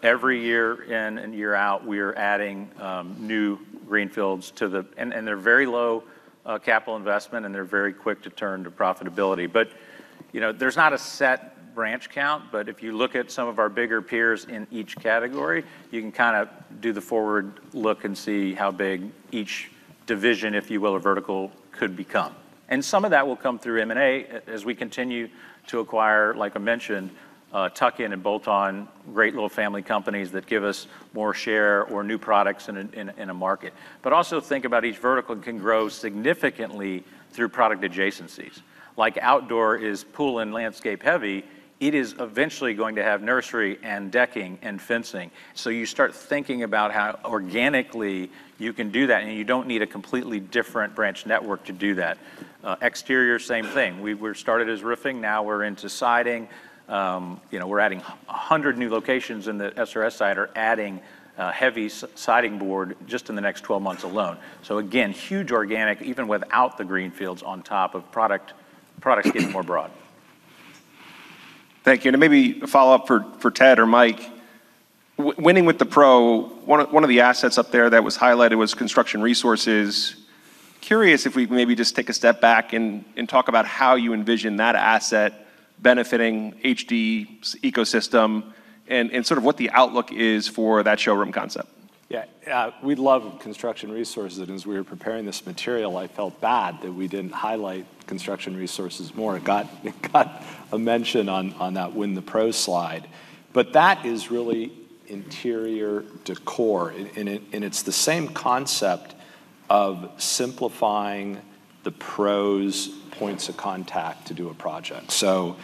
Speaker 18: Every year in and year out, we are adding new greenfields to the, and they're very low capital investment, and they're very quick to turn to profitability. But there's not a set branch count, but if you look at some of our bigger peers in each category, you can kind of do the forward look and see how big each division, if you will, or vertical could become. And some of that will come through M&A as we continue to acquire, like I mentioned, tuck-in and bolt-on, great little family companies that give us more share or new products in a market. But also think about each vertical can grow significantly through product adjacencies. Like outdoor is pool and landscape heavy, it is eventually going to have nursery and decking and fencing. So you start thinking about how organically you can do that, and you don't need a completely different branch network to do that. Exterior, same thing. We started as roofing, now we're into siding. We're adding 100 new locations in the SRS side or adding heavy siding board just in the next 12 months alone. So again, huge organic, even without the greenfields on top of products getting more broad.
Speaker 20: Thank you. And maybe a follow-up for Ted or Mike. Winning with the Pro, one of the assets up there that was highlighted was Construction Resources. Curious if we maybe just take a step back and talk about how you envision that asset benefiting HD ecosystem and sort of what the outlook is for that showroom concept.
Speaker 1: Yeah, we love Construction Resources. And as we were preparing this material, I felt bad that we didn't highlight Construction Resources more. It got a mention on that Win the Pro slide. But that is really interior decor, and it's the same concept of simplifying the Pro's points of contact to do a project. So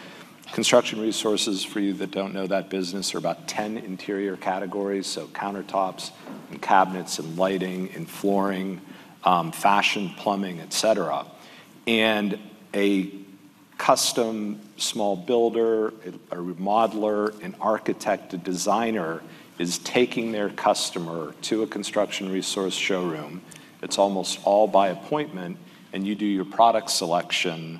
Speaker 1: Construction Resources for you that don't know that business are about 10 interior categories. So countertops and cabinets and lighting and flooring, faucets, plumbing, etc. And a custom small builder, a remodeler, an architect, a designer is taking their customer to a Construction Resources showroom. It's almost all by appointment, and you do your product selection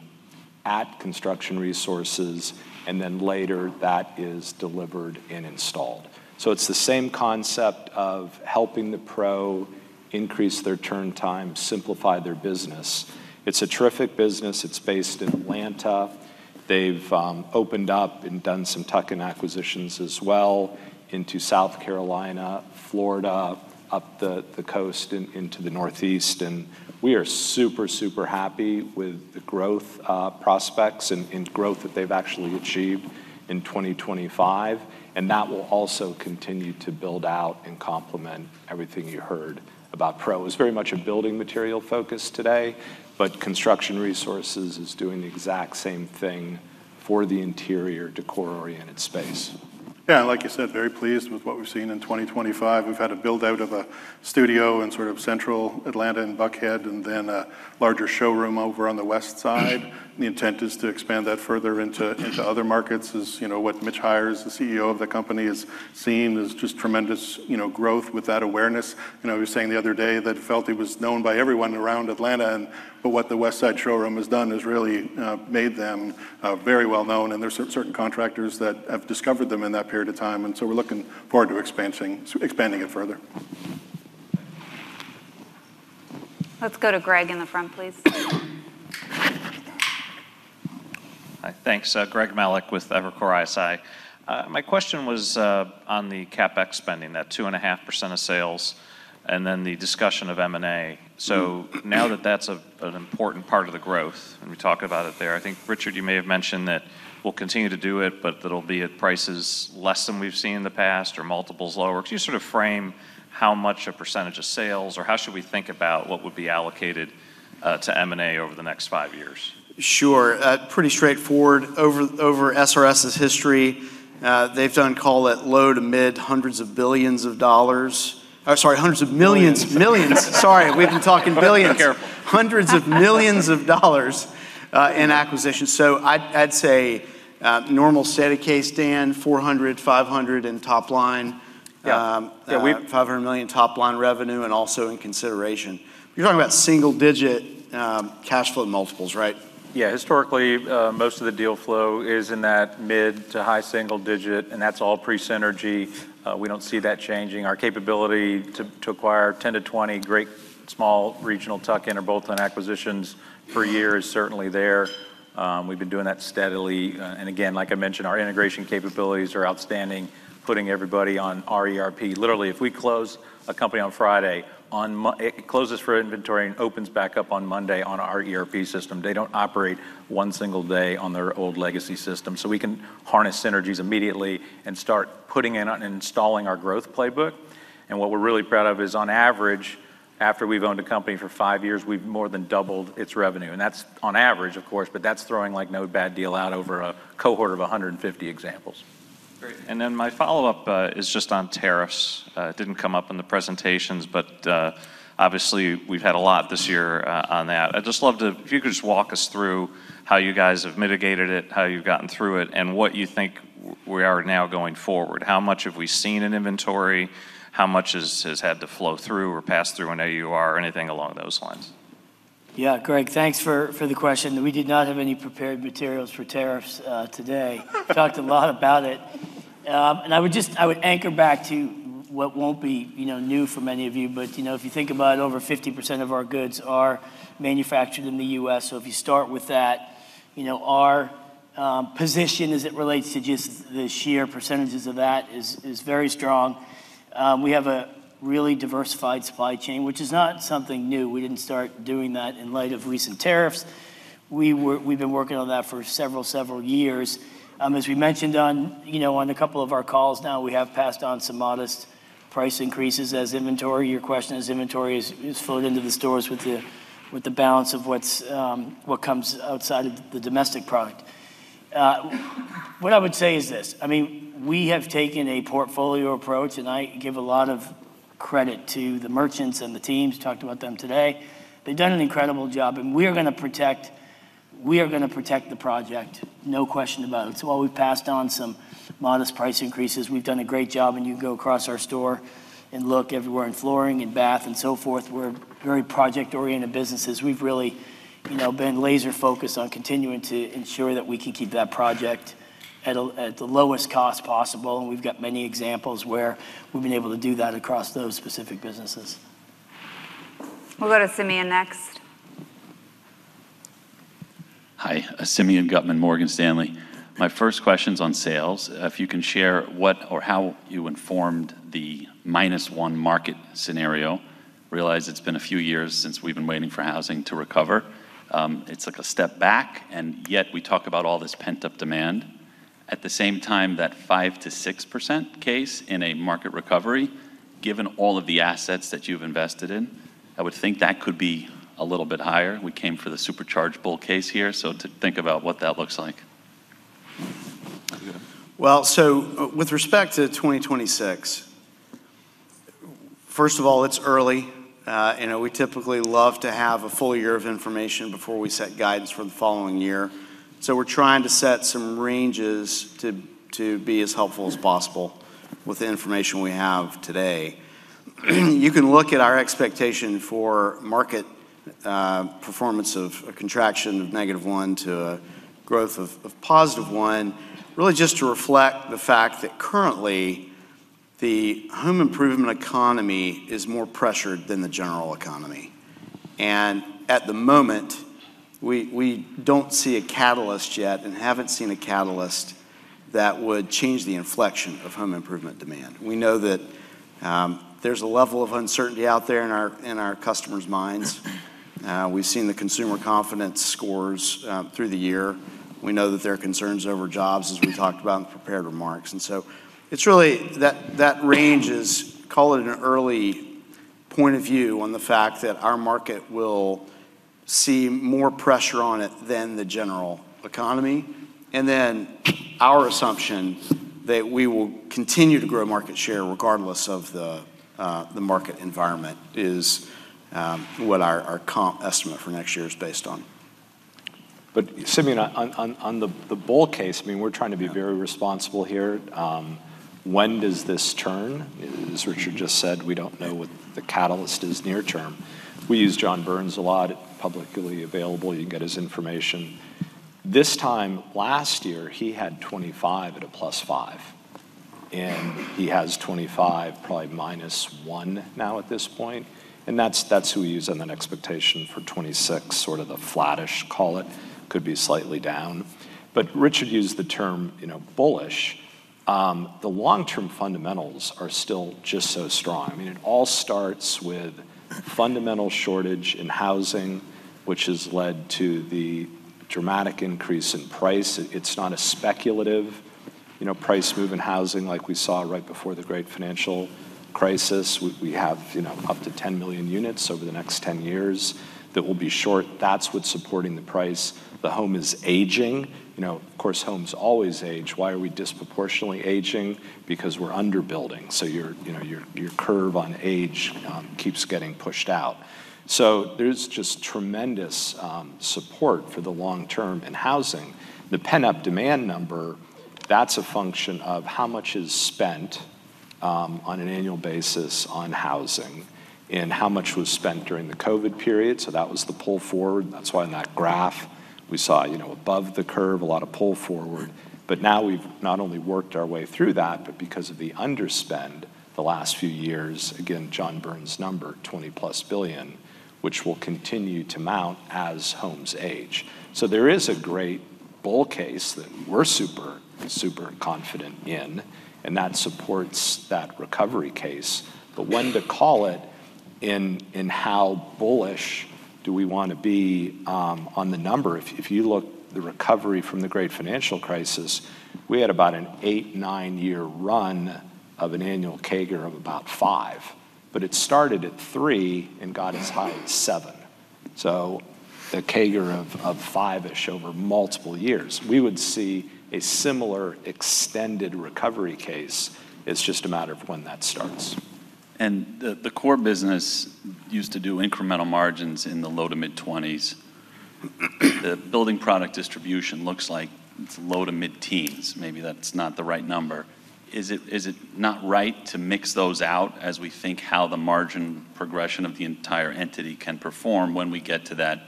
Speaker 1: at Construction Resources, and then later that is delivered and installed. So it's the same concept of helping the Pro increase their turn time, simplify their business. It's a terrific business. It's based in Atlanta. They've opened up and done some tuck-in acquisitions as well into South Carolina, Florida, up the coast into the Northeast. We are super, super happy with the growth prospects and growth that they've actually achieved in 2025. That will also continue to build out and complement everything you heard about Pro. It's very much a building material focus today, but Construction Resources is doing the exact same thing for the interior decor-oriented space.
Speaker 7: Yeah, like you said, very pleased with what we've seen in 2025. We've had a build-out of a studio in sort of central Atlanta and Buckhead, and then a larger showroom over on the west side. The intent is to expand that further into other markets, as what Mitch Hires, the CEO of the company, has seen is just tremendous growth with that awareness. We were saying the other day that it felt it was known by everyone around Atlanta, but what the west side showroom has done has really made them very well known. And there are certain contractors that have discovered them in that period of time. And so we're looking forward to expanding it further.
Speaker 2: Let's go to Greg in the front, please.
Speaker 21: Thanks. Greg Melich with Evercore ISI. My question was on the CapEx spending, that 2.5% of sales, and then the discussion of M&A. So now that that's an important part of the growth, and we talked about it there, I think Richard, you may have mentioned that we'll continue to do it, but that it'll be at prices less than we've seen in the past or multiples lower. Could you sort of frame how much a percentage of sales, or how should we think about what would be allocated to M&A over the next five years?
Speaker 1: Sure. Pretty straightforward. Over SRS's history, they've done call it low- to mid-hundreds of billions of dollars. Sorry, hundreds of millions. Millions. Sorry, we've been talking billions. Hundreds of millions of dollars in acquisitions. So I'd say normal steady case, Dan, $400 million-$500 million top line. Yeah, $500 million top line revenue and also in consideration. You're talking about single-digit cash flow multiples, right?
Speaker 19: Yeah, historically, most of the deal flow is in that mid to high single digit, and that's all pre-synergy. We don't see that changing. Our capability to acquire 10 to 20 great small regional tuck-in or bolt-on acquisitions per year is certainly there. We've been doing that steadily. Again, like I mentioned, our integration capabilities are outstanding, putting everybody on our ERP. Literally, if we close a company on Friday, it closes for inventory and opens back up on Monday on our ERP system. They don't operate one single day on their old legacy system. So we can harness synergies immediately and start putting in and installing our growth playbook. And what we're really proud of is, on average, after we've owned a company for five years, we've more than doubled its revenue. And that's on average, of course, but that's throwing like no bad deal out over a cohort of 150 examples.
Speaker 21: And then my follow-up is just on tariffs. It didn't come up in the presentations, but obviously we've had a lot this year on that. I'd just love to, if you could just walk us through how you guys have mitigated it, how you've gotten through it, and what you think we are now going forward. How much have we seen in inventory? How much has had to flow through or pass through an AUR or anything along those lines?
Speaker 19: Yeah, Greg, thanks for the question. We did not have any prepared materials for tariffs today. We talked a lot about it, and I would anchor back to what won't be new for many of you, but if you think about it, over 50% of our goods are manufactured in the U.S. So if you start with that, our position as it relates to just the sheer percentages of that is very strong. We have a really diversified supply chain, which is not something new. We didn't start doing that in light of recent tariffs. We've been working on that for several, several years. As we mentioned on a couple of our calls now, we have passed on some modest price increases as inventory. Your question is, inventory is flooded into the stores with the balance of what comes outside of the domestic product. What I would say is this. I mean, we have taken a portfolio apProach, and I give a lot of credit to the merchants and the teams, talked about them today. They've done an incredible job, and we are going to Protect the Pro, no question about it. So while we've passed on some modest price increases, we've done a great job, and you can go across our store and look everywhere in flooring and bath and so forth. We're very project-oriented businesses. We've really been laser-focused on continuing to ensure that we can keep that Pro at the lowest cost possible. And we've got many examples where we've been able to do that across those specific businesses.
Speaker 2: We'll go to Simeon next.
Speaker 22: Hi, Simeon Gutman, Morgan Stanley. My first question is on sales. If you can share what or how you formed the minus one market scenario. Realize it's been a few years since we've been waiting for housing to recover. It's like a step back, and yet we talk about all this pent-up demand. At the same time, that 5%-6% case in a market recovery, given all of the assets that you've invested in, I would think that could be a little bit higher. We came for the supercharge bull case here. So to think about what that looks like.
Speaker 19: Well, so with respect to 2026, first of all, it's early. We typically love to have a full year of information before we set guidance for the following year. So we're trying to set some ranges to be as helpful as possible with the information we have today. You can look at our expectation for market performance of a contraction of -1% to a growth of +1%, really just to reflect the fact that currently the home improvement economy is more pressured than the general economy. And at the moment, we don't see a catalyst yet and haven't seen a catalyst that would change the inflection of home improvement demand. We know that there's a level of uncertainty out there in our customers' minds. We've seen the consumer confidence scores through the year. We know that there are concerns over jobs, as we talked about in the prepared remarks. And so it's really that ranges, call it an early point of view on the fact that our market will see more pressure on it than the general economy. Our assumption that we will continue to grow market share regardless of the market environment is what our estimate for next year is based on.
Speaker 1: Simeon, on the bull case, I mean, we're trying to be very responsible here. When does this turn? As Richard just said, we don't know what the catalyst is near term. We use John Burns a lot. It's publicly available. You can get his information. This time last year, he had 2025 at +5%, and he has 2025 Probably -1% now at this point. That's who we use on an expectation for 2026, sort of the flattish, call it. Could be slightly down. Richard used the term bullish. The long-term fundamentals are still just so strong. I mean, it all starts with fundamental shortage in housing, which has led to the dramatic increase in price. It's not a speculative price move in housing like we saw right before the great financial crisis. We have up to 10 million units over the next 10 years that will be short. That's what's supporting the price. The home is aging. Of course, homes always age. Why are we disProportionately aging? Because we're underbuilding. So your curve on age keeps getting pushed out. So there's just tremendous support for the long-term in housing. The pent-up demand number, that's a function of how much is spent on an annual basis on housing and how much was spent during the COVID period. So that was the pull forward. That's why on that graph, we saw above the curve, a lot of pull forward. But now we've not only worked our way through that, but because of the underspend the last few years, again, John Burns number, $20+ billion, which will continue to mount as homes age. So there is a great bull case that we're super confident in, and that supports that recovery case. But when to call it and how bullish do we want to be on the number? If you look at the recovery from the great financial crisis, we had about an eight- or nine-year run of an annual CAGR of about 5%. But it started at 3% and got as high as 7%. So the CAGR of 5%-ish over multiple years. We would see a similar extended recovery case. It's just a matter of when that starts. And the core business used to do incremental margins in the low- to mid-20s%. The building product distribution looks like it's low to mid-teens. Maybe that's not the right number. Is it not right to mix those out as we think how the margin Progression of the entire entity can perform when we get to that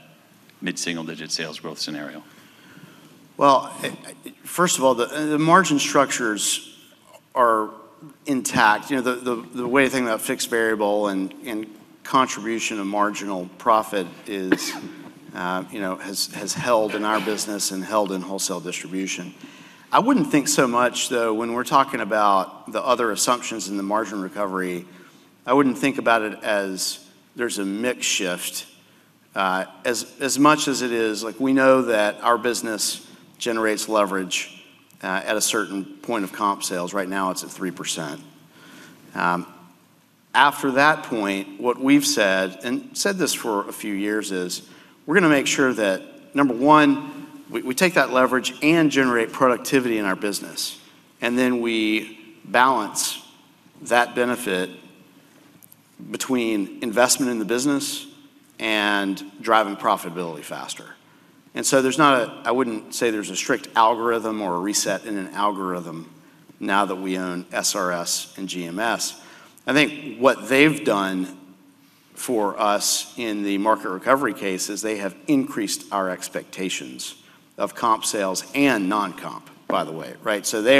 Speaker 1: mid-single-digit sales growth scenario? First of all, the margin structures are intact. The way of thinking about fixed variable and contribution of marginal profit has held in our business and held in wholesale distribution. I wouldn't think so much, though, when we're talking about the other assumptions in the margin recovery. I wouldn't think about it as there's a mix shift, as much as it is like we know that our business generates leverage at a certain point of comp sales. Right now, it's at 3%. After that point, what we've said, and said this for a few years, is we're going to make sure that, number one, we take that leverage and generate productivity in our business. And then we balance that benefit between investment in the business and driving profitability faster. And so there's not a. I wouldn't say there's a strict algorithm or a reset in an algorithm now that we own SRS and GMS. I think what they've done for us in the market recovery case is they have increased our expectations of comp sales and non-comp, by the way, right? So they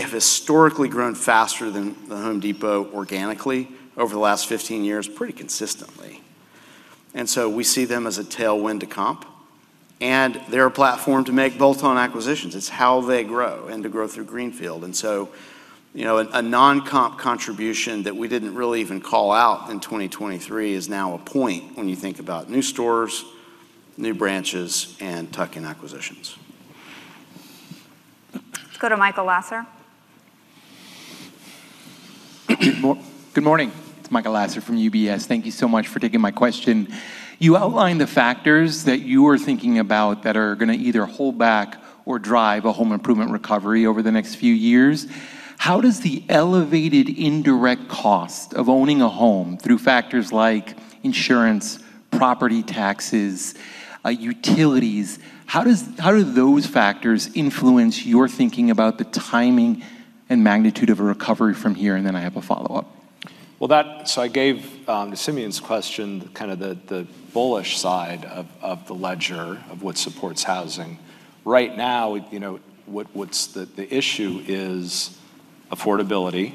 Speaker 1: have historically grown faster than the Home Depot organically over the last 15 years, pretty consistently. And so we see them as a tailwind to comp. And they're a platform to make bolt-on acquisitions. It's how they grow and to grow through greenfield. And so a non-comp contribution that we didn't really even call out in 2023 is now a point when you think about new stores, new branches, and tuck-in acquisitions.
Speaker 2: Let's go to Michael Lasser.
Speaker 23: Good morning. It's Michael Lasser from UBS. Thank you so much for taking my question. You outlined the factors that you were thinking about that are going to either hold back or drive a home improvement recovery over the next few years. How does the elevated indirect cost of owning a home through factors like insurance, property taxes, utilities, how do those factors influence your thinking about the timing and magnitude of a recovery from here? And then I have a follow-up.
Speaker 1: Well, so I gave Simeon's question kind of the bullish side of the ledger of what supports housing. Right now, what's the issue is affordability,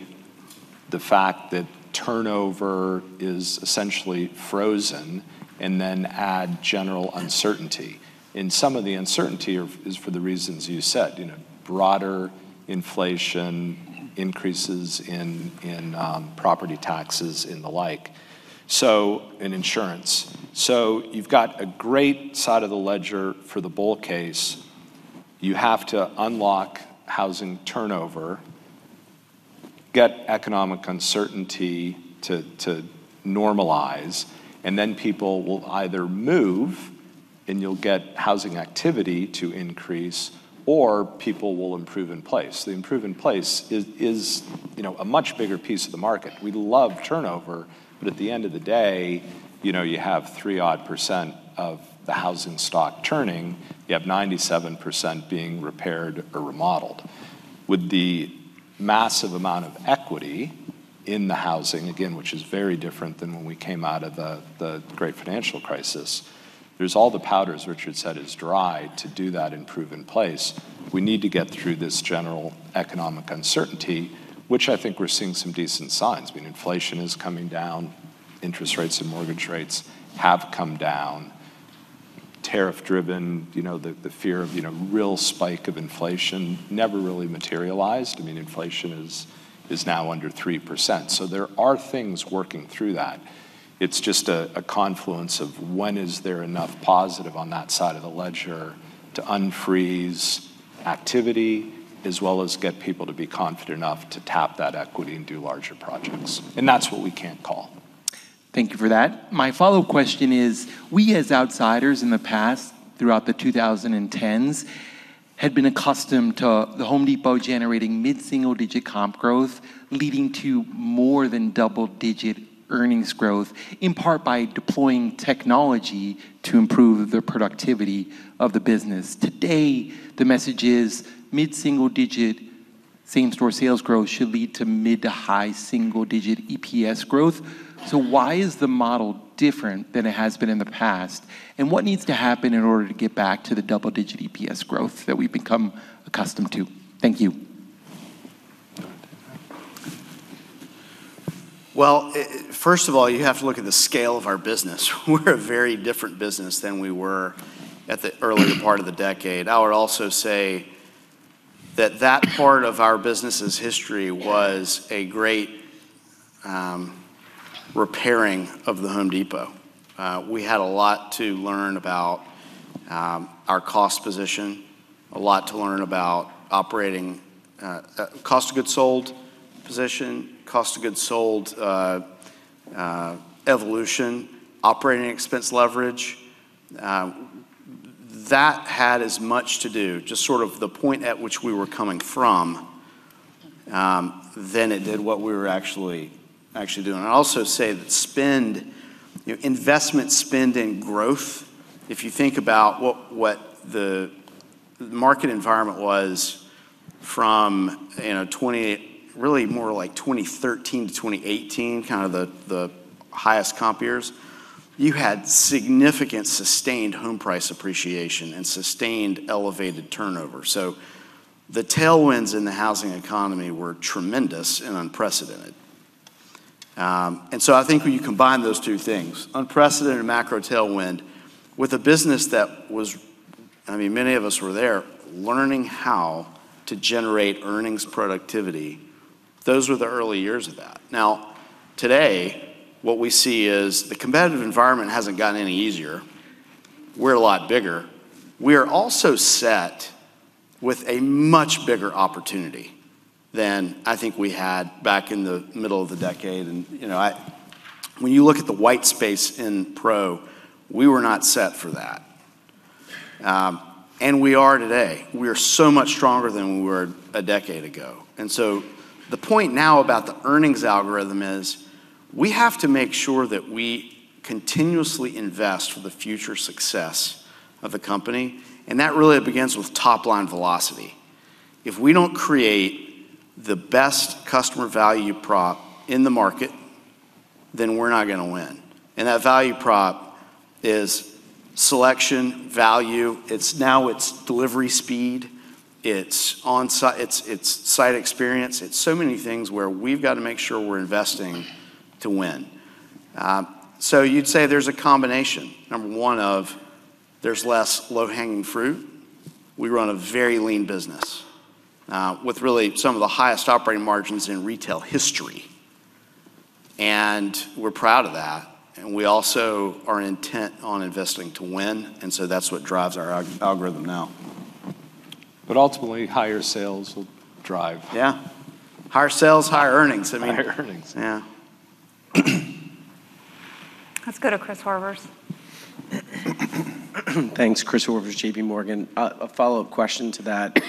Speaker 1: the fact that turnover is essentially frozen, and then add general uncertainty, and some of the uncertainty is for the reasons you said, broader inflation, increases in property taxes, and the like, and insurance, so you've got a great side of the ledger for the bull case. You have to unlock housing turnover, get economic uncertainty to normalize, and then people will either move and you'll get housing activity to increase, or people will improve in place. The improve in place is a much bigger piece of the market. We love turnover, but at the end of the day, you have three-odd% of the housing stock turning. You have 97% being repaired or remodeled. With the massive amount of equity in the housing, again, which is very different than when we came out of the great financial crisis, there's all the powder, Richard said, is dry to do that improvement in place. We need to get through this general economic uncertainty, which I think we're seeing some decent signs. I mean, inflation is coming down. Interest rates and mortgage rates have come down. Tariff-driven, the fear of real spike of inflation never really materialized. I mean, inflation is now under 3%. So there are things working through that. It's just a confluence of when is there enough positive on that side of the ledger to unfreeze activity as well as get people to be confident enough to tap that equity and do larger projects. And that's what we can't call.
Speaker 23: Thank you for that. My follow-up question is, we as outsiders in the past, throughout the 2010s, had been accustomed to The Home Depot generating mid-single-digit comp growth, leading to more than double-digit earnings growth, in part by deploying technology to improve the productivity of the business. Today, the message is mid-single-digit same-store sales growth should lead to mid- to high single-digit EPS growth. So why is the model different than it has been in the past? And what needs to happen in order to get back to the double-digit EPS growth that we've become accustomed to? Thank you.
Speaker 1: First of all, you have to look at the scale of our business. We're a very different business than we were at the earlier part of the decade. I would also say that that part of our business's history was a great repairing of The Home Depot. We had a lot to learn about our cost position, a lot to learn about operating cost of goods sold position, cost of goods sold evolution, operating expense leverage. That had as much to do, just sort of the point at which we were coming from than it did what we were actually doing. I'd also say that spend, investment spending growth, if you think about what the market environment was from really more like 2013 to 2018, kind of the highest comp years, you had significant sustained home price appreciation and sustained elevated turnover. So the tailwinds in the housing economy were tremendous and unprecedented. And so I think when you combine those two things, unprecedented macro tailwind with a business that was, I mean, many of us were there learning how to generate earnings productivity, those were the early years of that. Now, today, what we see is the competitive environment hasn't gotten any easier. We're a lot bigger. We are also set with a much bigger opportunity than I think we had back in the middle of the decade. And when you look at the white space in Pro, we were not set for that. And we are today. We are so much stronger than we were a decade ago. And so the point now about the earnings algorithm is we have to make sure that we continuously invest for the future success of the company. And that really begins with top-line velocity. If we don't create the best customer value Prop in the market, then we're not going to win. And that value Prop is selection, value. It's now it's delivery speed. It's on-site, it's site experience. It's so many things where we've got to make sure we're investing to win. So you'd say there's a combination, number one, of there's less low-hanging fruit. We run a very lean business with really some of the highest operating margins in retail history. And we're proud of that. And we also are intent on investing to win. And so that's what drives our algorithm now. But ultimately, higher sales will drive. Yeah. Higher sales, higher earnings. I mean, higher earnings. Yeah.
Speaker 2: Let's go to Chris Horvers.
Speaker 24: Thanks, Chris Horvers, JPMorgan. A follow-up question to that.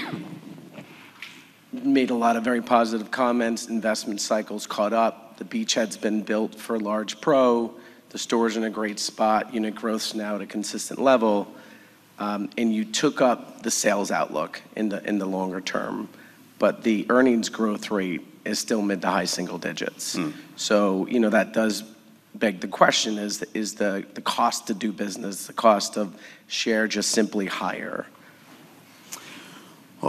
Speaker 24: Made a lot of very positive comments. Investment cycles caught up. The beachhead's been built for large Pro. The store's in a great spot. Unit growth's now at a consistent level. And you took up the sales outlook in the longer term. The earnings growth rate is still mid- to high-single-digits. That does beg the question: is the cost to do business, the cost of sales just simply higher?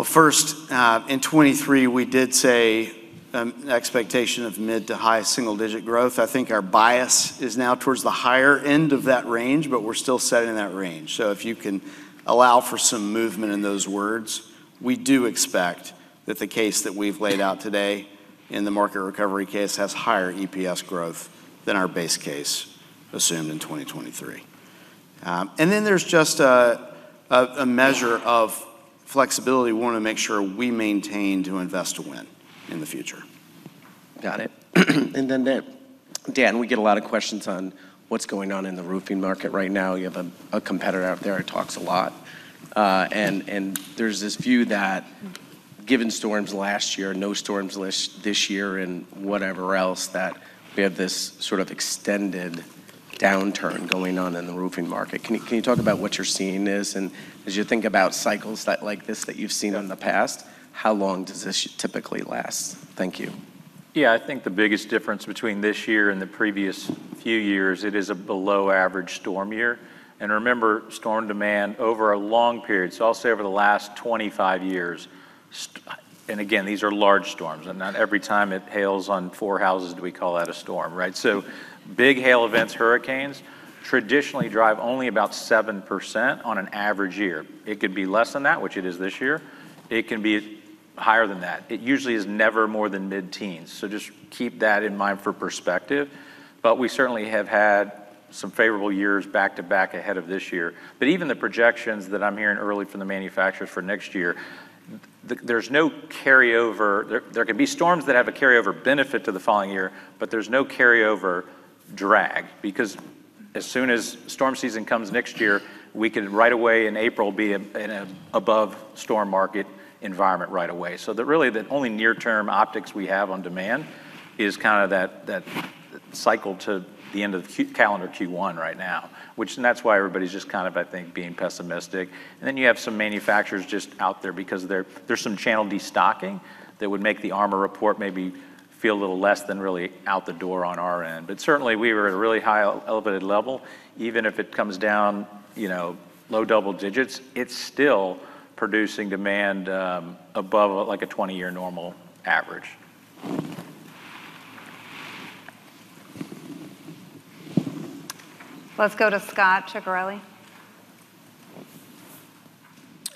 Speaker 18: First, in 2023, we did say an expectation of mid- to high-single-digit growth. I think our bias is now towards the higher end of that range, but we're still set in that range. If you can allow for some movement in those words, we do expect that the case that we've laid out today in the market recovery case has higher EPS growth than our base case assumed in 2023. Then there's just a measure of flexibility we want to make sure we maintain to invest to win in the future.
Speaker 24: Got it. Then, Dan, we get a lot of questions on what's going on in the roofing market right now. You have a competitor out there that talks a lot, and there's this view that given storms last year, no storms this year, and whatever else, that we have this sort of extended downturn going on in the roofing market. Can you talk about what you're seeing is, and as you think about cycles like this that you've seen in the past, how long does this typically last? Thank you.
Speaker 18: Yeah, I think the biggest difference between this year and the previous few years, it is a below-average storm year, and remember, storm demand over a long period, so I'll say over the last 25 years, and again, these are large storms, and every time it hails on four houses, we call that a storm, right, so big hail events, hurricanes traditionally drive only about 7% on an average year. It could be less than that, which it is this year. It can be higher than that. It usually is never more than mid-teens. So just keep that in mind for perspective. But we certainly have had some favorable years back to back ahead of this year. But even the projections that I'm hearing early from the manufacturers for next year, there's no carryover. There can be storms that have a carryover benefit to the following year, but there's no carryover drag because as soon as storm season comes next year, we can right away in April be in an above-storm market environment right away. So really, the only near-term optics we have on demand is kind of that cycle to the end of calendar Q1 right now, which that's why everybody's just kind of, I think, being pessimistic. And then you have some manufacturers just out there because there's some channel destocking that would make the ARMA report maybe feel a little less than really out the door on our end. But certainly, we were at a really high elevated level. Even if it comes down low double digits, it's still Producing demand above like a 20-year normal average.
Speaker 2: Let's go to Scot Ciccarelli.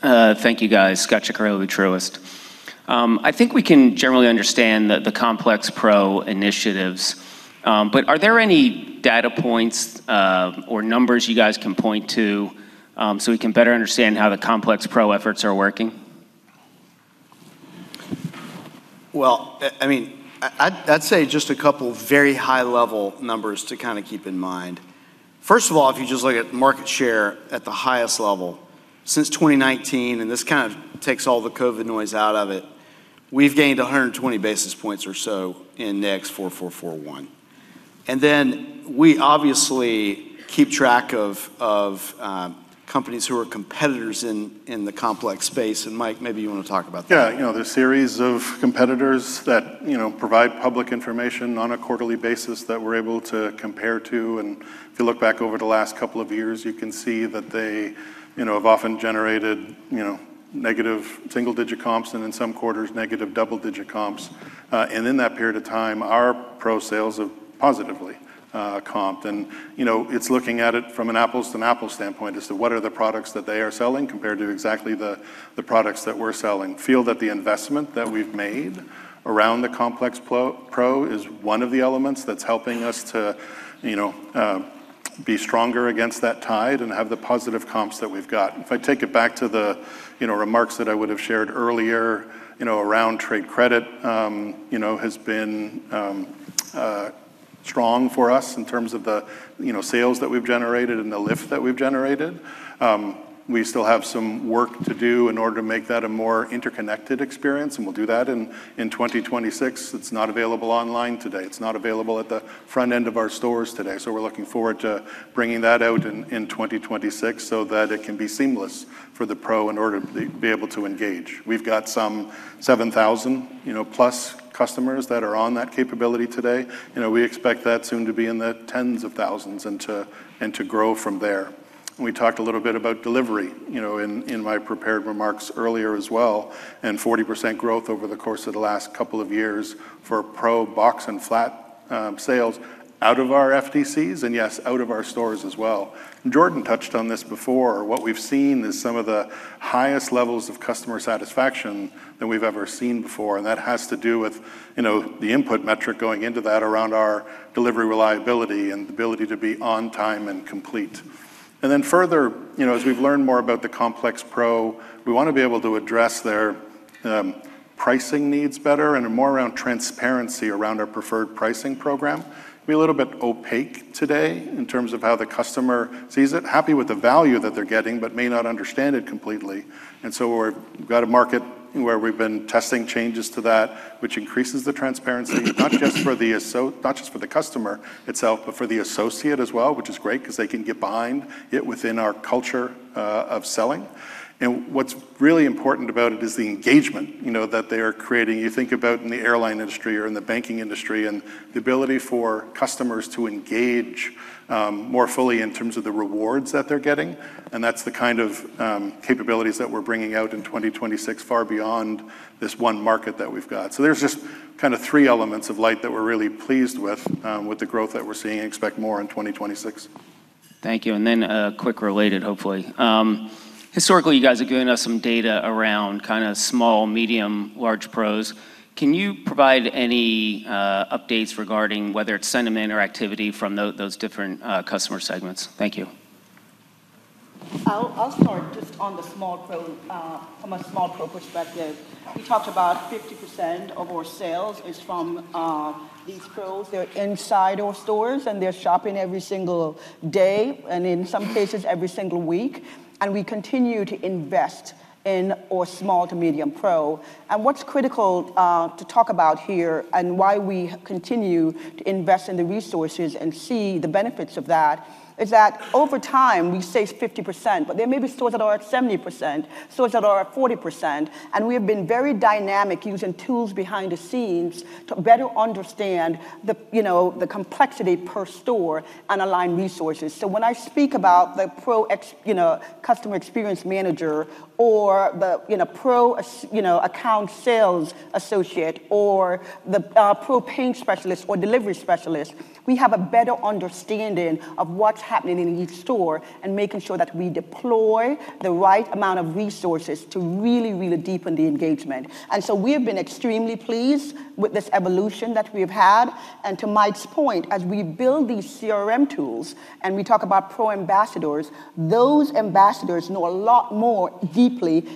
Speaker 25: Thank you, guys. Scott Ciccarelli, Truist. I think we can generally understand the Complex Pro initiatives. But are there any data points or numbers you guys can point to so we can better understand how the Complex Pro efforts are working?
Speaker 1: Well, I mean, I'd say just a couple of very high-level numbers to kind of keep in mind. First of all, if you just look at market share at the highest level since 2019, and this kind of takes all the COVID noise out of it, we've gained 120 basis points or so in NAICS 4441. And then we obviously keep track of companies who are competitors in the complex space. And Mike, maybe you want to talk about that.
Speaker 19: Yeah, there's a series of competitors that provide public information on a quarterly basis that we're able to compare to. And if you look back over the last couple of years, you can see that they have often generated negative single-digit comps and in some quarters, negative double-digit comps. And in that period of time, our Pro sales have positively comped. And it's looking at it from an apples-to-apples standpoint as to what are the products that they are selling compared to exactly the products that we're selling. feel that the investment that we've made around the Complex Pro is one of the elements that's helping us to be stronger against that tide and have the positive comps that we've got. If I take it back to the remarks that I would have shared earlier around trade credit, has been strong for us in terms of the sales that we've generated and the lift that we've generated. We still have some work to do in order to make that a more interconnected experience, and we'll do that in 2026. It's not available online today. It's not available at the front end of our stores today. So we're looking forward to bringing that out in 2026 so that it can be seamless for the Pro in order to be able to engage. We've got some 7,000-plus customers that are on that capability today. We expect that soon to be in the tens of thousands and to grow from there. We talked a little bit about delivery in my prepared remarks earlier as well and 40% growth over the course of the last couple of years for Pro box and flat sales out of our FDCs and yes, out of our stores as well. And Jordan touched on this before. What we've seen is some of the highest levels of customer satisfaction that we've ever seen before. And that has to do with the input metric going into that around our delivery reliability and the ability to be on time and complete. And then further, as we've learned more about the Complex Pro, we want to be able to address their pricing needs better and more around transparency around our preferred pricing program. We're a little bit opaque today in terms of how the customer sees it, happy with the value that they're getting, but may not understand it completely. And so we've got a market where we've been testing changes to that, which increases the transparency, not just for the customer itself, but for the associate as well, which is great because they can get behind it within our culture of selling. And what's really important about it is the engagement that they are creating. You think about in the airline industry or in the banking industry and the ability for customers to engage more fully in terms of the rewards that they're getting. And that's the kind of capabilities that we're bringing out in 2026, far beyond this one market that we've got. There's just kind of three elements of lighting that we're really pleased with the growth that we're seeing and expect more in 2026.
Speaker 25: Thank you. A quick related, hopefully. Historically, you guys are giving us some data around kind of small, medium, large Pros. Can you provide any updates regarding whether it's sentiment or activity from those different customer segments? Thank you.
Speaker 3: I'll start just on the small Pro. From a small Pro perspective, we talked about 50% of our sales is from these Pros. They're inside our stores, and they're shopping every single day and in some cases every single week. We continue to invest in our small to medium Pro. What's critical to talk about here and why we continue to invest in the resources and see the benefits of that is that over time, we save 50%, but there may be stores that are at 70%, stores that are at 40%. We have been very dynamic using tools behind the scenes to better understand the complexity per store and align resources. When I speak about the Pro Customer Experience Manager or the Pro Account Sales Associate or the Pro Paint Specialist or delivery specialist, we have a better understanding of what's happening in each store and making sure that we deploy the right amount of resources to really, really deepen the engagement. We have been extremely pleased with this evolution that we have had. And to Mike's point, as we build these CRM tools and we talk about Pro Ambassadors, those ambassadors know a lot more deeply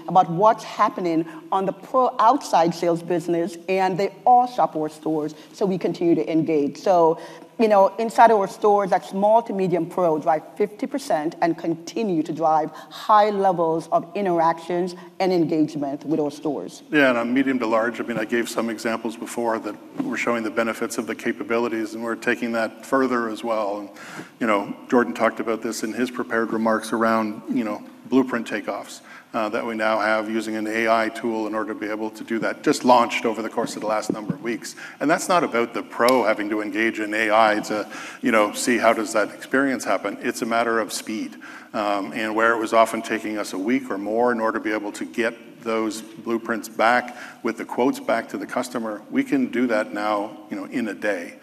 Speaker 3: about what's happening on the Pro outside sales business, and they also support stores so we continue to engage. So inside our stores, that's small to medium Pro, drive 50% and continue to drive high levels of interactions and engagement with our stores.
Speaker 19: Yeah, and on medium to large, I mean, I gave some examples before that we're showing the benefits of the capabilities, and we're taking that further as well. And Jordan talked about this in his prepared remarks around blueprint takeoffs that we now have using an AI tool in order to be able to do that, just launched over the course of the last number of weeks. That's not about the Pro having to engage in AI to see how does that experience happen. It's a matter of speed. Where it was often taking us a week or more in order to be able to get those blueprints back with the quotes back to the customer, we can do that now in a day.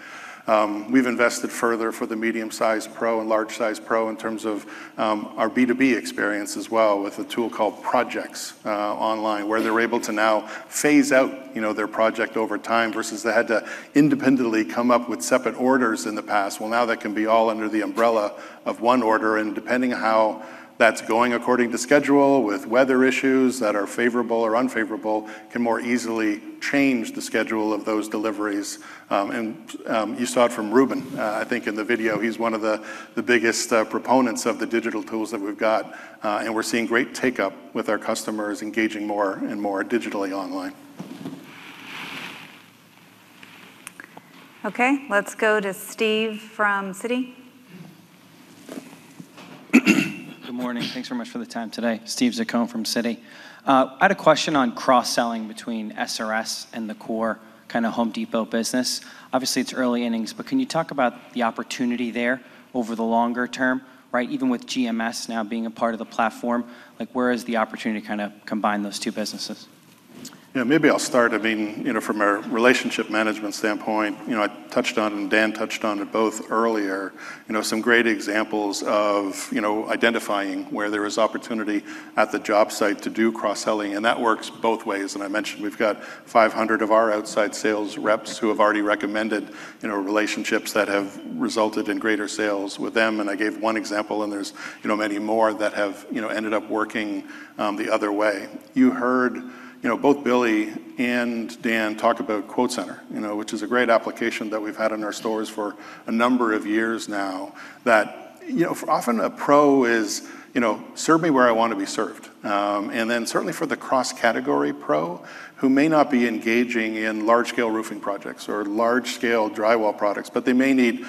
Speaker 19: We've invested further for the medium-sized Pro and large-sized Pro in terms of our B2B experience as well with a tool called projects online where they're able to now phase out their project over time versus they had to independently come up with separate orders in the past. Now that can be all under the umbrella of one order. Depending on how that's going according to schedule with weather issues that are favorable or unfavorable, can more easily change the schedule of those deliveries. You saw it from Ruben, I think, in the video. He's one of the biggest Proponents of the digital tools that we've got. And we're seeing great take-up with our customers engaging more and more digitally online.
Speaker 2: Okay, let's go to Steve from Citi.
Speaker 26: Good morning. Thanks very much for the time today. Steve Zaccone from Citi. I had a question on cross-selling between SRS and the core kind of Home Depot business. Obviously, it's early innings, but can you talk about the opportunity there over the longer term, right? Even with GMS now being a part of the platform, where is the opportunity to kind of combine those two businesses?
Speaker 19: Yeah, maybe I'll start. I mean, from a relationship management standpoint, I touched on it and Dan touched on it both earlier. Some great examples of identifying where there is opportunity at the job site to do cross-selling. That works both ways. I mentioned we've got 500 of our outside sales reps who have already recommended relationships that have resulted in greater sales with them. I gave one example, and there's many more that have ended up working the other way. You heard both Billy and Dan talk about QuoteCenter, which is a great application that we've had in our stores for a number of years now that often a Pro is served the way I want to be served. Then certainly for the cross-category Pro who may not be engaging in large-scale roofing projects or large-scale drywall products, but they may need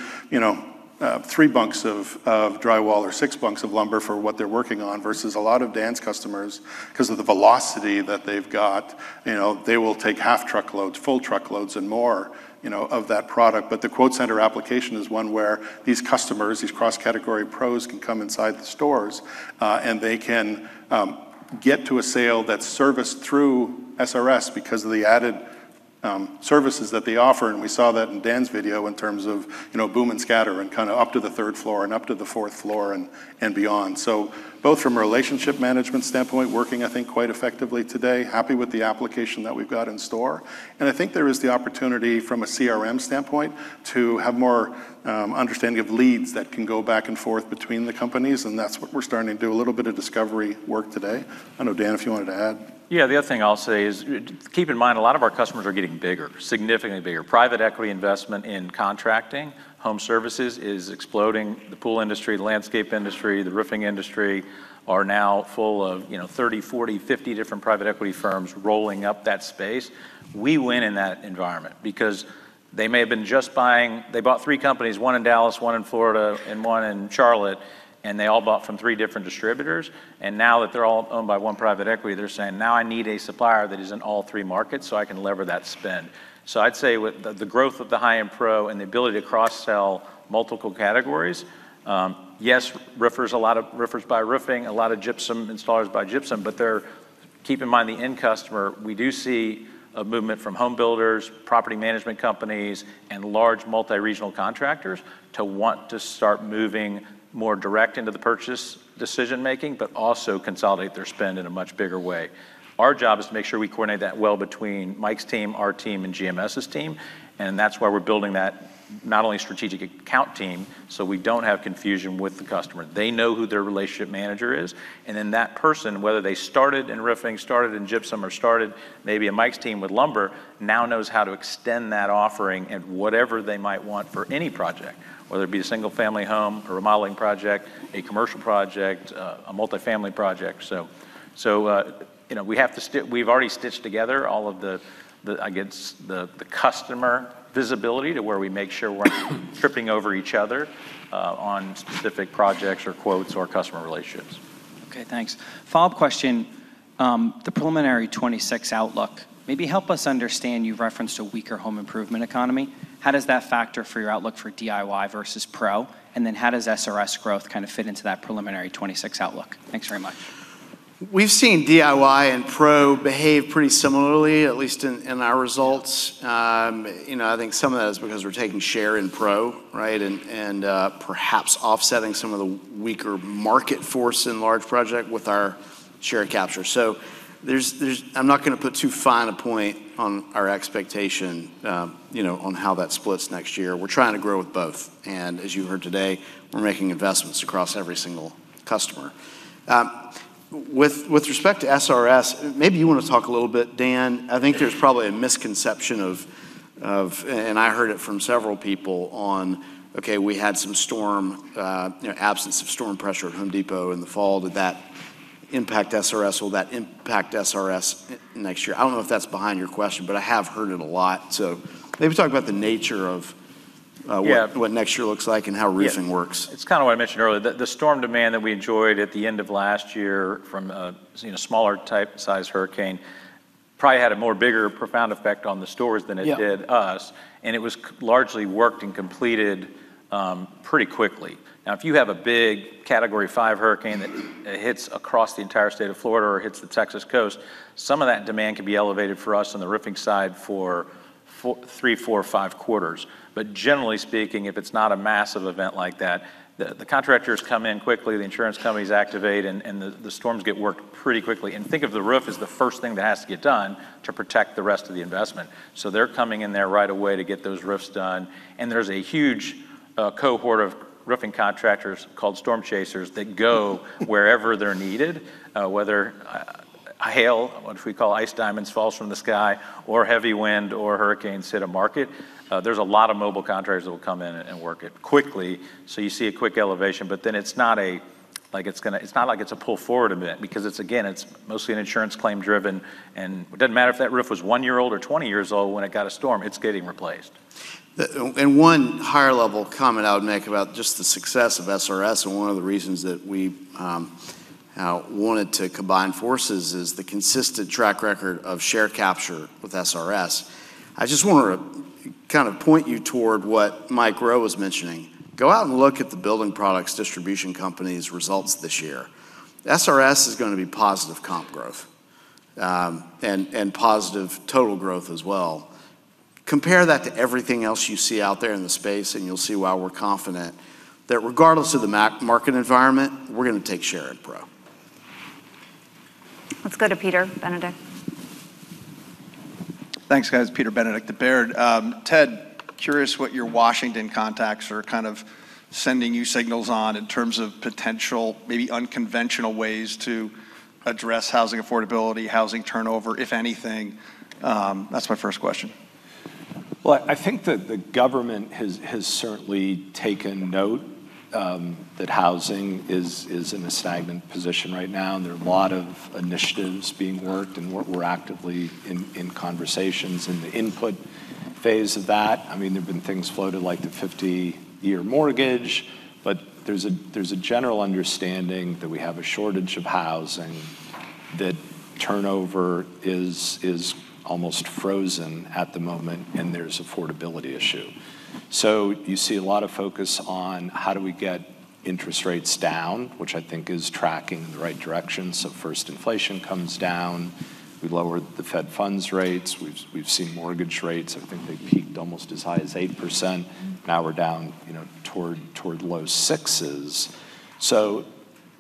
Speaker 19: three bunks of drywall or six bunks of lumber for what they're working on versus a lot of Dan's customers, because of the velocity that they've got, they will take half-truck loads, full-truck loads, and more of that product. But the QuoteCenter application is one where these customers, these cross-category Pros can come inside the stores, and they can get to a sale that's serviced through SRS because of the added services that they offer. And we saw that in Dan's video in terms of boom and scatter and kind of up to the third floor and up to the fourth floor and beyond. So both from a relationship management standpoint, working, I think, quite effectively today, happy with the application that we've got in store. And I think there is the opportunity from a CRM standpoint to have more understanding of leads that can go back and forth between the companies. And that's what we're starting to do, a little bit of discovery work today. I don't know, Dan, if you wanted to add.
Speaker 18: Yeah, the other thing I'll say is keep in mind a lot of our customers are getting bigger, significantly bigger. Private equity investment in contracting, home services is exploding. The pool industry, the landscape industry, the roofing industry are now full of 30, 40, 50 different private equity firms rolling up that space. We win in that environment because they may have been just buying, they bought three companies, one in Dallas, one in Florida, and one in Charlotte, and they all bought from three different distributors. And now that they're all owned by one private equity, they're saying, "Now I need a supplier that is in all three markets so I can leverage that spend." So I'd say with the growth of the high-end Pro and the ability to cross-sell multiple categories, yes, roofers buy roofing, a lot of gypsum installers buy gypsum, but keep in mind the end customer, we do see a movement from home builders, property management companies, and large multi-regional contractors to want to start moving more directly into the purchase decision-making, but also consolidate their spend in a much bigger way. Our job is to make sure we coordinate that well between Mike's team, our team, and GMS's team. And that's why we're building that not only strategic account team so we don't have confusion with the customer. They know who their relationship manager is. And then that person, whether they started in roofing, started in gypsum, or started maybe in Mike's team with lumber, now knows how to extend that offering and whatever they might want for any project, whether it be a single-family home, a remodeling project, a commercial project, a multifamily project. So we have to. We've already stitched together all of the, I guess, the customer visibility to where we make sure we're not tripping over each other on specific projects or quotes or customer relationships.
Speaker 26: Okay, thanks. Follow-up question. The preliminary 2026 outlook, maybe help us understand you've referenced a weaker home improvement economy. How does that factor for your outlook for DIY versus Pro? And then how does SRS growth kind of fit into that preliminary 2026 outlook? Thanks very much.
Speaker 4: We've seen DIY and Pro behave pretty similarly, at least in our results. I think some of that is because we're taking share in Pro, right, and perhaps offsetting some of the weaker market force in large project with our share capture. So I'm not going to put too fine a point on our expectation on how that splits next year. We're trying to grow with both. And as you heard today, we're making investments across every single customer. With respect to SRS, maybe you want to talk a little bit, Dan. I think there's Probably a misconception of, and I heard it from several people on, okay, we had some absence of storm pressure at Home Depot in the fall. Did that impact SRS? Will that impact SRS next year? I don't know if that's behind your question, but I have heard it a lot. So maybe talk about the nature of what next year looks like and how roofing works.
Speaker 18: It's kind of what I mentioned earlier. The storm demand that we enjoyed at the end of last year from a smaller type size hurricane Probably had a more bigger Profound effect on the stores than it did us. And it was largely worked and completed pretty quickly. Now, if you have a big Category 5 hurricane that hits across the entire state of Florida or hits the Texas coast, some of that demand can be elevated for us on the roofing side for three, four, five quarters. But generally speaking, if it's not a massive event like that, the contractors come in quickly, the insurance companies activate, and the storms get worked pretty quickly. And think of the roof as the first thing that has to get done to Protect the rest of the investment. So they're coming in there right away to get those roofs done. And there's a huge cohort of roofing contractors called storm chasers that go wherever they're needed, whether hail, what we call ice diamonds falls from the sky, or heavy wind or hurricanes hit a market. There's a lot of mobile contractors that will come in and work it quickly. So you see a quick elevation, but then it's not like it's a pull forward event because, again, it's mostly an insurance claim driven. And it doesn't matter if that roof was one year old or 20 years old when it got a storm, it's getting replaced.
Speaker 19: And one higher level comment I would make about just the success of SRS and one of the reasons that we wanted to combine forces is the consistent track record of share capture with SRS. I just want to kind of point you toward what Mike Rowe was mentioning. Go out and look at the building products distribution company's results this year. SRS is going to be positive comp growth and positive total growth as well. Compare that to everything else you see out there in the space, and you'll see why we're confident that regardless of the market environment, we're going to take share in Pro.
Speaker 2: Let's go to Peter Benedict.
Speaker 27: Thanks, guys. Peter Benedict from Baird. Ted, curious what your Washington contacts are kind of sending you signals on in terms of potential, maybe unconventional ways to address housing affordability, housing turnover, if anything. That's my first question.
Speaker 1: Well, I think that the government has certainly taken note that housing is in a stagnant position right now. There are a lot of initiatives being worked, and we're actively in conversations in the input phase of that. I mean, there have been things floated like the 50-year mortgage, but there's a general understanding that we have a shortage of housing, that turnover is almost frozen at the moment, and there's affordability issue. So you see a lot of focus on how do we get interest rates down, which I think is tracking in the right direction. So first, inflation comes down. We lowered the Fed funds rates. We've seen mortgage rates. I think they peaked almost as high as 8%. Now we're down toward low sixes. So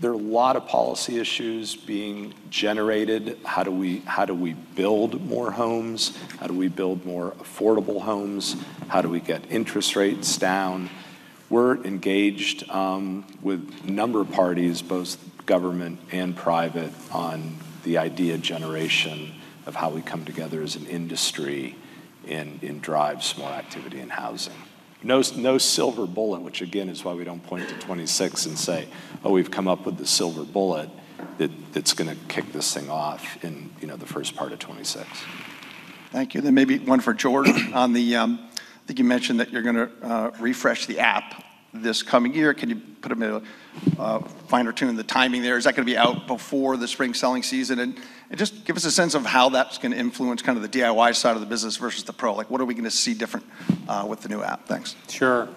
Speaker 1: there are a lot of policy issues being generated. How do we build more homes? How do we build more affordable homes? How do we get interest rates down? We're engaged with a number of parties, both government and private, on the idea generation of how we come together as an industry and drive some more activity in housing. No silver bullet, which again is why we don't point to 2026 and say, "Oh, we've come up with the silver bullet that's going to kick this thing off in the first part of 2026."
Speaker 27: Thank you. Then maybe one for Jordan on that. I think you mentioned that you're going to refresh the app this coming year. Can you put a finer point on the timing there? Is that going to be out before the spring selling season? And just give us a sense of how that's going to influence kind of the DIY side of the business versus the Pro. What are we going to see different with the new app? Thanks. Sure.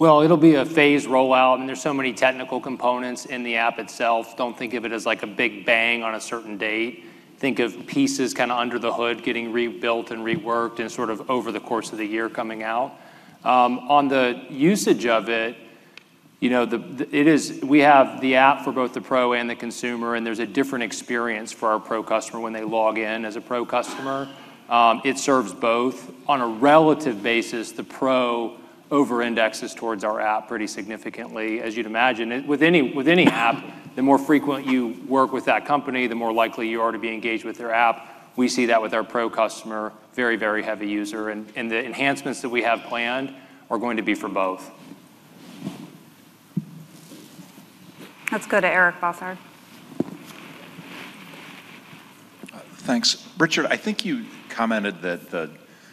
Speaker 6: It'll be a phased rollout, and there's so many technical components in the app itself. Don't think of it as like a big bang on a certain date. Think of pieces kind of under the hood getting rebuilt and reworked and sort of over the course of the year coming out. On the usage of it, we have the app for both the Pro and the consumer, and there's a different experience for our Pro customer when they log in as a Pro customer. It serves both. On a relative basis, the Pro over-indexes towards our app pretty significantly, as you'd imagine. With any app, the more frequent you work with that company, the more likely you are to be engaged with their app. We see that with our Pro customer, very, very heavy user. The enhancements that we have planned are going to be for both.pLet's go to Eric Bosshard.
Speaker 28: Thanks. Richard, I think you commented that you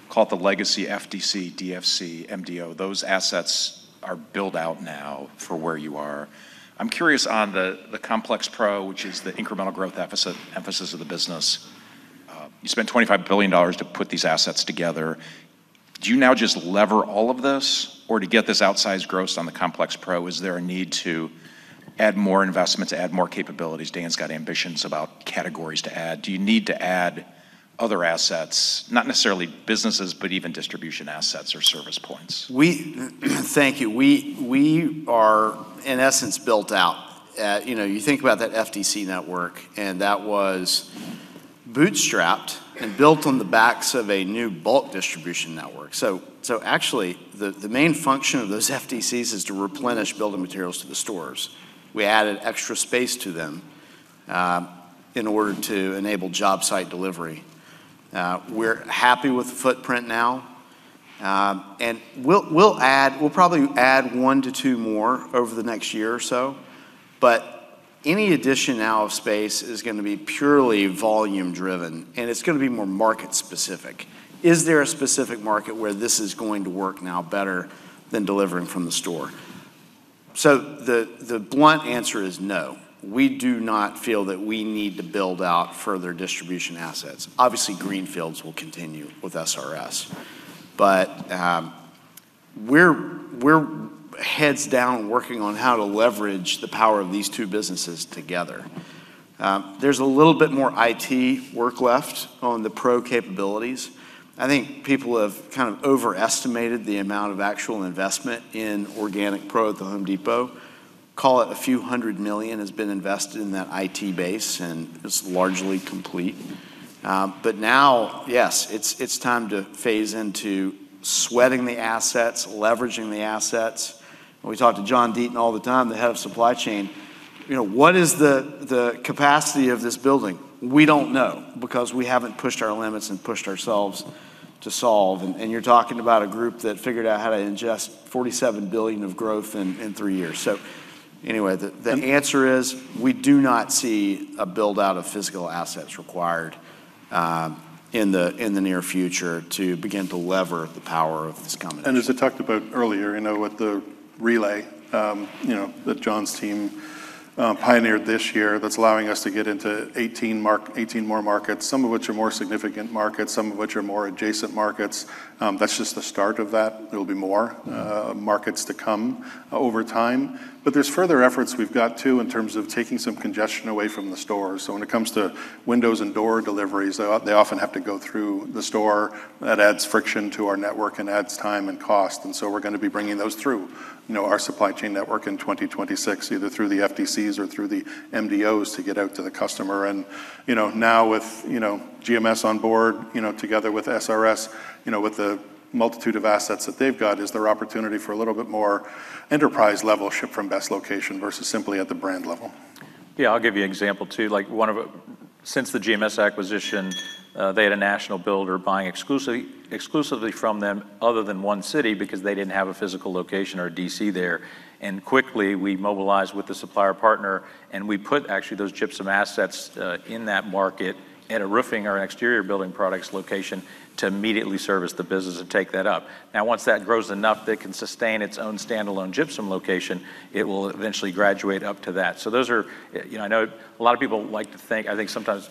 Speaker 28: call it the legacy FDC, DFC, MDO, those assets are built out now for where you are. I'm curious on the Complex Pro, which is the incremental growth emphasis of the business. You spent $25 billion to put these assets together. Do you now just lever all of this? Or to get this outsized growth on the Complex Pro, is there a need to add more investments, add more capabilities? Dan's got ambitions about categories to add. Do you need to add other assets, not necessarily businesses, but even distribution assets or service points?
Speaker 19: Thank you. We are, in essence, built out. You think about that FDC network, and that was bootstrapped and built on the backs of a new bulk distribution network. So actually, the main function of those FDCs is to replenish building materials to the stores. We added extra space to them in order to enable job site delivery. We're happy with the footprint now. And we'll probably add one to two more over the next year or so. But any addition now of space is going to be purely volume-driven, and it's going to be more market-specific. Is there a specific market where this is going to work now better than delivering from the store? So the blunt answer is no. We do not feel that we need to build out further distribution assets. Obviously, greenfields will continue with SRS. But we're heads down working on how to leverage the power of these two businesses together. There's a little bit more IT work left on the Pro capabilities. I think people have kind of overestimated the amount of actual investment in organic Pro at The Home Depot. Call it a few hundred million has been invested in that IT base, and it's largely complete. But now, yes, it's time to phase into sweating the assets, leveraging the assets. We talk to John Deaton all the time, the head of supply chain. What is the capacity of this building? We don't know because we haven't pushed our limits and pushed ourselves to solve. And you're talking about a group that figured out how to ingest $47 billion of growth in three years. So anyway, the answer is we do not see a build-out of physical assets required in the near future to begin to lever the power of this combination.
Speaker 18: As I talked about earlier, with the relay that John's team pioneered this year that's allowing us to get into 18 more markets, some of which are more significant markets, some of which are more adjacent markets. That's just the start of that. There will be more markets to come over time. But there's further efforts we've got to in terms of taking some congestion away from the stores. So when it comes to windows and door deliveries, they often have to go through the store. That adds friction to our network and adds time and cost. And so we're going to be bringing those through our supply chain network in 2026, either through the FDCs or through the MDOs to get out to the customer. And now with GMS on board together with SRS, with the multitude of assets that they've got, is there opportunity for a little bit more enterprise-level shift from best location versus simply at the brand level?
Speaker 1: Yeah, I'll give you an example too. Since the GMS acquisition, they had a national builder buying exclusively from them other than one city because they didn't have a physical location or a DC there. And quickly, we mobilized with the supplier partner, and we put actually those gypsum assets in that market at a roofing or an exterior building products location to immediately service the business and take that up. Now, once that grows enough that it can sustain its own standalone gypsum location, it will eventually graduate up to that. So those are. I know a lot of people like to think, I think sometimes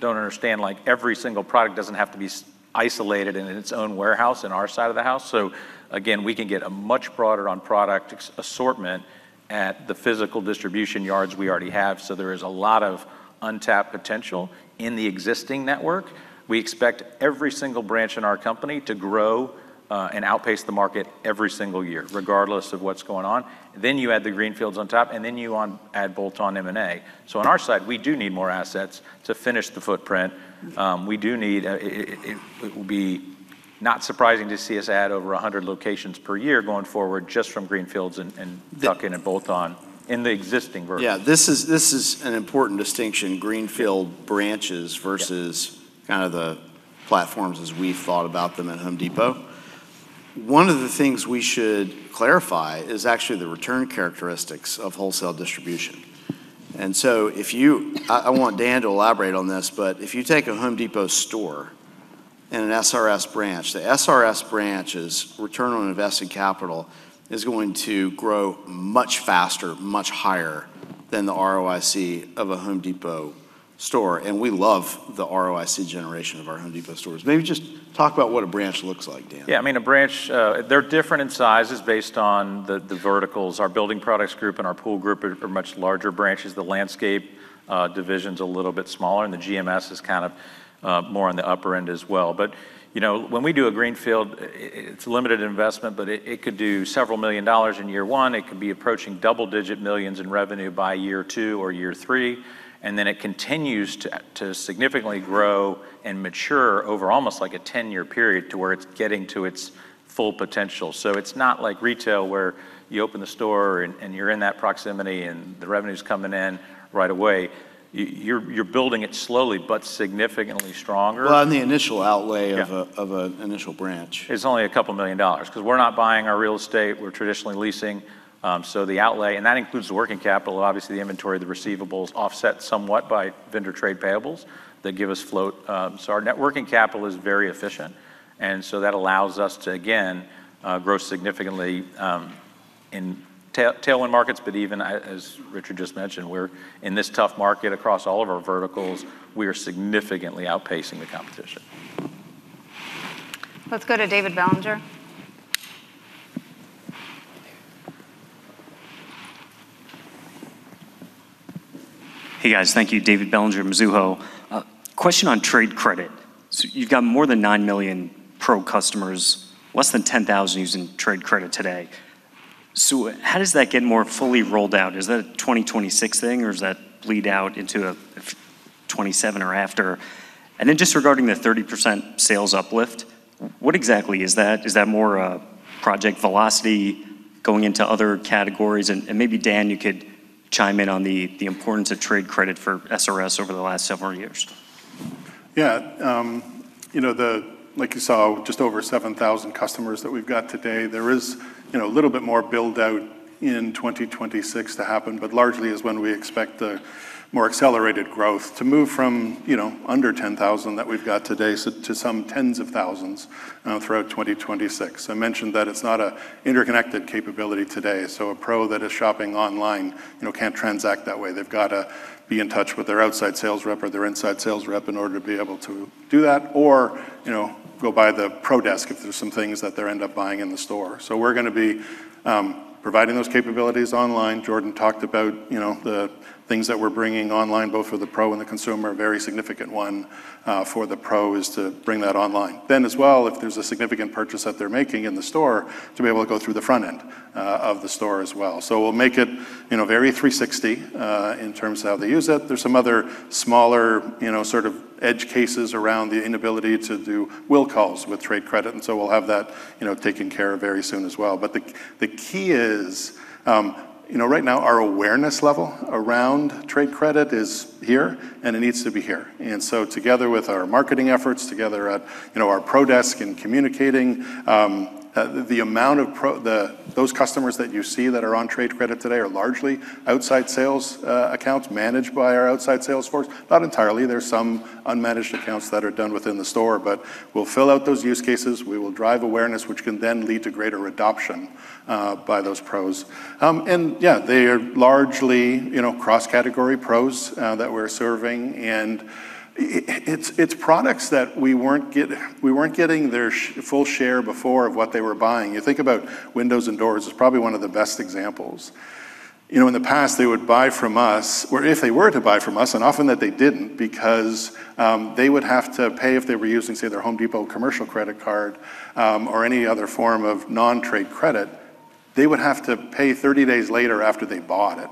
Speaker 1: don't understand every single product doesn't have to be isolated in its own warehouse in our side of the house. So again, we can get a much broader on product assortment at the physical distribution yards we already have. So there is a lot of untapped potential in the existing network. We expect every single branch in our company to grow and outpace the market every single year, regardless of what's going on. Then you add the greenfields on top, and then you add bolt-on M&A. So on our side, we do need more assets to finish the footprint. We do need it will be not surprising to see us add over 100 locations per year going forward just from greenfields and tuck-in and bolt-on in the existing version.
Speaker 19: Yeah, this is an important distinction, greenfield branches versus kind of the platforms as we've thought about them at Home Depot. One of the things we should clarify is actually the return characteristics of wholesale distribution. And so I want Dan to elaborate on this, but if you take a Home Depot store and an SRS branch, the SRS branch's return on invested capital is going to grow much faster, much higher than the ROIC of a Home Depot store. And we love the ROIC generation of our Home Depot stores. Maybe just talk about what a branch looks like, Dan.
Speaker 18: Yeah, I mean, a branch, they're different in sizes based on the verticals. Our building products group and our pool group are much larger branches. The landscape division is a little bit smaller, and the GMS is kind of more on the upper end as well. When we do a greenfield, it's a limited investment, but it could do $ several million in year one. It could be apProaching double-digit millions in revenue by year two or year three. Then it continues to significantly grow and mature over almost like a 10-year period to where it's getting to its full potential. It's not like retail where you open the store and you're in that Proximity and the revenue's coming in right away. You're building it slowly, but significantly stronger. On the initial outlay of an initial branch, it's only $ a couple million because we're not buying our real estate. We're traditionally leasing. So the outlay, and that includes the working capital, obviously the inventory, the receivables offset somewhat by vendor trade payables that give us float. So our net working capital is very efficient. And so that allows us to, again, grow significantly in tailwind markets. But even, as Richard just mentioned, we're in this tough market across all of our verticals. We are significantly outpacing the competition.
Speaker 2: Let's go to David Bellinger.
Speaker 29: Hey, guys. Thank you, David Bellinger of Mizuho. Question on trade credit. So you've got more than nine million Pro customers, less than 10,000 using trade credit today. So how does that get more fully rolled out? Is that a 2026 thing, or does that bleed out into 2027 or after? And then just regarding the 30% sales uplift, what exactly is that? Is that more a project velocity going into other categories? And maybe, Dan, you could chime in on the importance of trade credit for SRS over the last several years.
Speaker 18: Yeah, like you saw, just over 7,000 customers that we've got today. There is a little bit more build-out in 2026 to happen, but largely is when we expect the more accelerated growth to move from under 10,000 that we've got today to some tens of thousands throughout 2026. I mentioned that it's not an interconnected capability today. So a Pro that is shopping online can't transact that way. They've got to be in touch with their outside sales rep or their inside sales rep in order to be able to do that or go by the Pro desk if there's some things that they end up buying in the store. So we're going to be Providing those capabilities online. Jordan talked about the things that we're bringing online, both for the Pro and the consumer. A very significant one for the Pro is to bring that online. Then as well, if there's a significant purchase that they're making in the store, to be able to go through the front end of the store as well. So we'll make it very 360 in terms of how they use it. There's some other smaller sort of edge cases around the inability to do will calls with trade credit. And so we'll have that taken care of very soon as well. But the key is right now, our awareness level around trade credit is here, and it needs to be here. And so together with our marketing efforts, together at our Pro desk and communicating, the amount of those customers that you see that are on trade credit today are largely outside sales accounts managed by our outside sales force. Not entirely. There's some unmanaged accounts that are done within the store, but we'll fill out those use cases. We will drive awareness, which can then lead to greater adoption by those Pros. And yeah, they are largely cross-category Pros that we're serving. And it's products that we weren't getting their full share before of what they were buying. You think about windows and doors. It's Probably one of the best examples. In the past, they would buy from us, or if they were to buy from us, and often that they didn't because they would have to pay if they were using, say, their Home Depot commercial credit card or any other form of non-trade credit. They would have to pay 30 days later after they bought it.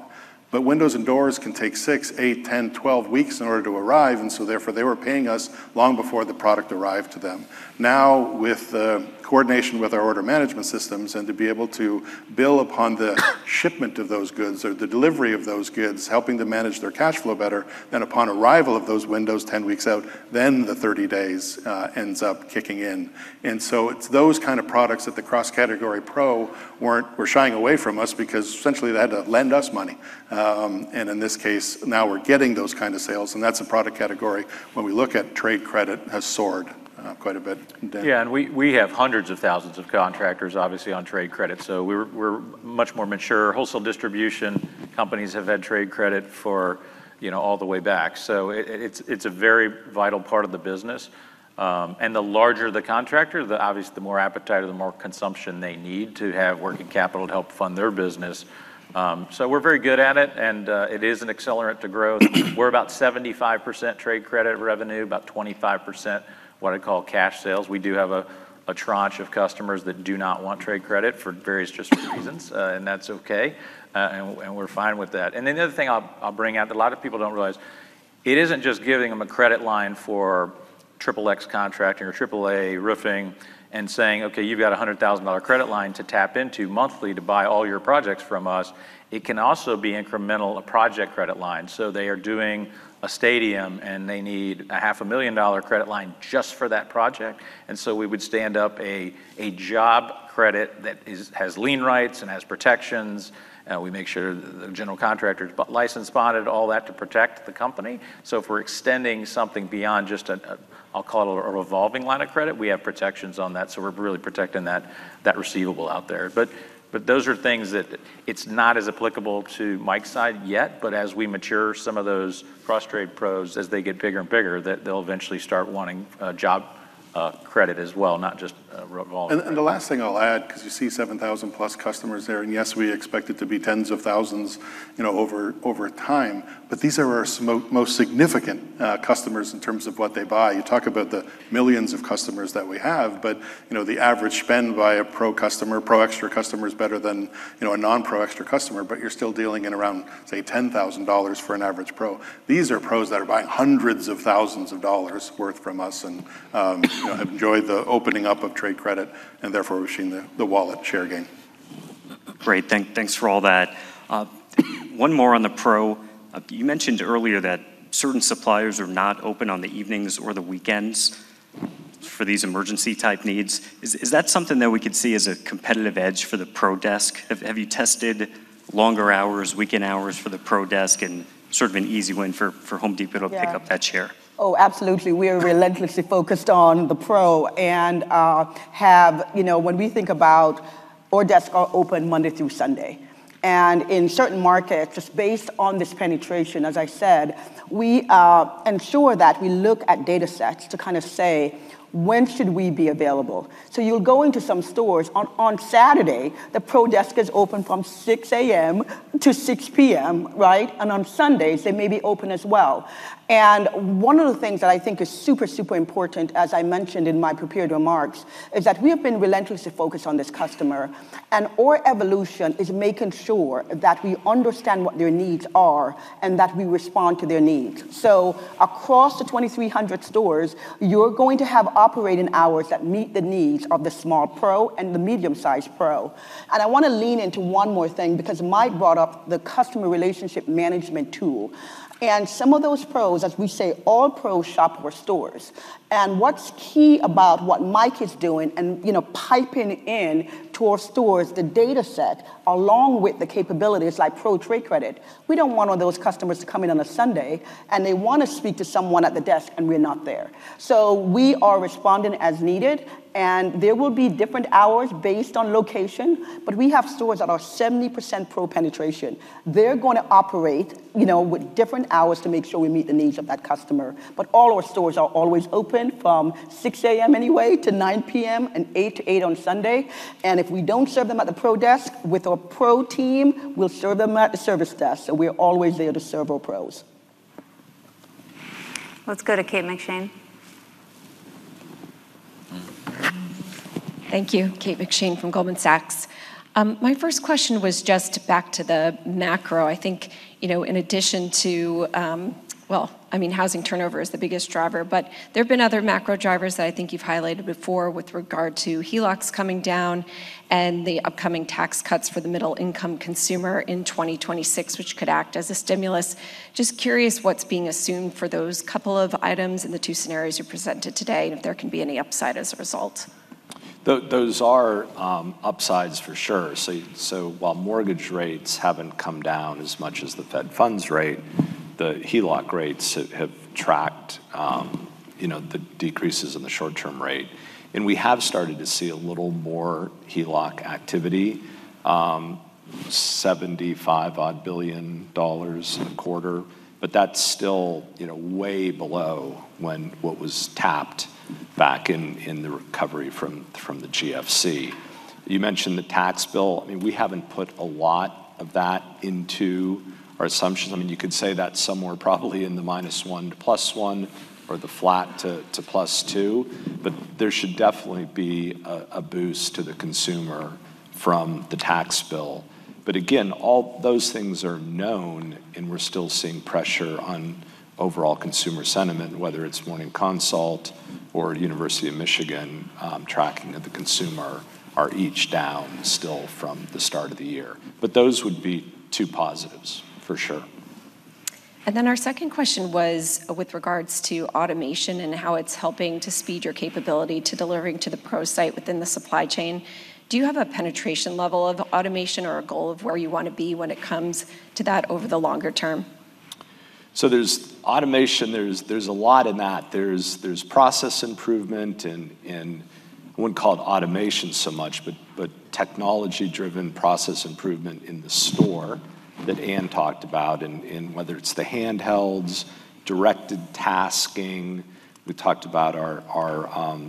Speaker 18: But windows and doors can take six, eight, 10, 12 weeks in order to arrive. And so therefore, they were paying us long before the product arrived to them. Now, with the coordination with our order management systems and to be able to build upon the shipment of those goods or the delivery of those goods, helping to manage their cash flow better, then upon arrival of those windows 10 weeks out, then the 30 days ends up kicking in. And so it's those kind of products that the cross-category Pro were shying away from us because essentially they had to lend us money. And in this case, now we're getting those kind of sales. And that's a product category when we look at trade credit has soared quite a bit.
Speaker 1: Yeah, and we have hundreds of thousands of contractors, obviously, on trade credit. So we're much more mature. Wholesale distribution companies have had trade credit for all the way back. So it's a very vital part of the business. The larger the contractor, obviously, the more appetite or the more consumption they need to have working capital to help fund their business. We're very good at it, and it is an accelerant to growth. We're about 75% trade credit revenue, about 25% what I call cash sales. We do have a tranche of customers that do not want trade credit for various just reasons, and that's okay. We're fine with that. The other thing I'll bring out that a lot of people don't realize, it isn't just giving them a credit line for triple X contracting or triple A roofing and saying, "Okay, you've got a $100,000 credit line to tap into monthly to buy all your projects from us." It can also be incremental, a project credit line. They are doing a stadium, and they need a $500,000 credit line just for that project. We would stand up a job credit that has lien rights and has Protections. We make sure the general contractor is licensed, bonded, all that to Protect the company. If we're extending something beyond just a, I'll call it a revolving line of credit, we have Protections on that. We're really Protecting that receivable out there. Those are things that it's not as applicable to Mike's side yet, but as we mature some of those cross-trade Pros, as they get bigger and bigger, that they'll eventually start wanting job credit as well, not just revolving.
Speaker 19: And the last thing I'll add, because you see 7,000 plus customers there, and yes, we expect it to be tens of thousands over time, but these are our most significant customers in terms of what they buy. You talk about the millions of customers that we have, but the average spend by a Pro customer, Pro Xtra customer is better than a non-Pro Xtra customer, but you're still dealing in around, say, $10,000 for an average Pro. These are Pros that are buying hundreds of thousands of dollars worth from us and have enjoyed the opening up of trade credit, and therefore, we've seen the wallet share gain.
Speaker 29: Great. Thanks for all that. One more on the Pro. You mentioned earlier that certain suppliers are not open on the evenings or the weekends for these emergency-type needs. Is that something that we could see as a competitive edge for the Pro desk? Have you tested longer hours, weekend hours for the Pro desk and sort of an easy win for Home Depot to pick up that share?
Speaker 3: Oh, absolutely. We are relentlessly focused on the Pro and have when we think about our desk open Monday through Sunday. And in certain markets, just based on this penetration, as I said, we ensure that we look at data sets to kind of say, "When should we be available?" So you'll go into some stores on Saturday, the Pro desk is open from 6:00 A.M. to 6:00 P.M., right? And on Sundays, they may be open as well. One of the things that I think is super, super important, as I mentioned in my prepared remarks, is that we have been relentlessly focused on this customer, and our evolution is making sure that we understand what their needs are and that we respond to their needs. Across the 2,300 stores, you're going to have operating hours that meet the needs of the small Pro and the medium-sized Pro. I want to lean into one more thing because Mike brought up the customer relationship management tool. Some of those Pros, as we say, all Pro shop or stores. And what's key about what Mike is doing and piping in to our stores, the data set along with the capabilities like Pro Trade Credit, we don't want all those customers to come in on a Sunday, and they want to speak to someone at the desk, and we're not there. So we are responding as needed, and there will be different hours based on location, but we have stores that are 70% Pro penetration. They're going to operate with different hours to make sure we meet the needs of that customer. But all our stores are always open from 6:00 A.M. anyway to 9:00 P.M. and 8:00 A.M. to 8:00 P.M. on Sunday. And if we don't serve them at the Pro desk with our Pro team, we'll serve them at the service desk. So we're always there to serve our Pros.
Speaker 2: Let's go to Kate McShane.
Speaker 30: Thank you, Kate McShane from Goldman Sachs. My first question was just back to the macro. I think in addition to, well, I mean, housing turnover is the biggest driver, but there have been other macro drivers that I think you've highlighted before with regard to HELOCs coming down and the upcoming tax cuts for the middle-income consumer in 2026, which could act as a stimulus. Just curious what's being assumed for those couple of items and the two scenarios you presented today and if there can be any upside as a result.
Speaker 1: Those are upsides for sure. So while mortgage rates haven't come down as much as the Fed funds rate, the HELOC rates have tracked the decreases in the short-term rate. We have started to see a little more HELOC activity, $75-odd billion a quarter, but that's still way below what was tapped back in the recovery from the GFC. You mentioned the tax bill. I mean, we haven't put a lot of that into our assumptions. I mean, you could say that somewhere Probably in the minus one to plus one or the flat to plus two, but there should definitely be a boost to the consumer from the tax bill. But again, all those things are known, and we're still seeing pressure on overall consumer sentiment, whether it's Morning Consult or University of Michigan tracking of the consumer are each down still from the start of the year. But those would be two positives for sure.
Speaker 30: And then our second question was with regards to automation and how it's helping to speed your capability to delivering to the Pro site within the supply chain. Do you have a penetration level of automation or a goal of where you want to be when it comes to that over the longer term?
Speaker 1: So there's automation. There's a lot in that. There's process improvement and I wouldn't call it automation so much, but technology-driven process improvement in the store that Ann talked about, and whether it's the handhelds, directed tasking. We talked about our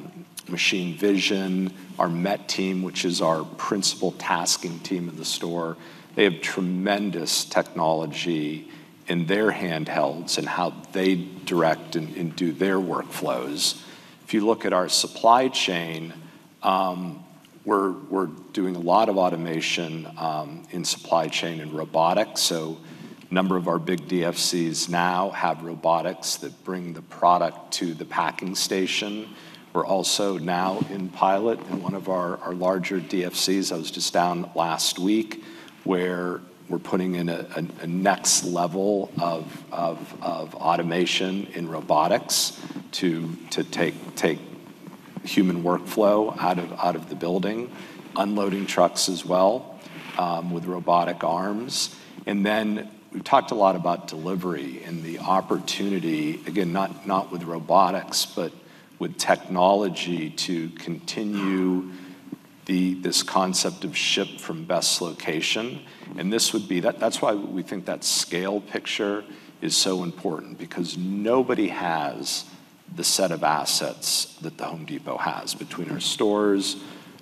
Speaker 1: machine vision, our MET team, which is our principal tasking team in the store. They have tremendous technology in their handhelds and how they direct and do their workflows. If you look at our supply chain, we're doing a lot of automation in supply chain and robotics. A number of our big DFCs now have robotics that bring the product to the packing station. We're also now in pilot in one of our larger DFCs. I was just down last week where we're putting in a next level of automation in robotics to take human workflow out of the building, unloading trucks as well with robotic arms, and then we've talked a lot about delivery and the opportunity, again, not with robotics, but with technology to continue this concept of ship from best location. And that's why we think that scale picture is so important because nobody has the set of assets that The Home Depot has between our stores,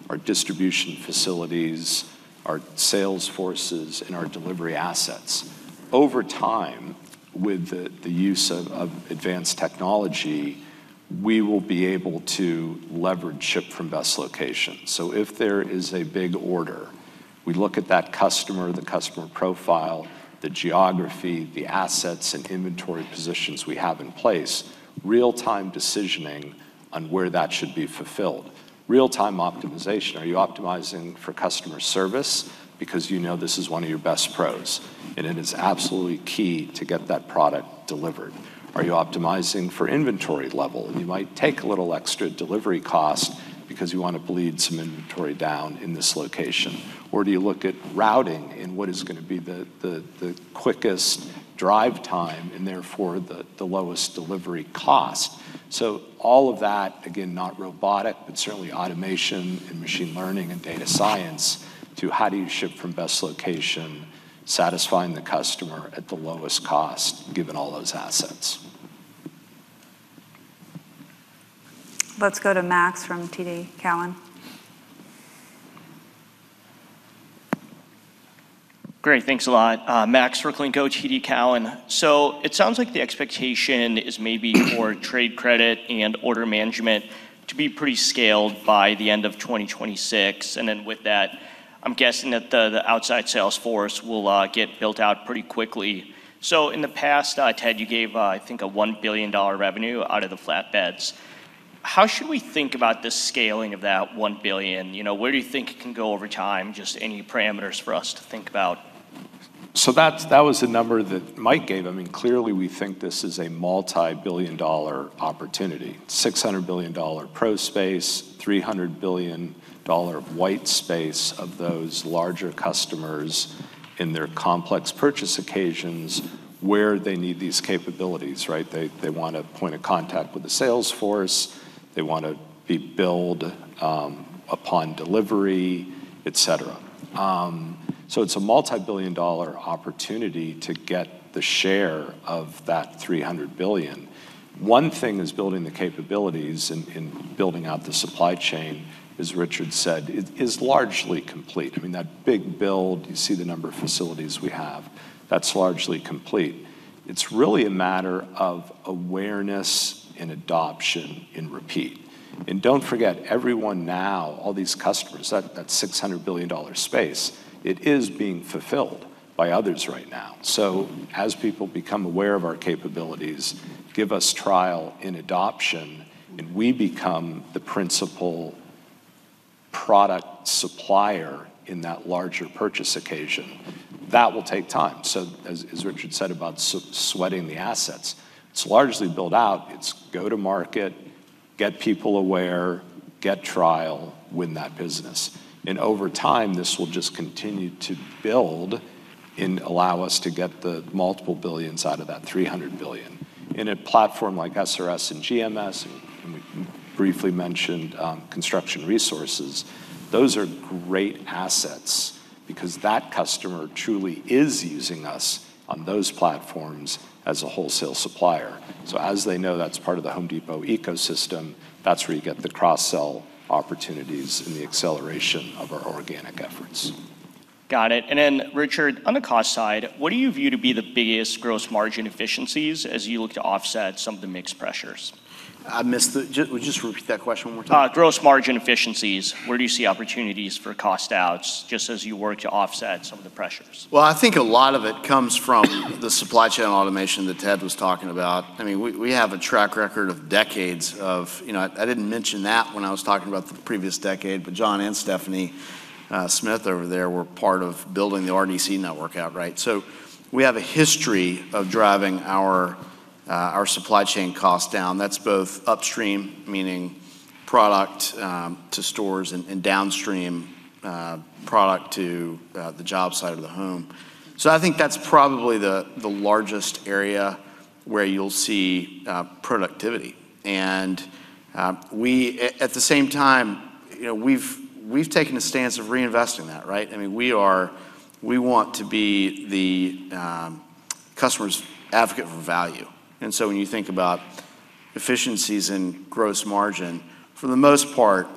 Speaker 1: our distribution facilities, our sales forces, and our delivery assets. Over time, with the use of advanced technology, we will be able to leverage ship from best location. So if there is a big order, we look at that customer, the customer profile, the geography, the assets, and inventory positions we have in place, real-time decisioning on where that should be fulfilled, real-time optimization. Are you optimizing for customer service because you know this is one of your best Pros, and it is absolutely key to get that product delivered? Are you optimizing for inventory level? You might take a little extra delivery cost because you want to bleed some inventory down in this location. Or do you look at routing and what is going to be the quickest drive time and therefore the lowest delivery cost? So all of that, again, not robotic, but certainly automation and machine learning and data science to how do you ship from best location, satisfying the customer at the lowest cost given all those assets.
Speaker 2: Let's go to Max from TD Cowen.
Speaker 31: Great. Thanks a lot. Max from TD Cowen. So it sounds like the expectation is maybe for trade credit and order management to be pretty scaled by the end of 2026. And then with that, I'm guessing that the outside sales force will get built out pretty quickly. So in the past, Ted, you gave, I think, a $1 billion revenue out of the flatbeds. How should we think about the scaling of that 1 billion? Where do you think it can go over time? Just any parameters for us to think about.
Speaker 1: So that was a number that Mike gave. I mean, clearly, we think this is a multi-billion dollar opportunity. $600 billion Pro space, $300 billion white space of those larger customers in their complex purchase occasions where they need these capabilities, right? They want a point of contact with the sales force. They want to be billed upon delivery, etc. So it's a multi-billion dollar opportunity to get the share of that $300 billion. One thing is building the capabilities and building out the supply chain, as Richard said, is largely complete. I mean, that big build, you see the number of facilities we have, that's largely complete. It's really a matter of awareness and adoption in repeat. And don't forget, everyone now, all these customers, that $600 billion space, it is being fulfilled by others right now. So as people become aware of our capabilities, give us trial in adoption, and we become the principal product supplier in that larger purchase occasion. That will take time. So as Richard said about sweating the assets, it's largely built out. It's go to market, get people aware, get trial, win that business. And over time, this will just continue to build and allow us to get the multiple billions out of that $300 billion. In a platform like SRS and GMS, and we briefly mentioned Construction Resources, those are great assets because that customer truly is using us on those platforms as a wholesale supplier. So as they know, that's part of the Home Depot ecosystem. That's where you get the cross-sell opportunities and the acceleration of our organic efforts.
Speaker 31: Got it. And then, Richard, on the cost side, what do you view to be the biggest gross margin efficiencies as you look to offset some of the mixed pressures?
Speaker 19: I missed the. Would you just repeat that question one more time?
Speaker 31: Gross margin efficiencies, where do you see opportunities for cost outs just as you work to offset some of the pressures?
Speaker 19: I think a lot of it comes from the supply chain automation that Ted was talking about. I mean, we have a track record of decades of. I didn't mention that when I was talking about the previous decade, but John Deaton and Stephanie Smith over there were part of building the RDC network out, right? So we have a history of driving our supply chain costs down. That's both upstream, meaning product to stores, and downstream, product to the job side of the home. So I think that's Probably the largest area where you'll see productivity. And at the same time, we've taken a stance of reinvesting that, right? I mean, we want to be the customer's advocate for value. And so when you think about efficiencies and gross margin, for the most part,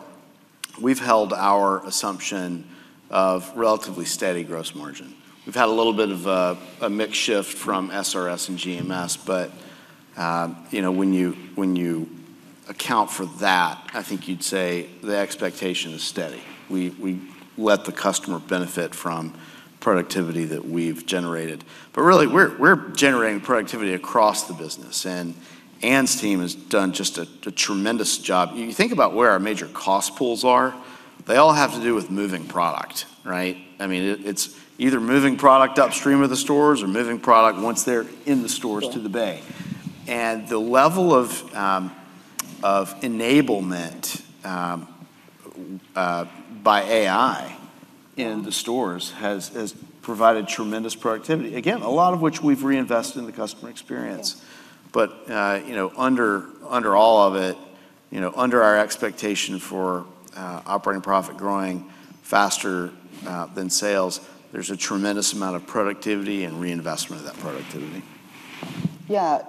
Speaker 19: we've held our assumption of relatively steady gross margin. We've had a little bit of a mixed shift from SRS and GMS, but when you account for that, I think you'd say the expectation is steady. We let the customer benefit from productivity that we've generated. But really, we're generating productivity across the business. And Ann-Marie's team has done just a tremendous job. You think about where our major cost pools are, they all have to do with moving product, right? I mean, it's either moving product upstream of the stores or moving product once they're in the stores to the bay. And the level of enablement by AI in the stores has provided tremendous productivity. Again, a lot of which we've reinvested in the customer experience. But under all of it, under our expectation for operating profit growing faster than sales, there's a tremendous amount of productivity and reinvestment of that productivity. Yeah.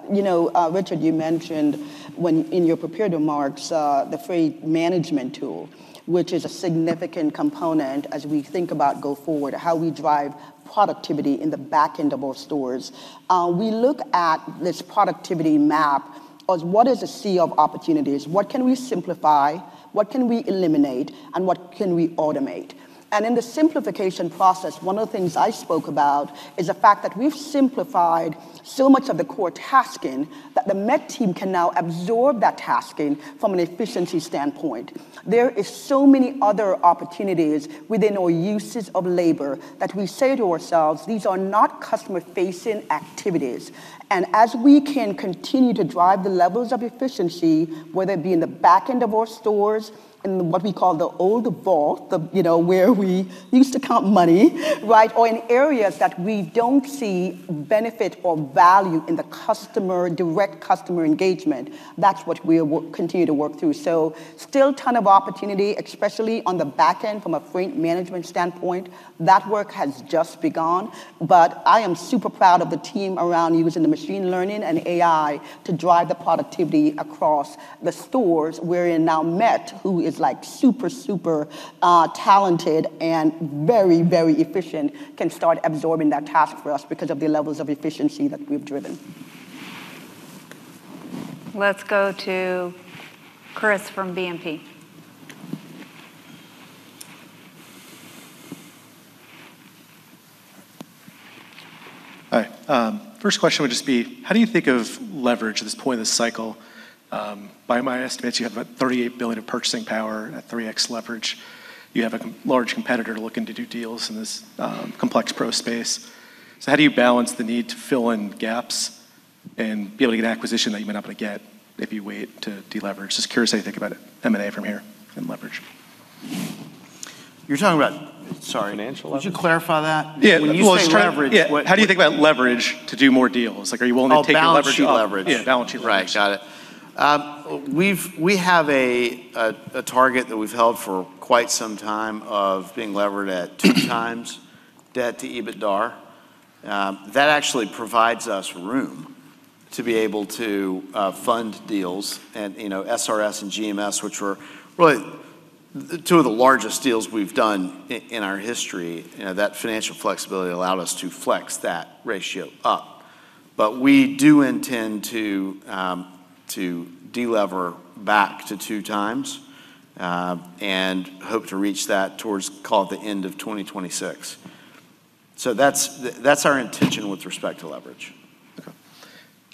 Speaker 3: Richard, you mentioned in your prepared remarks the freight management tool, which is a significant component as we think about going forward, how we drive productivity in the back end of our stores. We look at this productivity map as what is a sea of opportunities? What can we simplify? What can we eliminate? And what can we automate? And in the simplification process, one of the things I spoke about is the fact that we've simplified so much of the core tasking that the MET team can now absorb that tasking from an efficiency standpoint. There are so many other opportunities within our uses of labor that we say to ourselves, "These are not customer-facing activities." And as we can continue to drive the levels of efficiency, whether it be in the back end of our stores and what we call the old vault, where we used to count money, right, or in areas that we don't see benefit or value in the direct customer engagement, that's what we will continue to work through. So still a ton of opportunity, especially on the back end from a freight management standpoint. That work has just begun. But I am super proud of the team around using the machine learning and AI to drive the productivity across the stores, wherein now MET, who is super, super talented and very, very efficient, can start absorbing that task for us because of the levels of efficiency that we've driven.
Speaker 2: Let's go to Chris from BNP.
Speaker 32: Hi. First question would just be, how do you think of leverage at this point in the cycle? By my estimates, you have about $38 billion of purchasing power at 3X leverage. You have a large competitor to look into due deals in this complex Pro space. So how do you balance the need to fill in gaps and be able to get acquisition that you may not be able to get if you wait to deleverage? Just curious how you think about M&A from here and leverage.
Speaker 19: You're talking about, sorry. Financial leverage. Would you clarify that?
Speaker 32: Yeah. Well, it's trying to leverage. How do you think about leverage to do more deals? Are you willing to take leverage? Balance sheet leverage.
Speaker 19: Yeah. Balance sheet leverage. Got it. We have a target that we've held for quite some time of being levered at two times debt to EBITDA. That actually provides us room to be able to fund deals. And SRS and GMS, which were really two of the largest deals we've done in our history, that financial flexibility allowed us to flex that ratio up. But we do intend to delever back to two times and hope to reach that towards, call it, the end of 2026. So that's our intention with respect to leverage.
Speaker 32: Okay.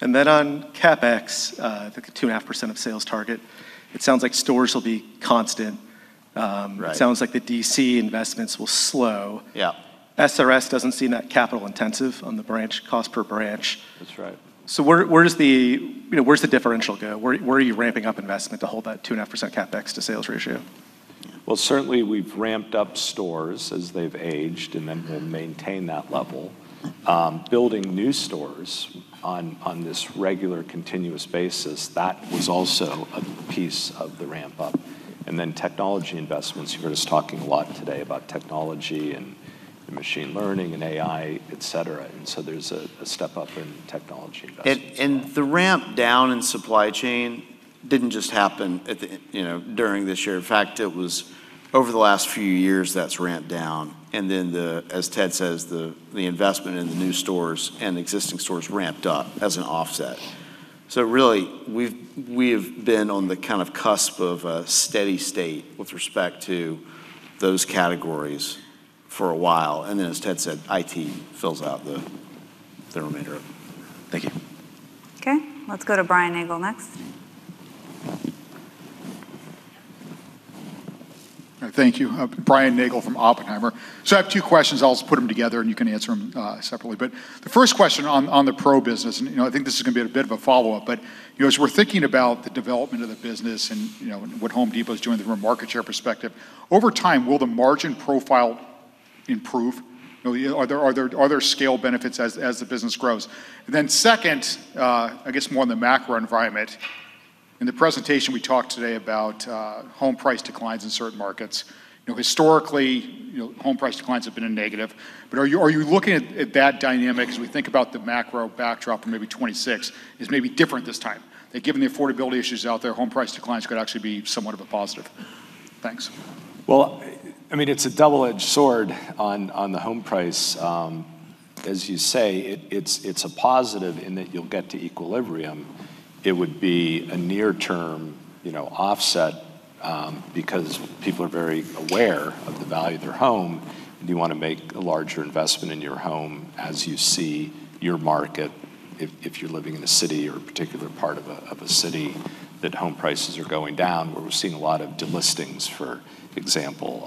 Speaker 32: And then on CapEx, the 2.5% of sales target, it sounds like stores will be constant. It sounds like the DC investments will slow. SRS doesn't seem that capital intensive on the cost per branch. So where's the differential go? Where are you ramping up investment to hold that 2.5% CapEx to sales ratio?
Speaker 19: Well, certainly, we've ramped up stores as they've aged, and then we'll maintain that level. Building new stores on this regular continuous basis, that was also a piece of the ramp-up. And then technology investments. You heard us talking a lot today about technology and machine learning and AI, etc. And so there's a step up in technology investments. And the ramp down in supply chain didn't just happen during this year. In fact, it was over the last few years that's ramped down. And then, as Ted says, the investment in the new stores and existing stores ramped up as an offset. So really, we've been on the kind of cusp of a steady state with respect to those categories for a while. And then, as Ted said, IT fills out the remainder of it. Thank you.
Speaker 2: Okay. Let's go to Brian Nagel next. Thank you.
Speaker 33: Brian Nagel from Oppenheimer. So I have two questions. I'll just put them together, and you can answer them separately. But the first question on the Pro business, and I think this is going to be a bit of a follow-up, but as we're thinking about the development of the business and what Home Depot is doing from a market share perspective, over time, will the margin profile improve? Are there scale benefits as the business grows? And then second, I guess more in the macro environment, in the presentation, we talked today about home price declines in certain markets. Historically, home price declines have been a negative. But are you looking at that dynamic as we think about the macro backdrop for maybe 2026? Is it maybe different this time? Given the affordability issues out there, home price declines could actually be somewhat of a positive. Thanks.
Speaker 1: Well, I mean, it's a double-edged sword on the home price. As you say, it's a positive in that you'll get to equilibrium. It would be a near-term offset because people are very aware of the value of their home, and you want to make a larger investment in your home as you see your market. If you're living in a city or a particular part of a city that home prices are going down, where we're seeing a lot of delistings, for example,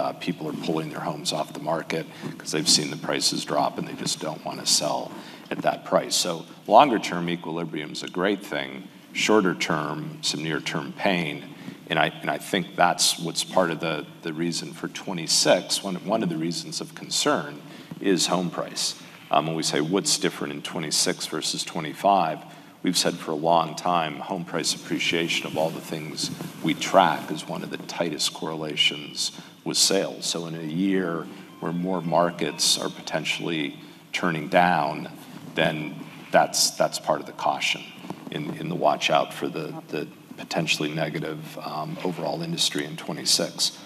Speaker 1: that people are pulling their homes off the market because they've seen the prices drop, and they just don't want to sell at that price. So longer-term equilibrium is a great thing. Shorter-term, some near-term pain. And I think that's what's part of the reason for 2026. One of the reasons of concern is home price. When we say, "What's different in 2026 versus 2025?" We've said for a long time, home price appreciation of all the things we track is one of the tightest correlations with sales. So in a year where more markets are potentially turning down, then that's part of the caution in the watch-out for the potentially negative overall industry in 2026.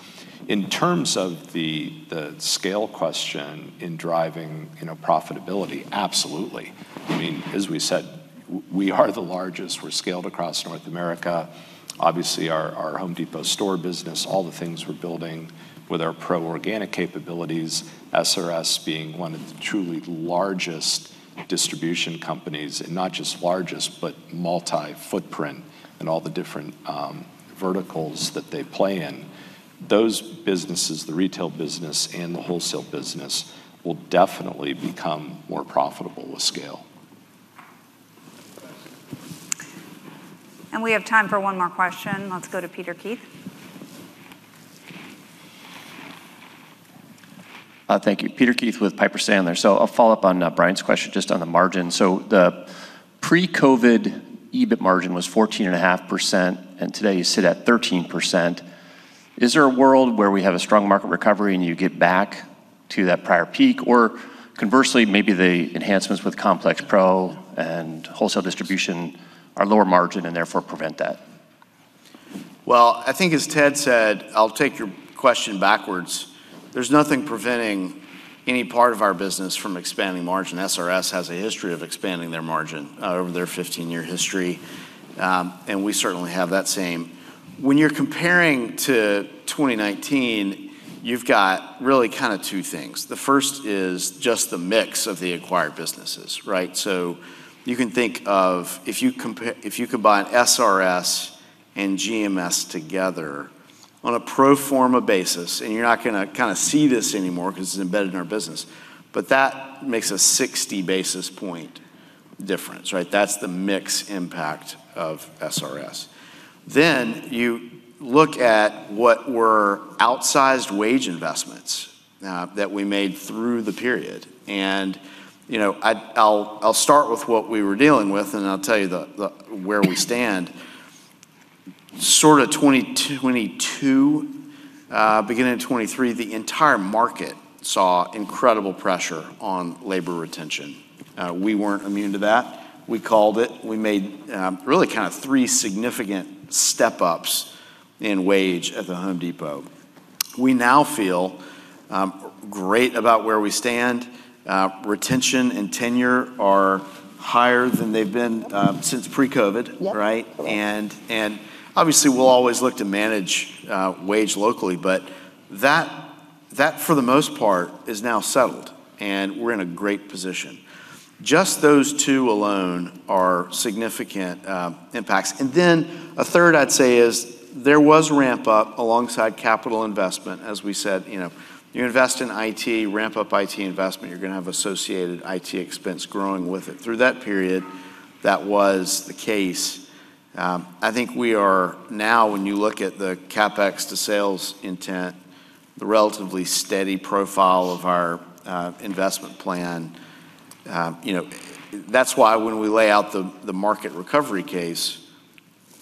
Speaker 1: In terms of the scale question in driving profitability, absolutely. I mean, as we said, we are the largest. We're scaled across North America. Obviously, our Home Depot store business, all the things we're building with our Pro organic capabilities, SRS being one of the truly largest distribution companies, and not just largest, but multi-footprint in all the different verticals that they play in. Those businesses, the retail business and the wholesale business, will definitely become more profitable with scale. And we have time for one more question.
Speaker 2: Let's go to Peter Keith.
Speaker 34: Thank you. Peter Keith with Piper Sandler. So I'll follow up on Brian's question just on the margin. So the pre-COVID EBIT margin was 14.5%, and today you sit at 13%. Is there a world where we have a strong market recovery and you get back to that prior peak? Or conversely, maybe the enhancements with Complex Pro and wholesale distribution are lower margin and therefore prevent that?
Speaker 19: Well, I think as Ted said, I'll take your question backwards. There's nothing preventing any part of our business from expanding margin. SRS has a history of expanding their margin over their 15-year history, and we certainly have that same. When you're comparing to 2019, you've got really kind of two things. The first is just the mix of the acquired businesses, right? So you can think of if you combine SRS and GMS together on a pro forma basis, and you're not going to kind of see this anymore because it's embedded in our business, but that makes a 60 basis point difference, right? That's the mixed impact of SRS. Then you look at what were outsized wage investments that we made through the period. And I'll start with what we were dealing with, and I'll tell you where we stand. Sort of 2022, beginning of 2023, the entire market saw incredible pressure on labor retention. We weren't immune to that. We called it. We made really kind of three significant step-ups in wage at the Home Depot. We now feel great about where we stand. Retention and tenure are higher than they've been since pre-COVID, right? Obviously, we'll always look to manage wages locally, but that, for the most part, is now settled, and we're in a great position. Just those two alone are significant impacts. Then a third, I'd say, is there was ramp-up alongside capital investment, as we said. You invest in IT, ramp-up IT investment, you're going to have associated IT expense growing with it. Through that period, that was the case. I think we are now, when you look at the CapEx to sales intent, the relatively steady profile of our investment plan, that's why when we lay out the market recovery case,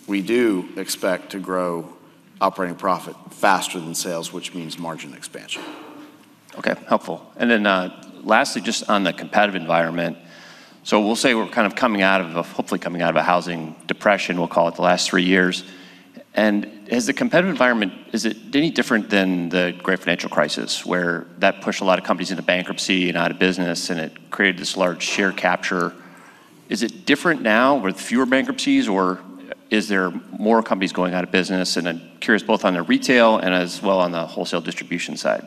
Speaker 19: we do expect to grow operating profit faster than sales, which means margin expansion. Okay. Helpful. Then lastly, just on the competitive environment. We'll say we're kind of coming out of, hopefully coming out of a housing depression, we'll call it, the last three years. And has the competitive environment, is it any different than the great financial crisis where that pushed a lot of companies into bankruptcy and out of business, and it created this large share capture? Is it different now with fewer bankruptcies, or is there more companies going out of business? And I'm curious both on the retail and as well on the wholesale distribution side.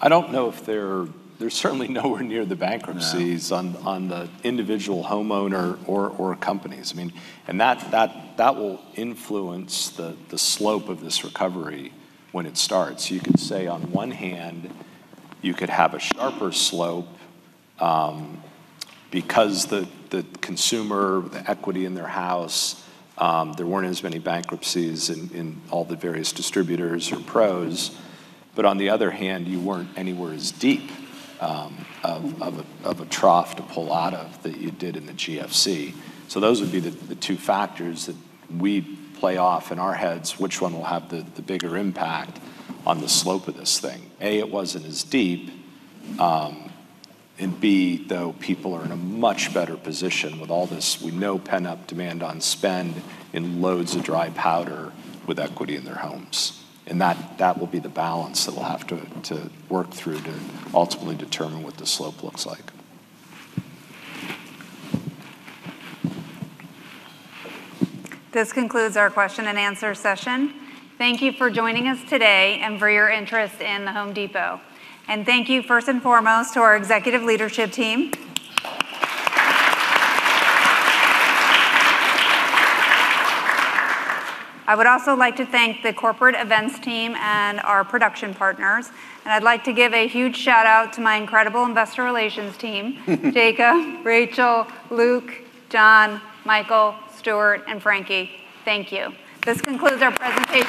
Speaker 19: I don't know if they're certainly nowhere near the bankruptcies on the individual homeowner or companies. I mean, and that will influence the slope of this recovery when it starts. You could say, on one hand, you could have a sharper slope because the consumer, the equity in their house, there weren't as many bankruptcies in all the various distributors or Pros. But on the other hand, you weren't anywhere as deep of a trough to pull out of that you did in the GFC. Those would be the two factors that we play off in our heads, which one will have the bigger impact on the slope of this thing. A, it wasn't as deep. And B, though people are in a much better position with all this, we know pent-up demand on spend in loads of dry powder with equity in their homes. And that will be the balance that we'll have to work through to ultimately determine what the slope looks like.
Speaker 2: This concludes our question and answer session. Thank you for joining us today and for your interest in The Home Depot. And thank you first and foremost to our executive leadership team. I would also like to thank the corporate events team and our production partners. And I'd like to give a huge shout-out to my incredible investor relations team, Jacob, Rachel, Luke, John, Michael, Stuart, and Frankie.Thank you. This concludes our presentation.